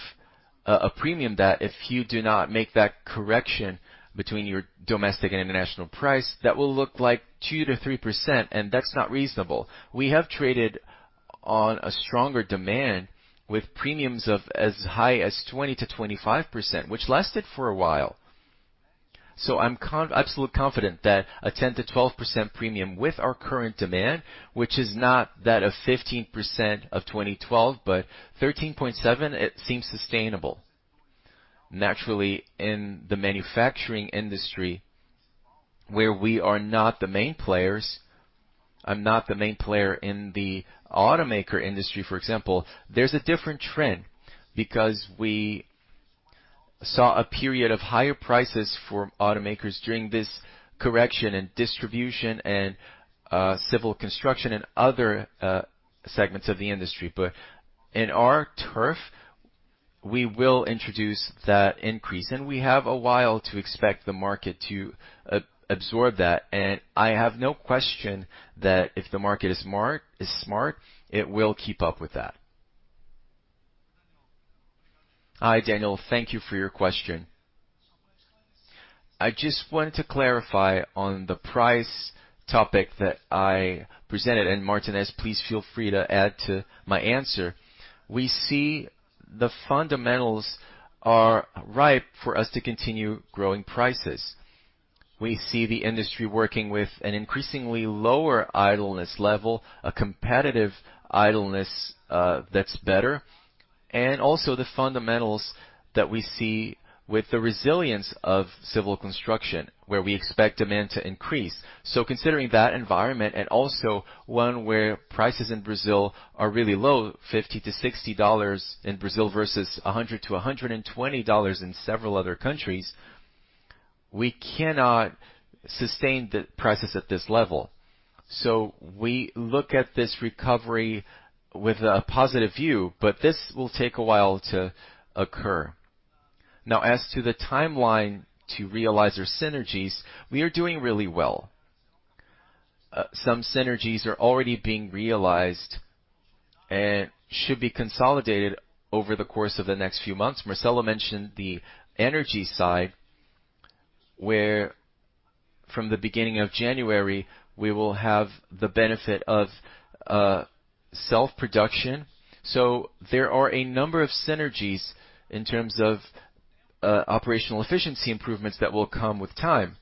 F: a premium that if you do not make that correction between your domestic and international price, that will look like 2%-3%, and that's not reasonable. We have traded on a stronger demand with premiums of as high as 20%-25%, which lasted for a while. I'm absolutely confident that a 10%-12% premium with our current demand, which is not that of 15% of 2012, but 13.7%, it seems sustainable. Naturally, in the manufacturing industry, where we are not the main players, I'm not the main player in the automaker industry, for example, there's a different trend because we saw a period of higher prices for automakers during this correction and distribution and civil construction and other segments of the industry. In our turf, we will introduce that increase, and we have a while to expect the market to absorb that. I have no question that if the market is smart, it will keep up with that.
L: Hi, Daniel. Thank you for your question. I just wanted to clarify on the price topic that I presented, Martinez, please feel free to add to my answer. We see the fundamentals are ripe for us to continue growing prices. We see the industry working with an increasingly lower idleness level, a competitive idleness, that's better. Also the fundamentals that we see with the resilience of civil construction, where we expect demand to increase. Considering that environment and also one where prices in Brazil are really low, $50-$60 in Brazil versus $100-$120 in several other countries, we cannot sustain the prices at this level. We look at this recovery with a positive view, but this will take a while to occur. As to the timeline to realize your synergies, we are doing really well. Some synergies are already being realized and should be consolidated over the course of the next few months. Marcelo mentioned the energy side, where from the beginning of January, we will have the benefit of self-production. There are a number of synergies in terms of operational efficiency improvements that will come with time.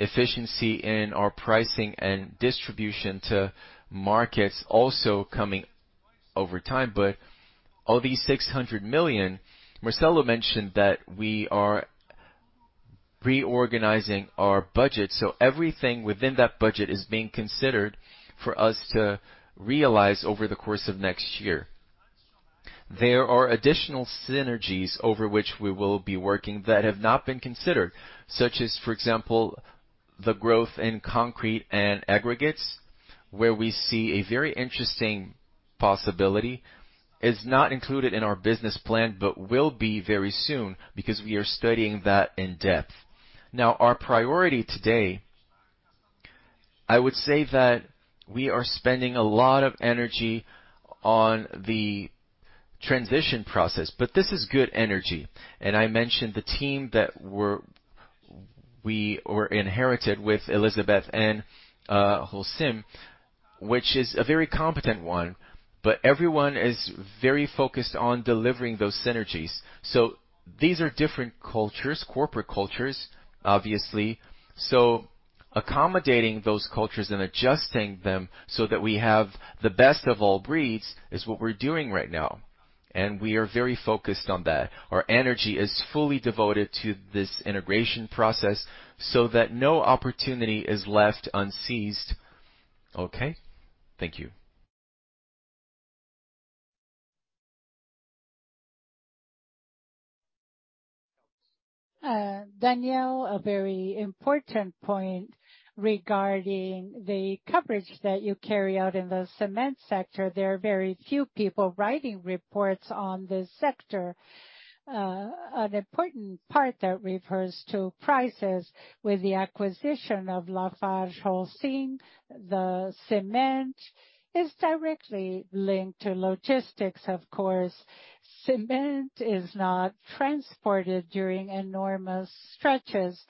L: Efficiency in our pricing and distribution to markets also coming over time. Of these 600 million, Marcelo mentioned that we are reorganizing our budget, so everything within that budget is being considered for us to realize over the course of next year. There are additional synergies over which we will be working that have not been considered, such as, for example, the growth in concrete and aggregates, where we see a very interesting possibility, is not included in our business plan, but will be very soon because we are studying that in depth. Our priority today, I would say that we are spending a lot of energy on the transition process, but this is good energy. I mentioned the team that inherited with Elizabeth and Holcim, which is a very competent one, but everyone is very focused on delivering those synergies. These are different cultures, corporate cultures, obviously. Accommodating those cultures and adjusting them so that we have the best of all breeds is what we're doing right now. We are very focused on that. Our energy is fully devoted to this integration process so that no opportunity is left unseized. Okay.
K: Thank you.
C: Daniel, a very important point regarding the coverage that you carry out in the cement sector. There are very few people writing reports on this sector. An important part that refers to prices with the acquisition of LafargeHolcim. The cement is directly linked to logistics, of course. Cement is not transported during enormous stretches.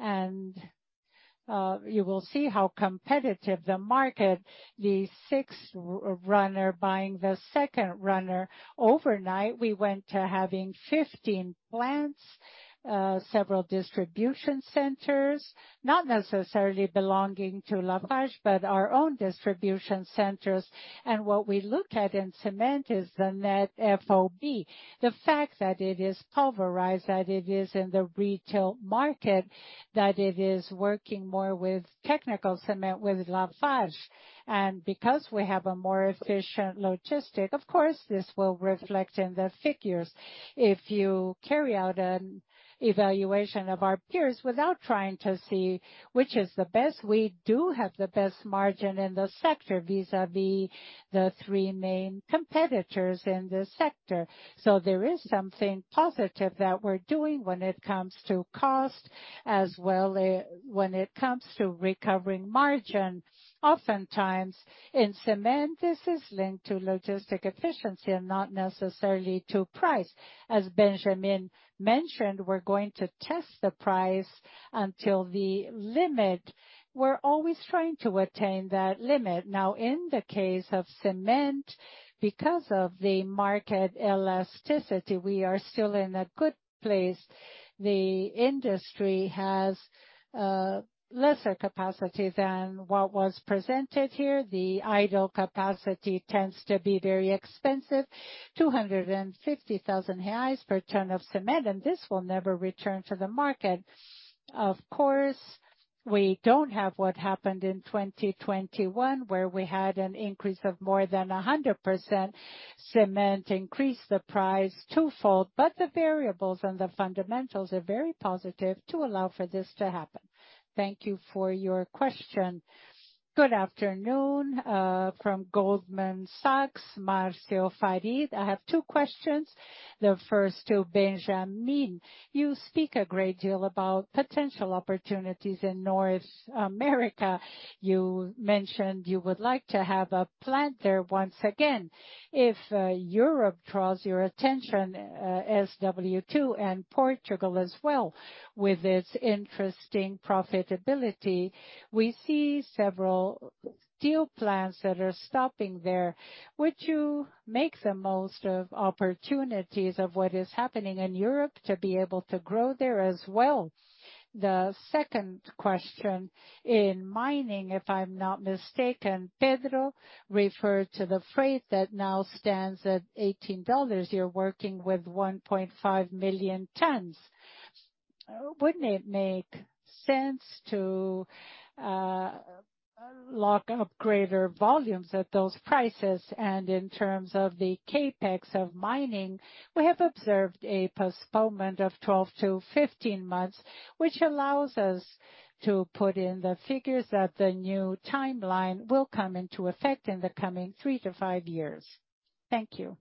C: You will see how competitive the market, the 6th runner buying the 2nd runner. Overnight, we went to having 15 plants, several distribution centers, not necessarily belonging to Lafarge, but our own distribution centers. What we look at in cement is the net FOB. The fact that it is pulverized, that it is in the retail market, that it is working more with technical cement with Lafarge. Because we have a more efficient logistic, of course, this will reflect in the figures. If you carry out an evaluation of our peers without trying to see which is the best, we do have the best margin in the sector, vis-à-vis the 3 main competitors in the sector. There is something positive that we're doing when it comes to cost, as well, when it comes to recovering margin. Oftentimes, in cement, this is linked to logistic efficiency and not necessarily to price. As Benjamin mentioned, we're going to test the price until the limit. We're always trying to attain that limit. In the case of cement, because of the market elasticity, we are still in a good place. The industry has lesser capacity than what was presented here. The idle capacity tends to be very expensive, 250,000 reais per ton of cement, and this will never return to the market. Of course, we don't have what happened in 2021, where we had an increase of more than 100%. Cement increased the price twofold, the variables and the fundamentals are very positive to allow for this to happen. Thank you for your question.
M: Good afternoon, from Goldman Sachs, Marcio Farid. I have two questions. The first to Benjamin. You speak a great deal about potential opportunities in North America. You mentioned you would like to have a plant there once again. If Europe draws your attention, as W2 and Portugal as well, with its interesting profitability, we see several steel plants that are stopping there. Would you make the most of opportunities of what is happening in Europe to be able to grow there as well? The second question, in mining, if I'm not mistaken, Pedro referred to the freight that now stands at $18. You're working with 1.5 million tons. Wouldn't it make sense to lock up greater volumes at those prices? In terms of the CapEx of mining, we have observed a postponement of 12-15 months, which allows us to put in the figures that the new timeline will come into effect in the coming 3-5 years. Thank you.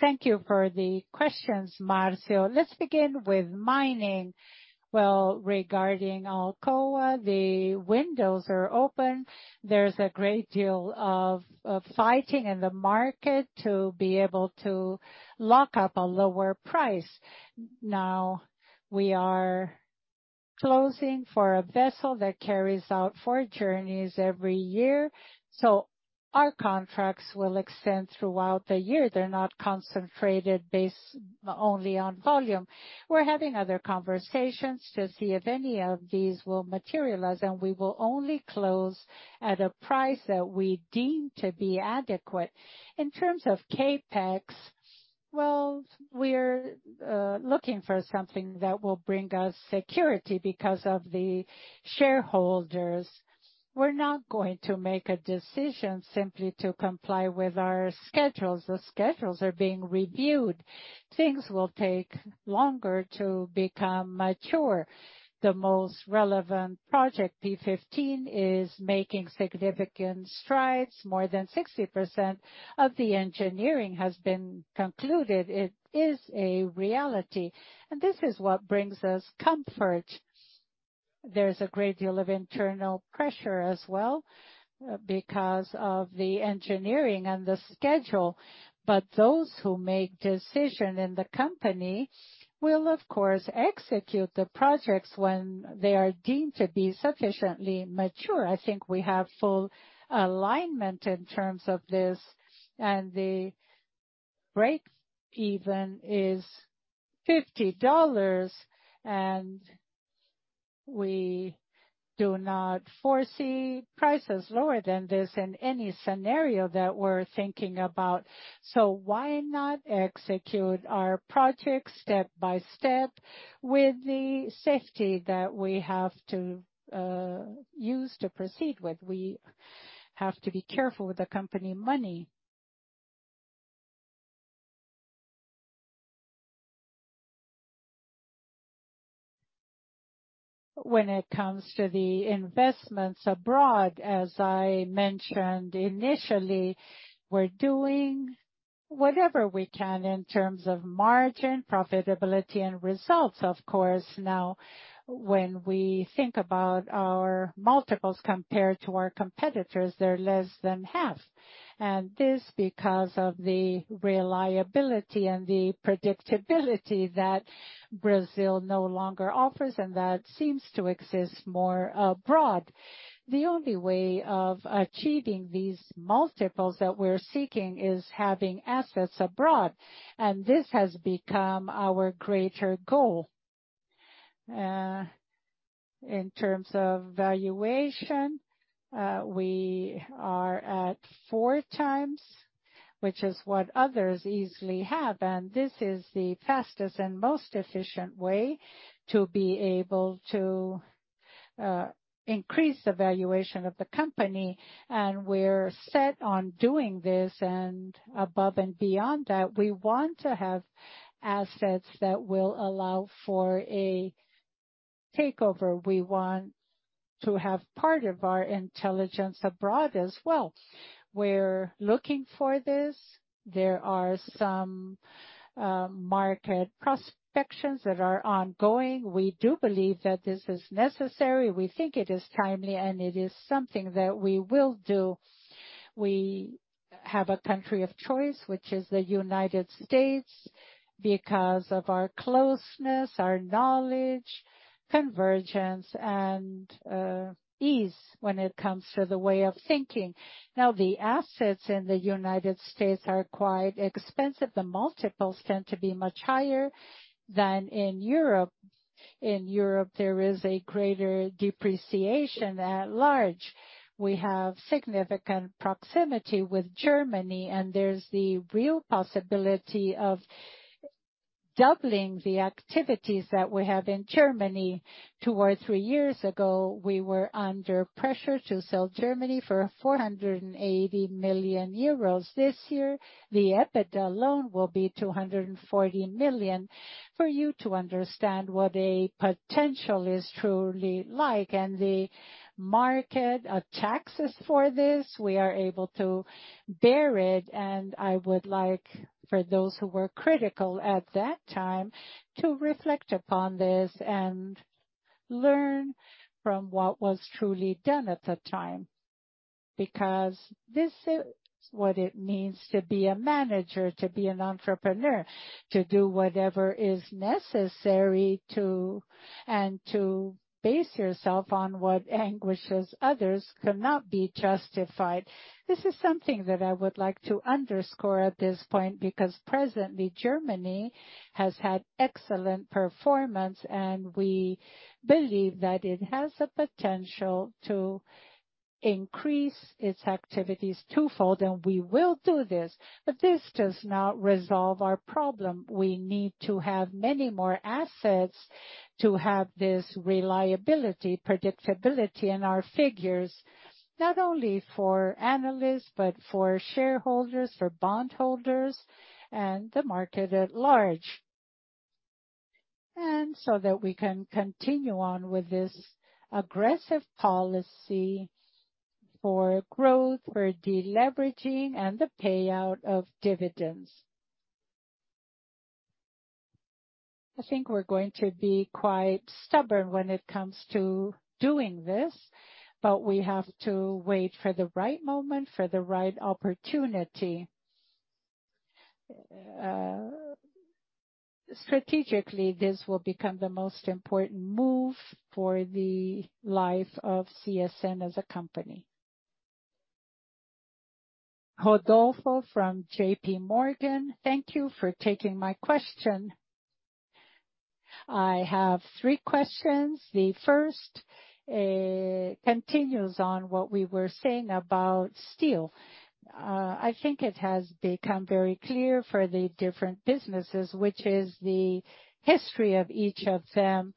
B: Thank you for the questions, Marcio. Let's begin with mining. Regarding Alcoa, the windows are open. There's a great deal of fighting in the market to be able to lock up a lower price. We are closing for a vessel that carries out 4 journeys every year. Our contracts will extend throughout the year. They're not concentrated based only on volume. We're having other conversations to see if any of these will materialize, and we will only close at a price that we deem to be adequate. In terms of CapEx, well, we're looking for something that will bring us security because of the shareholders. We're not going to make a decision simply to comply with our schedules. The schedules are being reviewed. Things will take longer to become mature. The most relevant project, P15, is making significant strides. More than 60% of the engineering has been concluded. It is a reality. This is what brings us comfort. There's a great deal of internal pressure as well because of the engineering and the schedule. Those who make decisions in the company will, of course, execute the projects when they are deemed to be sufficiently mature. I think we have full alignment in terms of this, and the break even is $50, and we do not foresee prices lower than this in any scenario that we're thinking about. Why not execute our project step by step with the safety that we have to use to proceed with? We have to be careful with the company money. When it comes to the investments abroad, as I mentioned initially, we're doing whatever we can in terms of margin, profitability, and results, of course. When we think about our multiples compared to our competitors, they're less than half. This because of the reliability and the predictability that Brazil no longer offers, and that seems to exist more abroad. The only way of achieving these multiples that we're seeking is having assets abroad, and this has become our greater goal. In terms of valuation, we are at 4 times, which is what others easily have, and this is the fastest and most efficient way to be able to increase the valuation of the company. We're set on doing this. Above and beyond that, we want to have assets that will allow for a takeover. We want to have part of our intelligence abroad as well. We're looking for this. There are some market prospections that are ongoing. We do believe that this is necessary. We think it is timely, and it is something that we will do. We have a country of choice, which is the United States, because of our closeness, our knowledge, convergence, and ease when it comes to the way of thinking. Now, the assets in the United States are quite expensive. The multiples tend to be much higher than in Europe. In Europe, there is a greater depreciation at large. We have significant proximity with Germany, and there's the real possibility of doubling the activities that we have in Germany. two or three years ago, we were under pressure to sell Germany for 480 million euros. This year, the EBITDA loan will be 240 million. For you to understand what a potential is truly like and the market taxes for this, we are able to bear it. I would like for those who were critical at that time to reflect upon this and learn from what was truly done at the time, because this is what it means to be a manager, to be an entrepreneur, to do whatever is necessary to and to base yourself on what anguishes others cannot be justified. This is something that I would like to underscore at this point, because presently Germany has had excellent performance, and we believe that it has the potential to increase its activities twofold. We will do this. This does not resolve our problem. We need to have many more assets to have this reliability, predictability in our figures, not only for analysts, but for shareholders, for bondholders, and the market at large. So that we can continue on with this aggressive policy for growth, for deleveraging, and the payout of dividends. I think we're going to be quite stubborn when it comes to doing this, but we have to wait for the right moment, for the right opportunity. Strategically, this will become the most important move for the life of CSN as a company.
N: Rodolfo from JPMorgan, thank you for taking my question. I have three questions. The first continues on what we were saying about steel. I think it has become very clear for the different businesses, which is the history of each of them.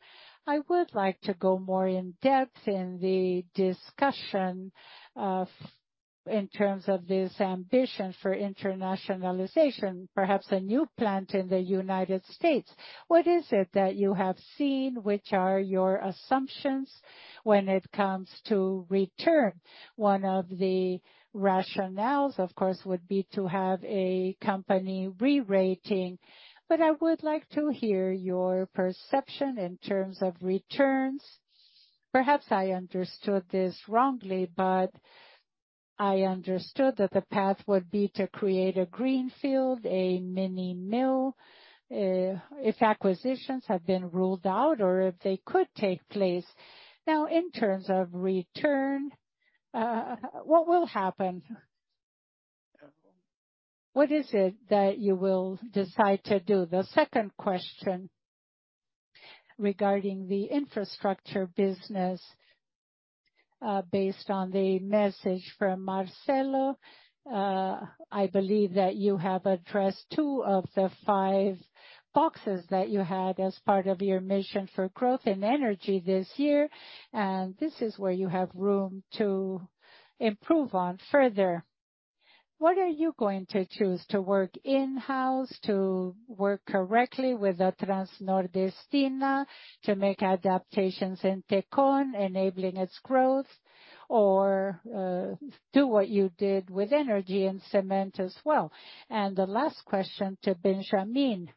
N: I would like to go more in depth in the discussion in terms of this ambition for internationalization, perhaps a new plant in the United States. What is it that you have seen, which are your assumptions when it comes to return? One of the rationales, of course, would be to have a company re-rating, but I would like to hear your perception in terms of returns. Perhaps I understood this wrongly, but I understood that the path would be to create a greenfield, a mini mill, if acquisitions have been ruled out or if they could take place. In terms of return, what will happen? What is it that you will decide to do? The second question regarding the infrastructure business, based on the message from Marcelo, I believe that you have addressed two of the five boxes that you had as part of your mission for growth in energy this year, and this is where you have room to improve on further. What are you going to choose to work in-house, to work correctly with the Transnordestina, to make adaptations in Tecon, enabling its growth or, do what you did with energy and cement as well? The last question to Benjamin.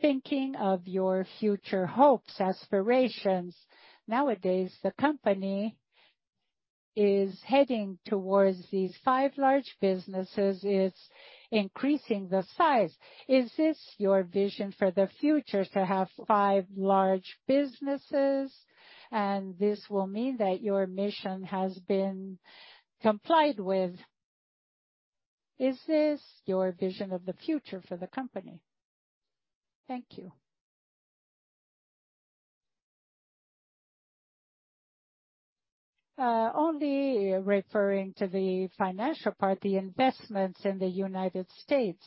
N: Thinking of your future hopes, aspirations. Nowadays, the company is heading towards these five large businesses. It's increasing the size. Is this your vision for the future, to have 5 large businesses, and this will mean that your mission has been complied with? Is this your vision of the future for the company? Thank you.
O: Only referring to the financial part, the investments in the United States.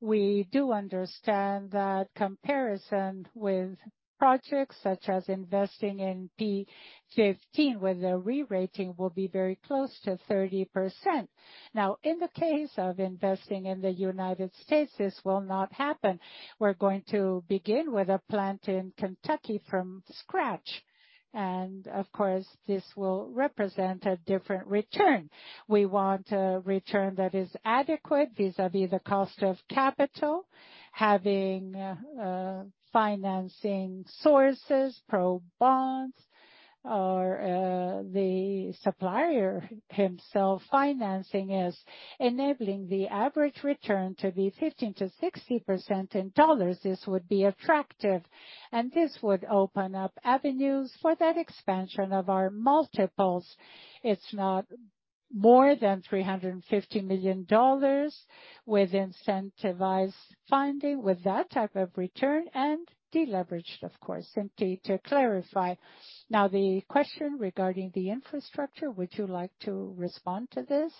O: We do understand that comparison with projects such as investing in P15, where the re-rating will be very close to 30%. Now, in the case of investing in the United States, this will not happen. We're going to begin with a plant in Kentucky from scratch. Of course, this will represent a different return. We want a return that is adequate vis-à-vis the cost of capital, having financing sources, pro bonds, or the supplier himself. Financing is enabling the average return to be 15%-60% in dollars. This would be attractive, and this would open up avenues for that expansion of our multiples. It's not more than $350 million with incentivized funding, with that type of return and deleveraged, of course, simply to clarify. The question regarding the infrastructure, would you like to respond to this?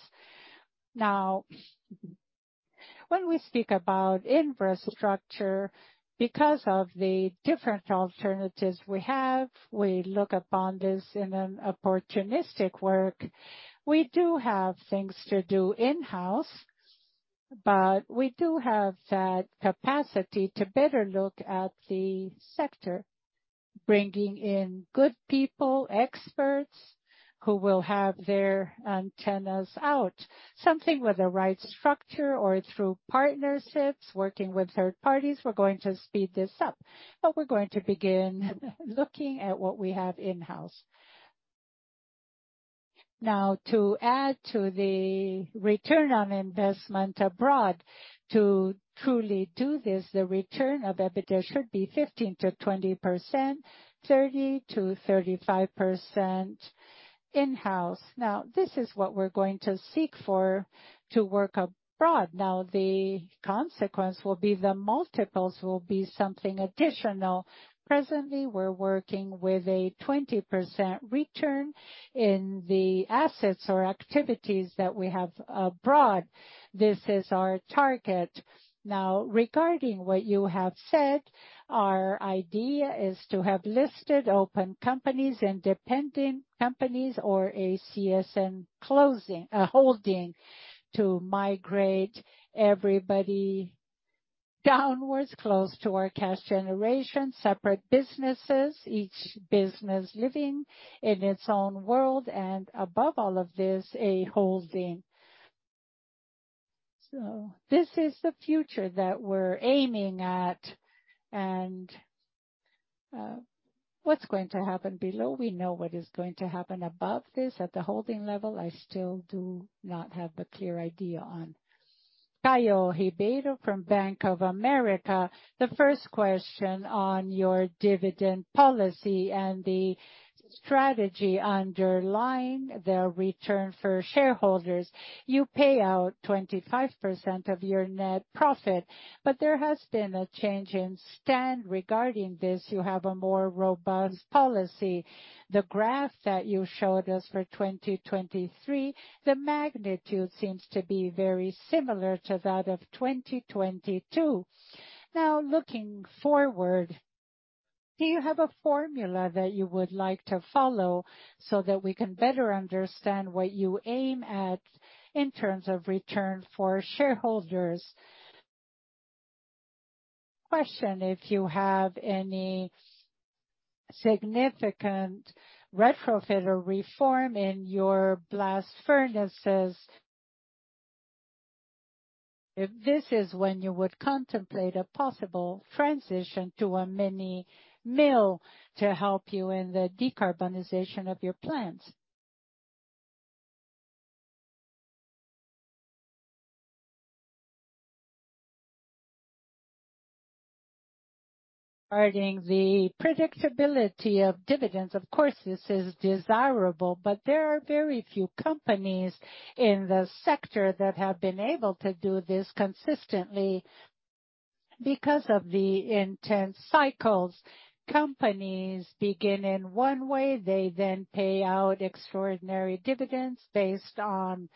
B: When we speak about infrastructure, because of the different alternatives we have, we look upon this in an opportunistic work. We do have things to do in-house, but we do have that capacity to better look at the sector, bringing in good people, experts who will have their antennas out. Something with the right structure or through partnerships, working with third parties. We're going to speed this up, but we're going to begin looking at what we have in-house. To add to the return on investment abroad. To truly do this, the return of EBITDA should be 15%-20%, 30%-35% in-house. This is what we're going to seek for to work abroad. The consequence will be the multiples will be something additional. Presently, we're working with a 20% return in the assets or activities that we have abroad. This is our target. Regarding what you have said, our idea is to have listed open companies, independent companies or a CSN holding to migrate everybody downwards, close to our cash generation, separate businesses, each business living in its own world, and above all of this, a holding. This is the future that we're aiming at. What's going to happen below, we know what is going to happen above this at the holding level, I still do not have a clear idea on.
P: Caio Ribeiro from Bank of America. The first question on your dividend policy and the strategy underlying the return for shareholders. You pay out 25% of your net profit, but there has been a change in stand regarding this. You have a more robust policy. The graph that you showed us for 2023, the magnitude seems to be very similar to that of 2022. Now, looking forward, do you have a formula that you would like to follow so that we can better understand what you aim at in terms of return for shareholders? Question, if you have any significant retrofit or reform in your blast furnaces? If this is when you would contemplate a possible transition to a mini mill to help you in the decarbonization of your plants?
I: Regarding the predictability of dividends, of course, this is desirable, but there are very few companies in the sector that have been able to do this consistently. Because of the intense cycles, companies begin in one way. They then pay out extraordinary dividends based on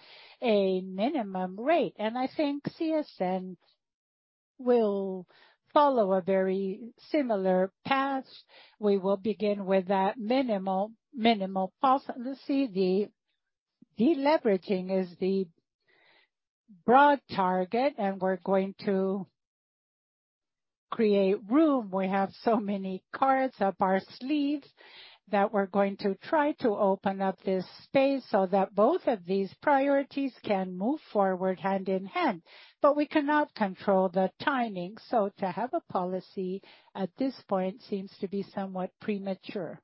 I: a minimum rate. I think CSN will follow a very similar path. We will begin with that minimal pulse. See, the deleveraging is the broad target, and we're going to create room. We have so many cards up our sleeves that we're going to try to open up this space so that both of these priorities can move forward hand in hand. We cannot control the timing, so to have a policy at this point seems to be somewhat premature.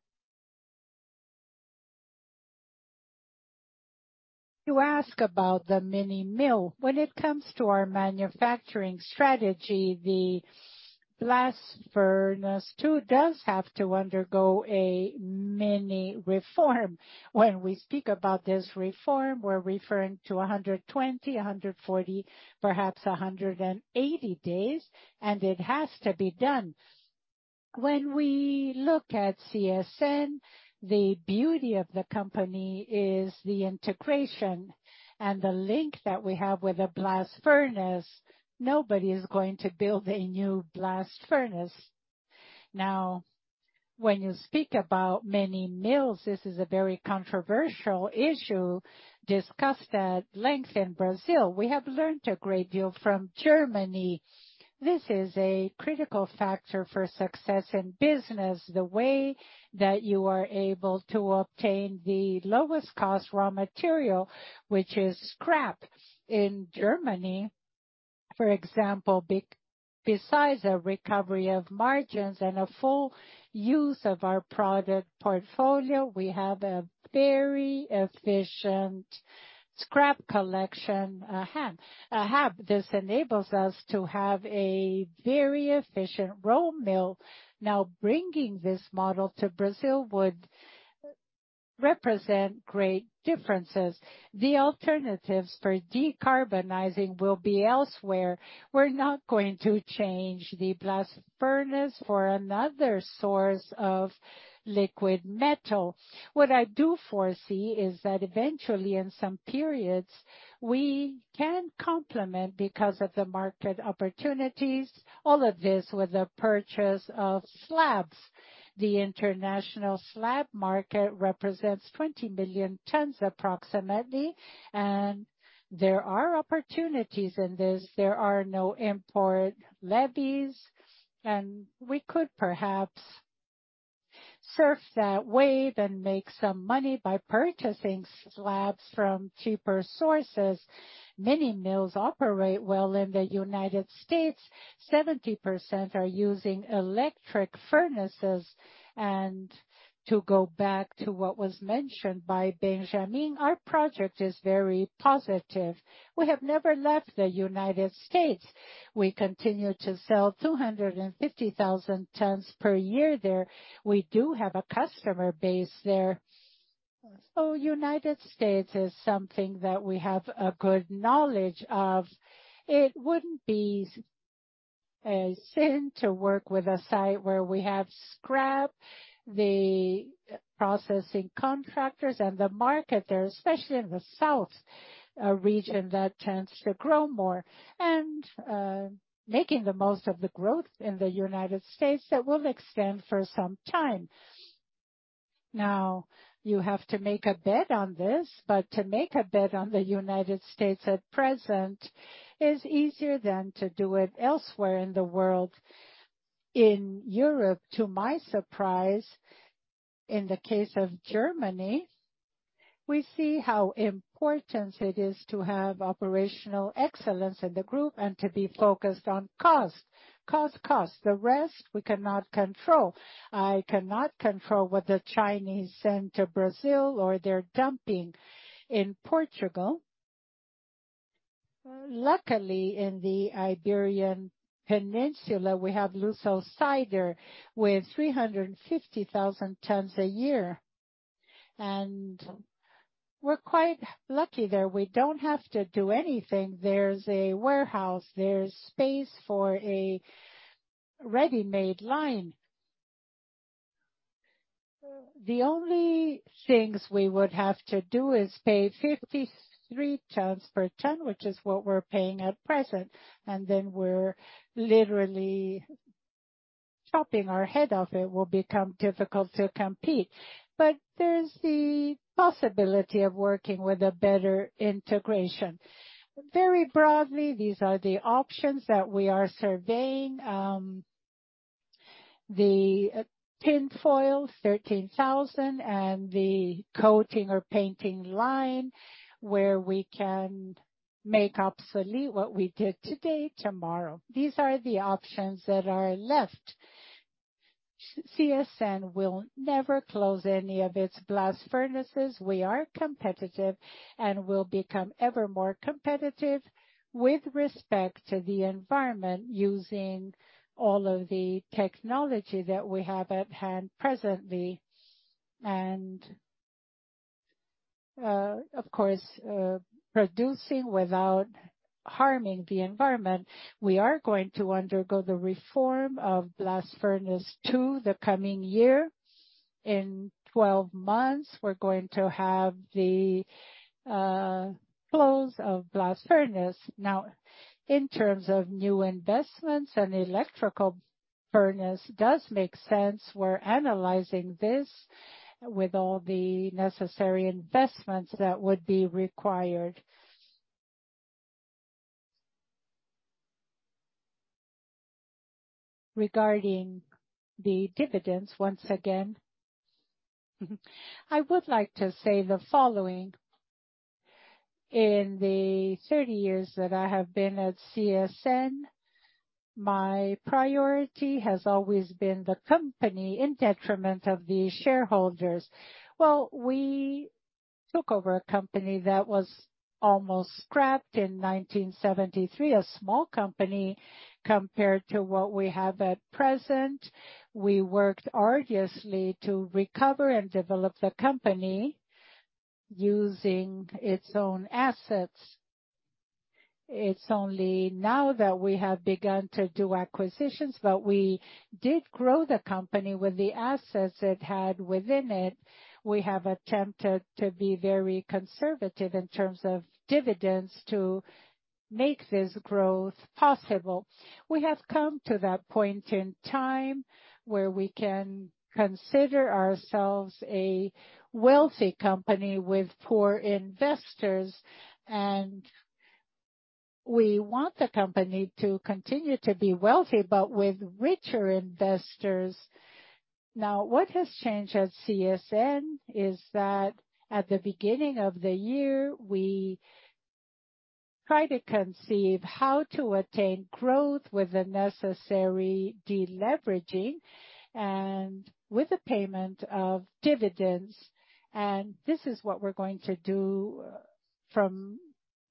F: You ask about the mini mill. When it comes to our manufacturing strategy, the blast furnace two does have to undergo a mini reform. When we speak about this reform, we're referring to 120, 140, perhaps 180 days, and it has to be done. When we look at CSN, the beauty of the company is the integration and the link that we have with the blast furnace. Nobody is going to build a new blast furnace. When you speak about mini mills, this is a very controversial issue discussed at length in Brazil. We have learned a great deal from Germany. This is a critical factor for success in business, the way that you are able to obtain the lowest cost raw material, which is scrap. In Germany, for example, besides a recovery of margins and a full use of our product portfolio, we have a very efficient scrap collection hub. This enables us to have a very efficient raw mill. Bringing this model to Brazil would represent great differences. The alternatives for decarbonizing will be elsewhere. We're not going to change the blast furnace for another source of liquid metal. What I do foresee is that eventually, in some periods, we can complement because of the market opportunities, all of this with the purchase of slabs. The international slab market represents 20 million tons approximately, and there are opportunities in this. There are no import levies, and we could perhaps surf that wave and make some money by purchasing slabs from cheaper sources. mini mills operate well in the United States. 70% are using electric furnaces. To go back to what was mentioned by Benjamin, our project is very positive. We have never left the United States. We continue to sell 250,000 tons per year there. We do have a customer base there. United States is something that we have a good knowledge of. It wouldn't be a sin to work with a site where we have scrap, the processing contractors and the market there, especially in the South, a region that tends to grow more and making the most of the growth in the United States that will extend for some time. You have to make a bet on this, but to make a bet on the United States at present is easier than to do it elsewhere in the world. In Europe, to my surprise, in the case of Germany, we see how important it is to have operational excellence in the group and to be focused on cost. Cost, cost. The rest we cannot control. I cannot control what the Chinese send to Brazil or their dumping in Portugal. Luckily, in the Iberian Peninsula, we have Lusosider with 350,000 tons a year. We're quite lucky there. We don't have to do anything. There's a warehouse, there's space for a ready-made line. The only things we would have to do is pay 53 tons per ton, which is what we're paying at present. We're literally chopping our head off. It will become difficult to compete. There's the possibility of working with a better integration. Very broadly, these are the options that we are surveying. The tinfoil, 13,000, the coating or painting line where we can make obsolete what we did today, tomorrow. These are the options that are left. CSN will never close any of its blast furnaces. We are competitive and will become ever more competitive with respect to the environment, using all of the technology that we have at hand presently and, of course, producing without harming the environment. We are going to undergo the reform of blast furnace 2 the coming year. In 12 months, we're going to have the close of blast furnace. Now, in terms of new investments, an electrical furnace does make sense. We're analyzing this with all the necessary investments that would be required.
B: Regarding the dividends once again, I would like to say the following. In the 30 years that I have been at CSN, my priority has always been the company in detriment of the shareholders. Well, we took over a company that was almost scrapped in 1973, a small company compared to what we have at present. We worked arduously to recover and develop the company using its own assets. It's only now that we have begun to do acquisitions, we did grow the company with the assets it had within it. We have attempted to be very conservative in terms of dividends to make this growth possible. We have come to that point in time where we can consider ourselves a wealthy company with poor investors, we want the company to continue to be wealthy, with richer investors. What has changed at CSN is that at the beginning of the year, we try to conceive how to attain growth with the necessary deleveraging and with the payment of dividends. This is what we're going to do from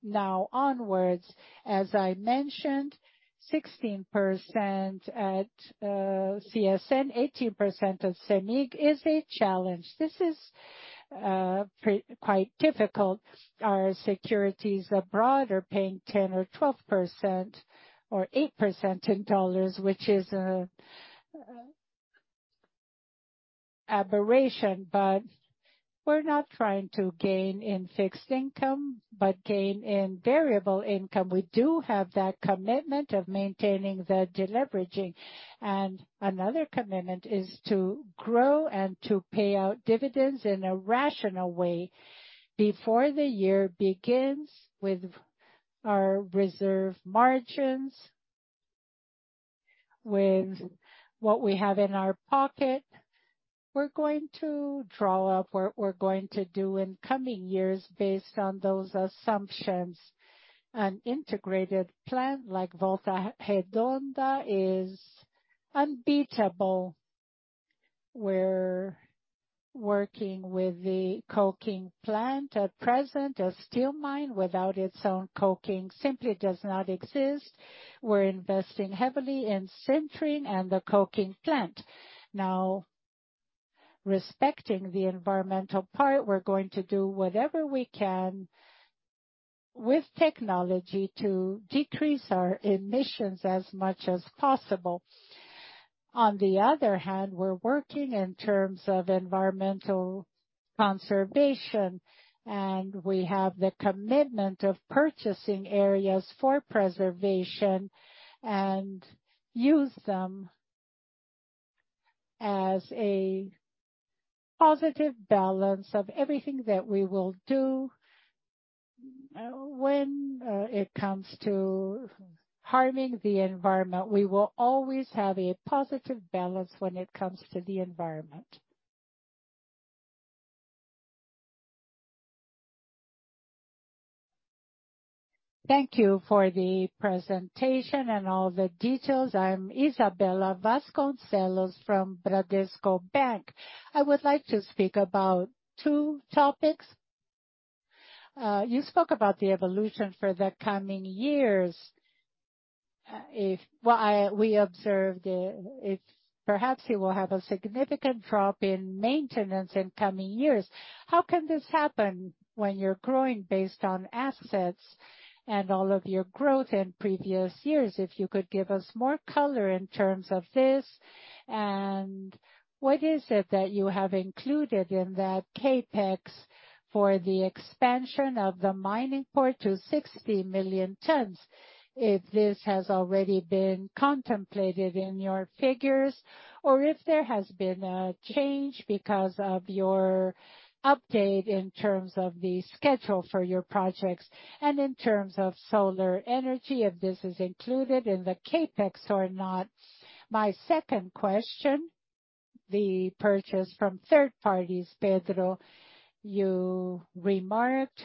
B: now onwards. As I mentioned, 16% at CSN, 18% at Cemig is a challenge. This is pre-quite difficult. Our securities abroad are paying 10% or 12% or 8% in dollars, which is a aberration. We're not trying to gain in fixed income, but gain in variable income. We do have that commitment of maintaining the deleveraging. Another commitment is to grow and to pay out dividends in a rational way before the year begins. With our reserve margins, with what we have in our pocket, we're going to draw up what we're going to do in coming years based on those assumptions. An integrated plant like Volta Redonda is unbeatable. We're working with the coking plant. At present, a steel mine without its own coking simply does not exist. We're investing heavily in sintering and the coking plant. Respecting the environmental part, we're going to do whatever we can with technology to decrease our emissions as much as possible. On the other hand, we're working in terms of environmental conservation, we have the commitment of purchasing areas for preservation and use them as a positive balance of everything that we will do. When it comes to harming the environment, we will always have a positive balance when it comes to the environment.
Q: Thank you for the presentation and all the details. I'm Isabella Vasconcelos from Bradesco Bank. I would like to speak about two topics. You spoke about the evolution for the coming years. Well, we observed if perhaps you will have a significant drop in maintenance in coming years. How can this happen when you're growing based on assets and all of your growth in previous years? If you could give us more color in terms of this. What is it that you have included in that CapEx for the expansion of the mining port to 60 million tons? If this has already been contemplated in your figures or if there has been a change because of your update in terms of the schedule for your projects and in terms of solar energy, if this is included in the CapEx or not. My second question, the purchase from third parties, Pedro, you remarked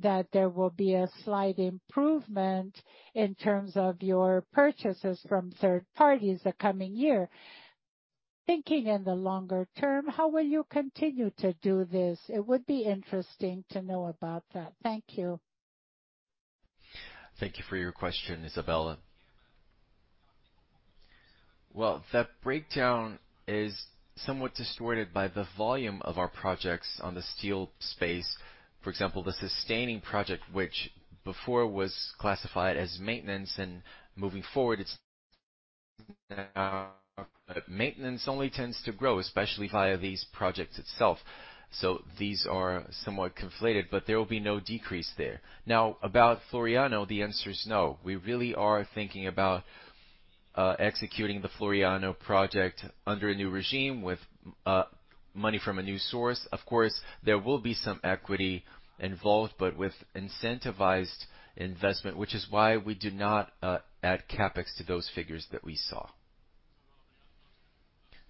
Q: that there will be a slight improvement in terms of your purchases from third parties the coming year. Thinking in the longer term, how will you continue to do this? It would be interesting to know about that. Thank you.
L: Thank you for your question, Isabella. The breakdown is somewhat distorted by the volume of our projects on the steel space. For example, the sustaining project, which before was classified as maintenance and moving forward, it's maintenance only tends to grow, especially via these projects itself. These are somewhat conflated, but there will be no decrease there. About Floriano, the answer is no. We really are thinking about executing the Floriano project under a new regime with money from a new source. Of course, there will be some equity involved, but with incentivized investment, which is why we do not add CapEx to those figures that we saw.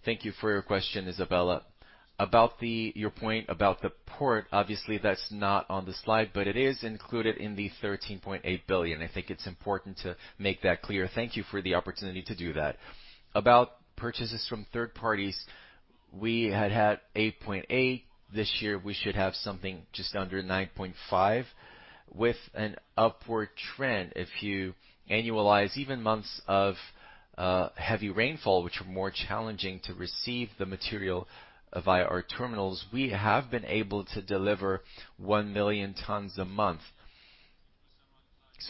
R: Thank you for your question, Isabella. About your point about the port, obviously, that's not on the slide, but it is included in the $13.8 billion. I think it's important to make that clear. Thank you for the opportunity to do that. About purchases from third parties, we had had 8.8. This year, we should have something just under 9.5 with an upward trend. If you annualize even months of heavy rainfall, which are more challenging to receive the material via our terminals, we have been able to deliver 1 million tons a month.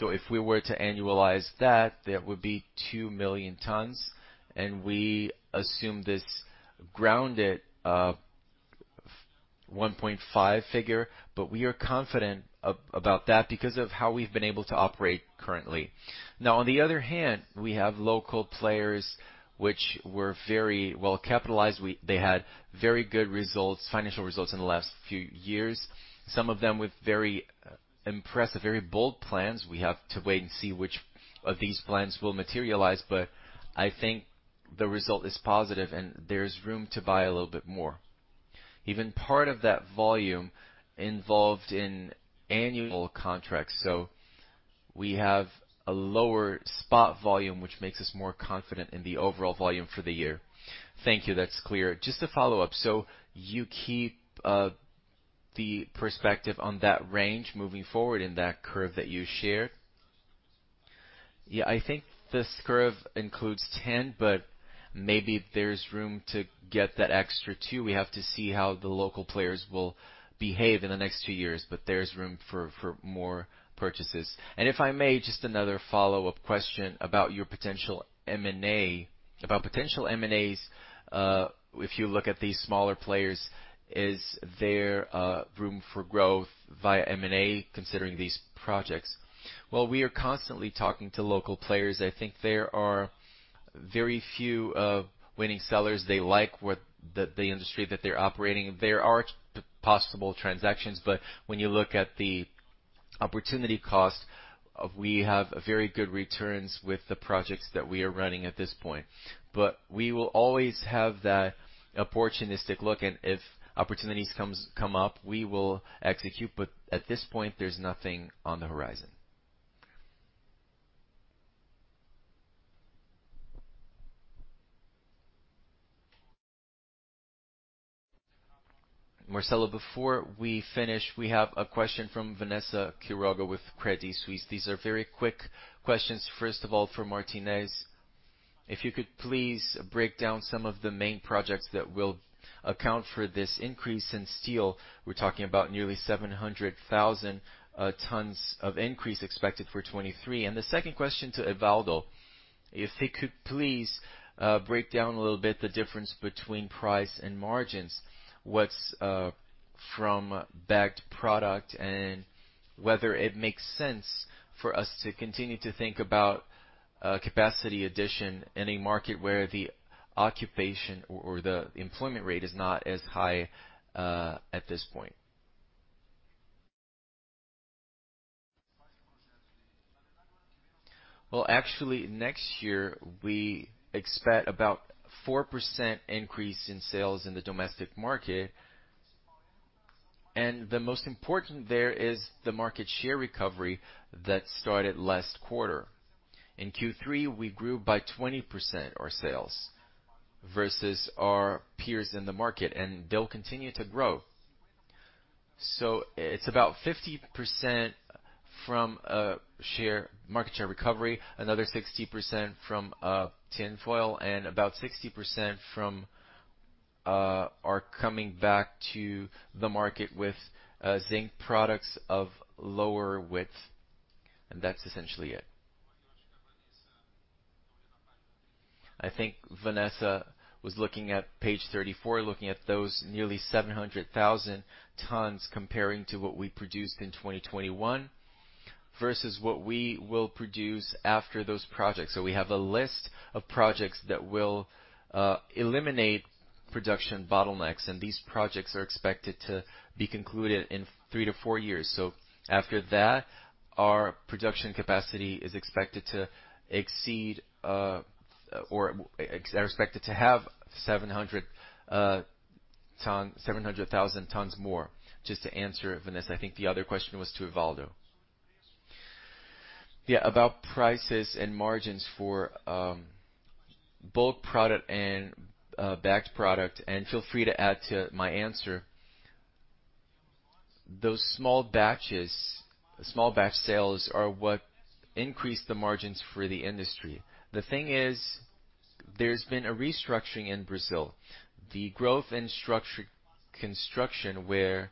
R: If we were to annualize that would be 2 million tons, and we assume this grounded 1.5 figure. We are confident about that because of how we've been able to operate currently. On the other hand, we have local players which were very well capitalized. They had very good results, financial results in the last few years, some of them with very impressive, very bold plans. We have to wait and see which of these plans will materialize, but I think the result is positive, and there is room to buy a little bit more. Even part of that volume involved in annual contracts. We have a lower spot volume, which makes us more confident in the overall volume for the year.
Q: Thank you. That's clear. Just a follow-up. You keep the perspective on that range moving forward in that curve that you shared?
R: Yeah. I think this curve includes 10, but maybe there's room to get that extra two. We have to see how the local players will behave in the next two years. There's room for more purchases.
Q: If I may, just another follow-up question about your potential M&A. About potential M&As, if you look at these smaller players, is there room for growth via M&A considering these projects?
R: Well, we are constantly talking to local players. I think there are very few winning sellers. They like what the industry that they're operating. There are possible transactions, but when you look at the opportunity cost, we have a very good returns with the projects that we are running at this point. We will always have that opportunistic look, and if opportunities come up, we will execute. At this point, there's nothing on the horizon.
A: Marcelo, before we finish, we have a question from Vanessa Quiroga with Credit Suisse.
S: These are very quick questions. First of all, for Martinez, if you could please break down some of the main projects that will account for this increase in steel. We're talking about nearly 700,000 tons of increase expected for 2023. The second question to Edvaldo, if he could please break down a little bit the difference between price and margins, what's from bagged product, and whether it makes sense for us to continue to think about capacity addition in a market where the occupation or the employment rate is not as high at this point?
F: Well, actually, next year we expect about 4% increase in sales in the domestic market. The most important there is the market share recovery that started last quarter. In Q3, we grew by 20% our sales versus our peers in the market, and they'll continue to grow.
I: It's about 50% from share, market share recovery, another 60% from tin foil and about 60% from are coming back to the market with zinc products of lower width. That's essentially it. I think Vanessa was looking at page 34, looking at those nearly 700,000 tons comparing to what we produced in 2021 versus what we will produce after those projects. We have a list of projects that will eliminate production bottlenecks, and these projects are expected to be concluded in three to four years. After that, our production capacity is expected to exceed, or expected to have 700,000 tons more. Just to answer Vanessa. I think the other question was to Edvaldo.
L: Yeah, about prices and margins for bulk product and bagged product. Feel free to add to my answer. Those small batches, small batch sales are what increase the margins for the industry. The thing is, there's been a restructuring in Brazil, the growth in construction, where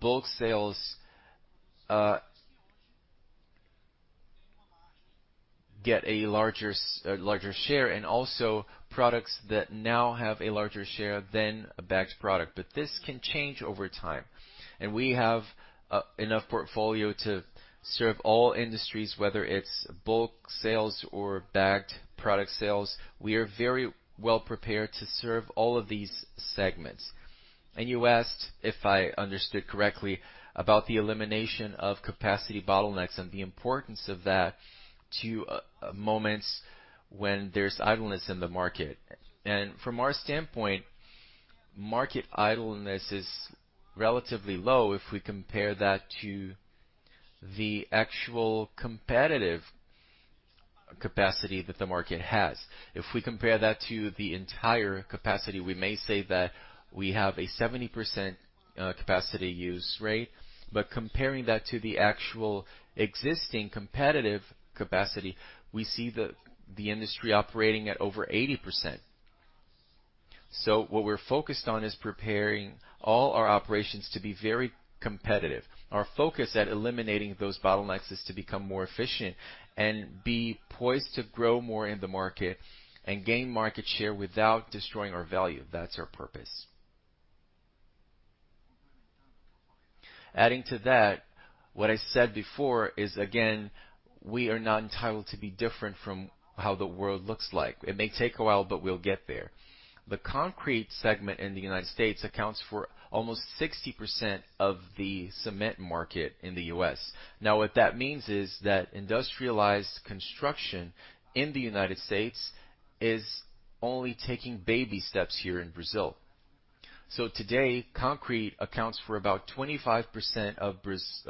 L: bulk sales get a larger share and also products that now have a larger share than a bagged product. This can change over time. We have enough portfolio to serve all industries, whether it's bulk sales or bagged product sales. We are very well prepared to serve all of these segments. You asked, if I understood correctly, about the elimination of capacity bottlenecks and the importance of that to moments when there's idleness in the market. From our standpoint, market idleness is relatively low if we compare that to the actual competitive capacity that the market has. If we compare that to the entire capacity, we may say that we have a 70% capacity use rate, but comparing that to the actual existing competitive capacity, we see the industry operating at over 80%. What we're focused on is preparing all our operations to be very competitive. Our focus at eliminating those bottlenecks is to become more efficient and be poised to grow more in the market and gain market share without destroying our value. That's our purpose.
F: Adding to that, what I said before is, again, we are not entitled to be different from how the world looks like. It may take a while, but we'll get there. The concrete segment in the United States accounts for almost 60% of the cement market in the US. Now, what that means is that industrialized construction in the United States is only taking baby steps here in Brazil. Today, concrete accounts for about 25% of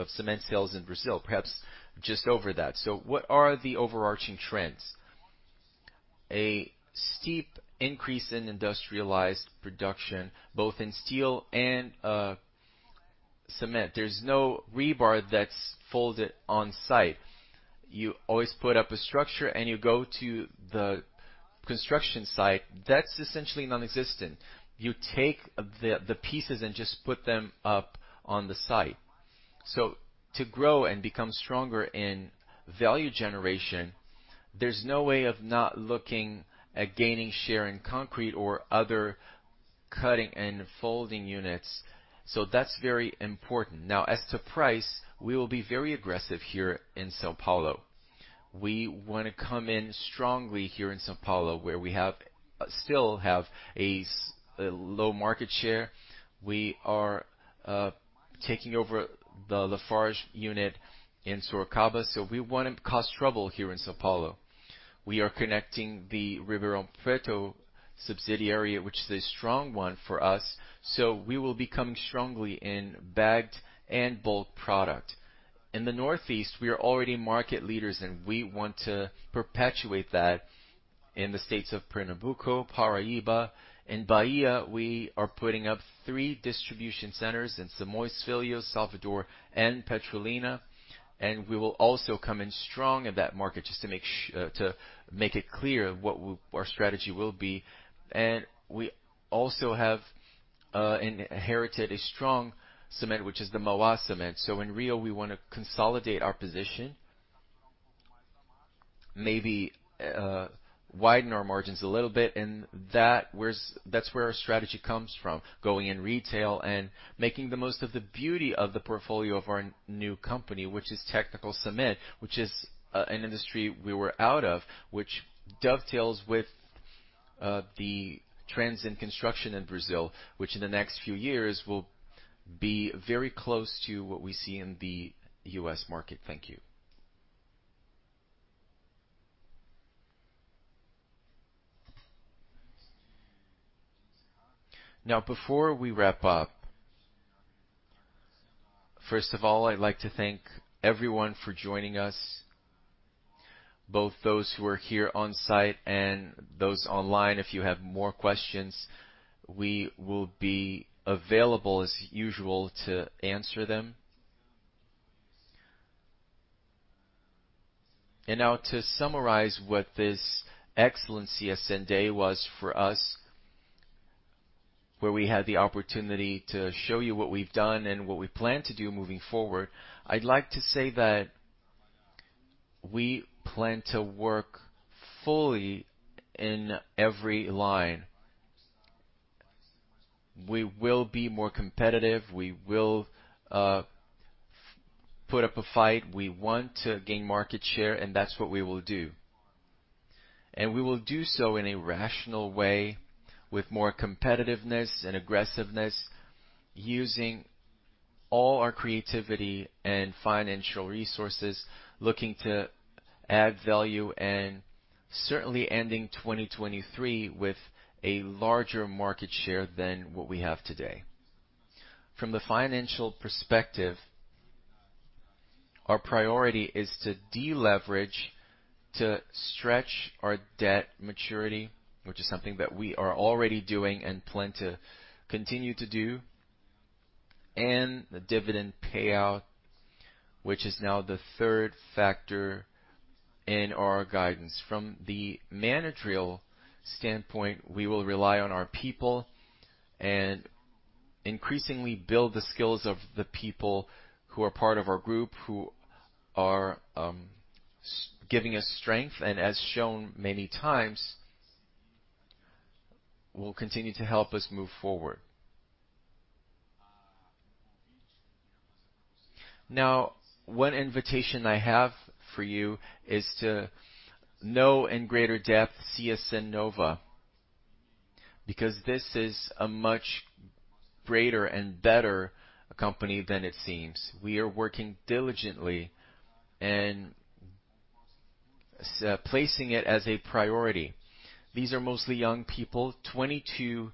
F: cement sales in Brazil, perhaps just over that. What are the overarching trends? A steep increase in industrialized production, both in steel and cement. There's no rebar that's folded on-site. You always put up a structure, and you go to the construction site. That's essentially nonexistent. You take the pieces and just put them up on the site. To grow and become stronger in value generation, there's no way of not looking at gaining share in concrete or other cutting and folding units. That's very important. As to price, we will be very aggressive here in São Paulo. We wanna come in strongly here in São Paulo, where we still have a low market share. We are taking over the Lafarge unit in Sorocaba, so we wanna cause trouble here in São Paulo. We are connecting the Ribeirão Preto subsidiary, which is a strong one for us, so we will be coming strongly in bagged and bulk product. In the Northeast, we are already market leaders, and we want to perpetuate that in the states of Pernambuco, Paraíba. In Bahia, we are putting up three distribution centers in Simões Filho, Salvador, and Petrolina, and we will also come in strong in that market just to make it clear what our strategy will be. We also have inherited a strong cement, which is the Cimento Mauá. In Rio, we wanna consolidate our position, maybe widen our margins a little bit, and that's where our strategy comes from, going in retail and making the most of the beauty of the portfolio of our new company, which is technical cement, which is an industry we were out of, which dovetails with the trends in construction in Brazil, which in the next few years will be very close to what we see in the U.S. market. Thank you.
B: Before we wrap up, first of all, I'd like to thank everyone for joining us, both those who are here on site and those online. If you have more questions, we will be available as usual to answer them. Now to summarize what this excellent CSN Day was for us, where we had the opportunity to show you what we've done and what we plan to do moving forward, I'd like to say that we plan to work fully in every line. We will be more competitive. We will put up a fight. We want to gain market share. That's what we will do. We will do so in a rational way with more competitiveness and aggressiveness, using all our creativity and financial resources, looking to add value, and certainly ending 2023 with a larger market share than what we have today. From the financial perspective, our priority is to deleverage, to stretch our debt maturity, which is something that we are already doing and plan to continue to do, and the dividend payout, which is now the third factor in our guidance. From the managerial standpoint, we will rely on our people and increasingly build the skills of the people who are part of our group, who are giving us strength, and as shown many times, will continue to help us move forward. Now, one invitation I have for you is to know in greater depth CSN Inova, because this is a much greater and better company than it seems. We are working diligently and placing it as a priority. These are mostly young people, 22,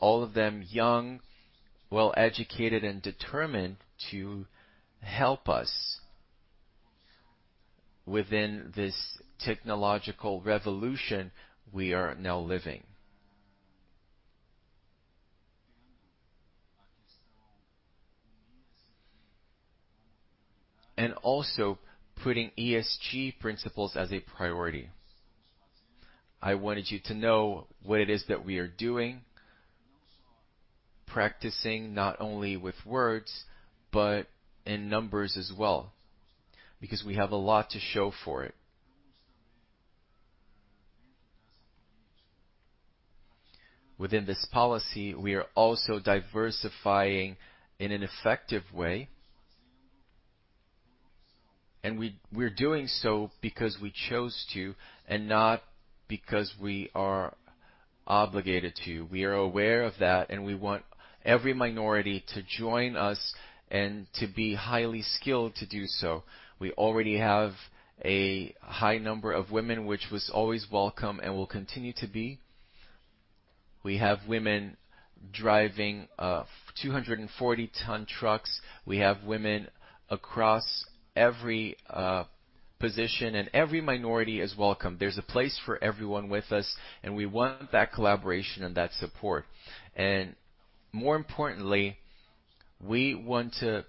B: all of them young, well-educated and determined to help us within this technological revolution we are now living. Also putting ESG principles as a priority. I wanted you to know what it is that we are doing, practicing not only with words, but in numbers as well, because we have a lot to show for it. Within this policy, we are also diversifying in an effective way. We're doing so because we chose to and not because we are obligated to. We are aware of that. We want every minority to join us and to be highly skilled to do so. We already have a high number of women, which was always welcome and will continue to be. We have women driving 240 ton trucks. We have women across every position. Every minority is welcome. There's a place for everyone with us. We want that collaboration and that support. More importantly, we want to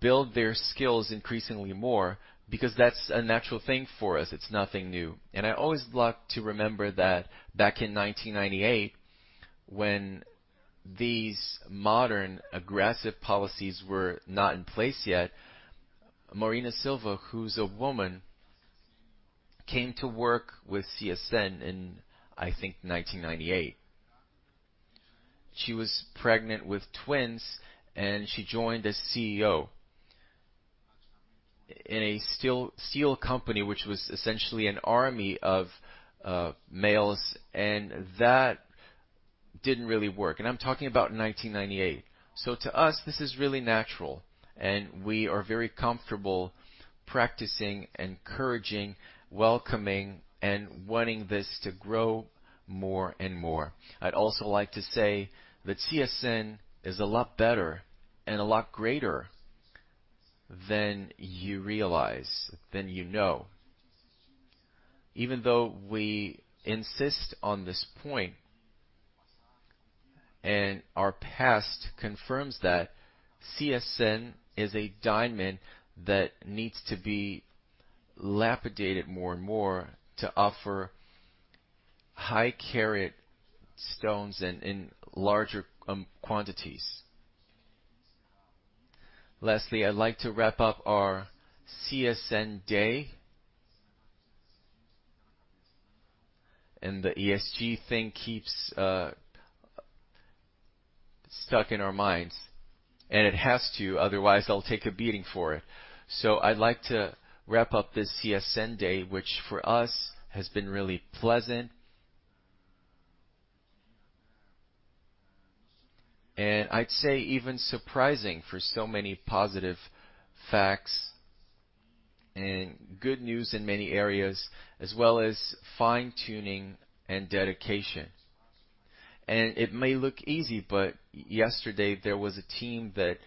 B: build their skills increasingly more because that's a natural thing for us. It's nothing new. I always like to remember that back in 1998, when these modern aggressive policies were not in place yet, Marina Silva, who's a woman, came to work with CSN in 1998. She was pregnant with twins, and she joined as CEO in a steel company, which was essentially an army of males, and that didn't really work. I'm talking about 1998. To us, this is really natural, and we are very comfortable practicing, encouraging, welcoming, and wanting this to grow more and more. I'd also like to say that CSN is a lot better and a lot greater than you realize, than you know. Even though we insist on this point, and our past confirms that CSN is a diamond that needs to be lapidated more and more to offer high carat stones in larger quantities. I'd like to wrap up our CSN day. The ESG thing keeps stuck in our minds, and it has to, otherwise I'll take a beating for it. I'd like to wrap up this CSN day, which for us has been really pleasant. I'd say even surprising for so many positive facts and good news in many areas, as well as fine-tuning and dedication. It may look easy, but yesterday there was a team that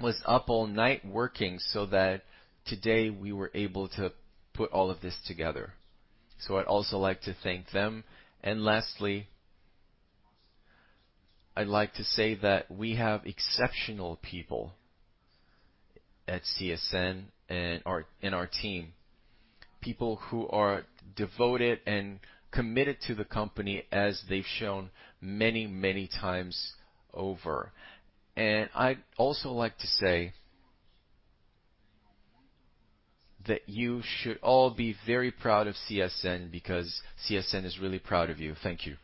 B: was up all night working so that today we were able to put all of this together. I'd also like to thank them. Lastly, I'd like to say that we have exceptional people at CSN in our team. People who are devoted and committed to the company as they've shown many times over. I'd also like to say that you should all be very proud of CSN because CSN is really proud of you. Thank you.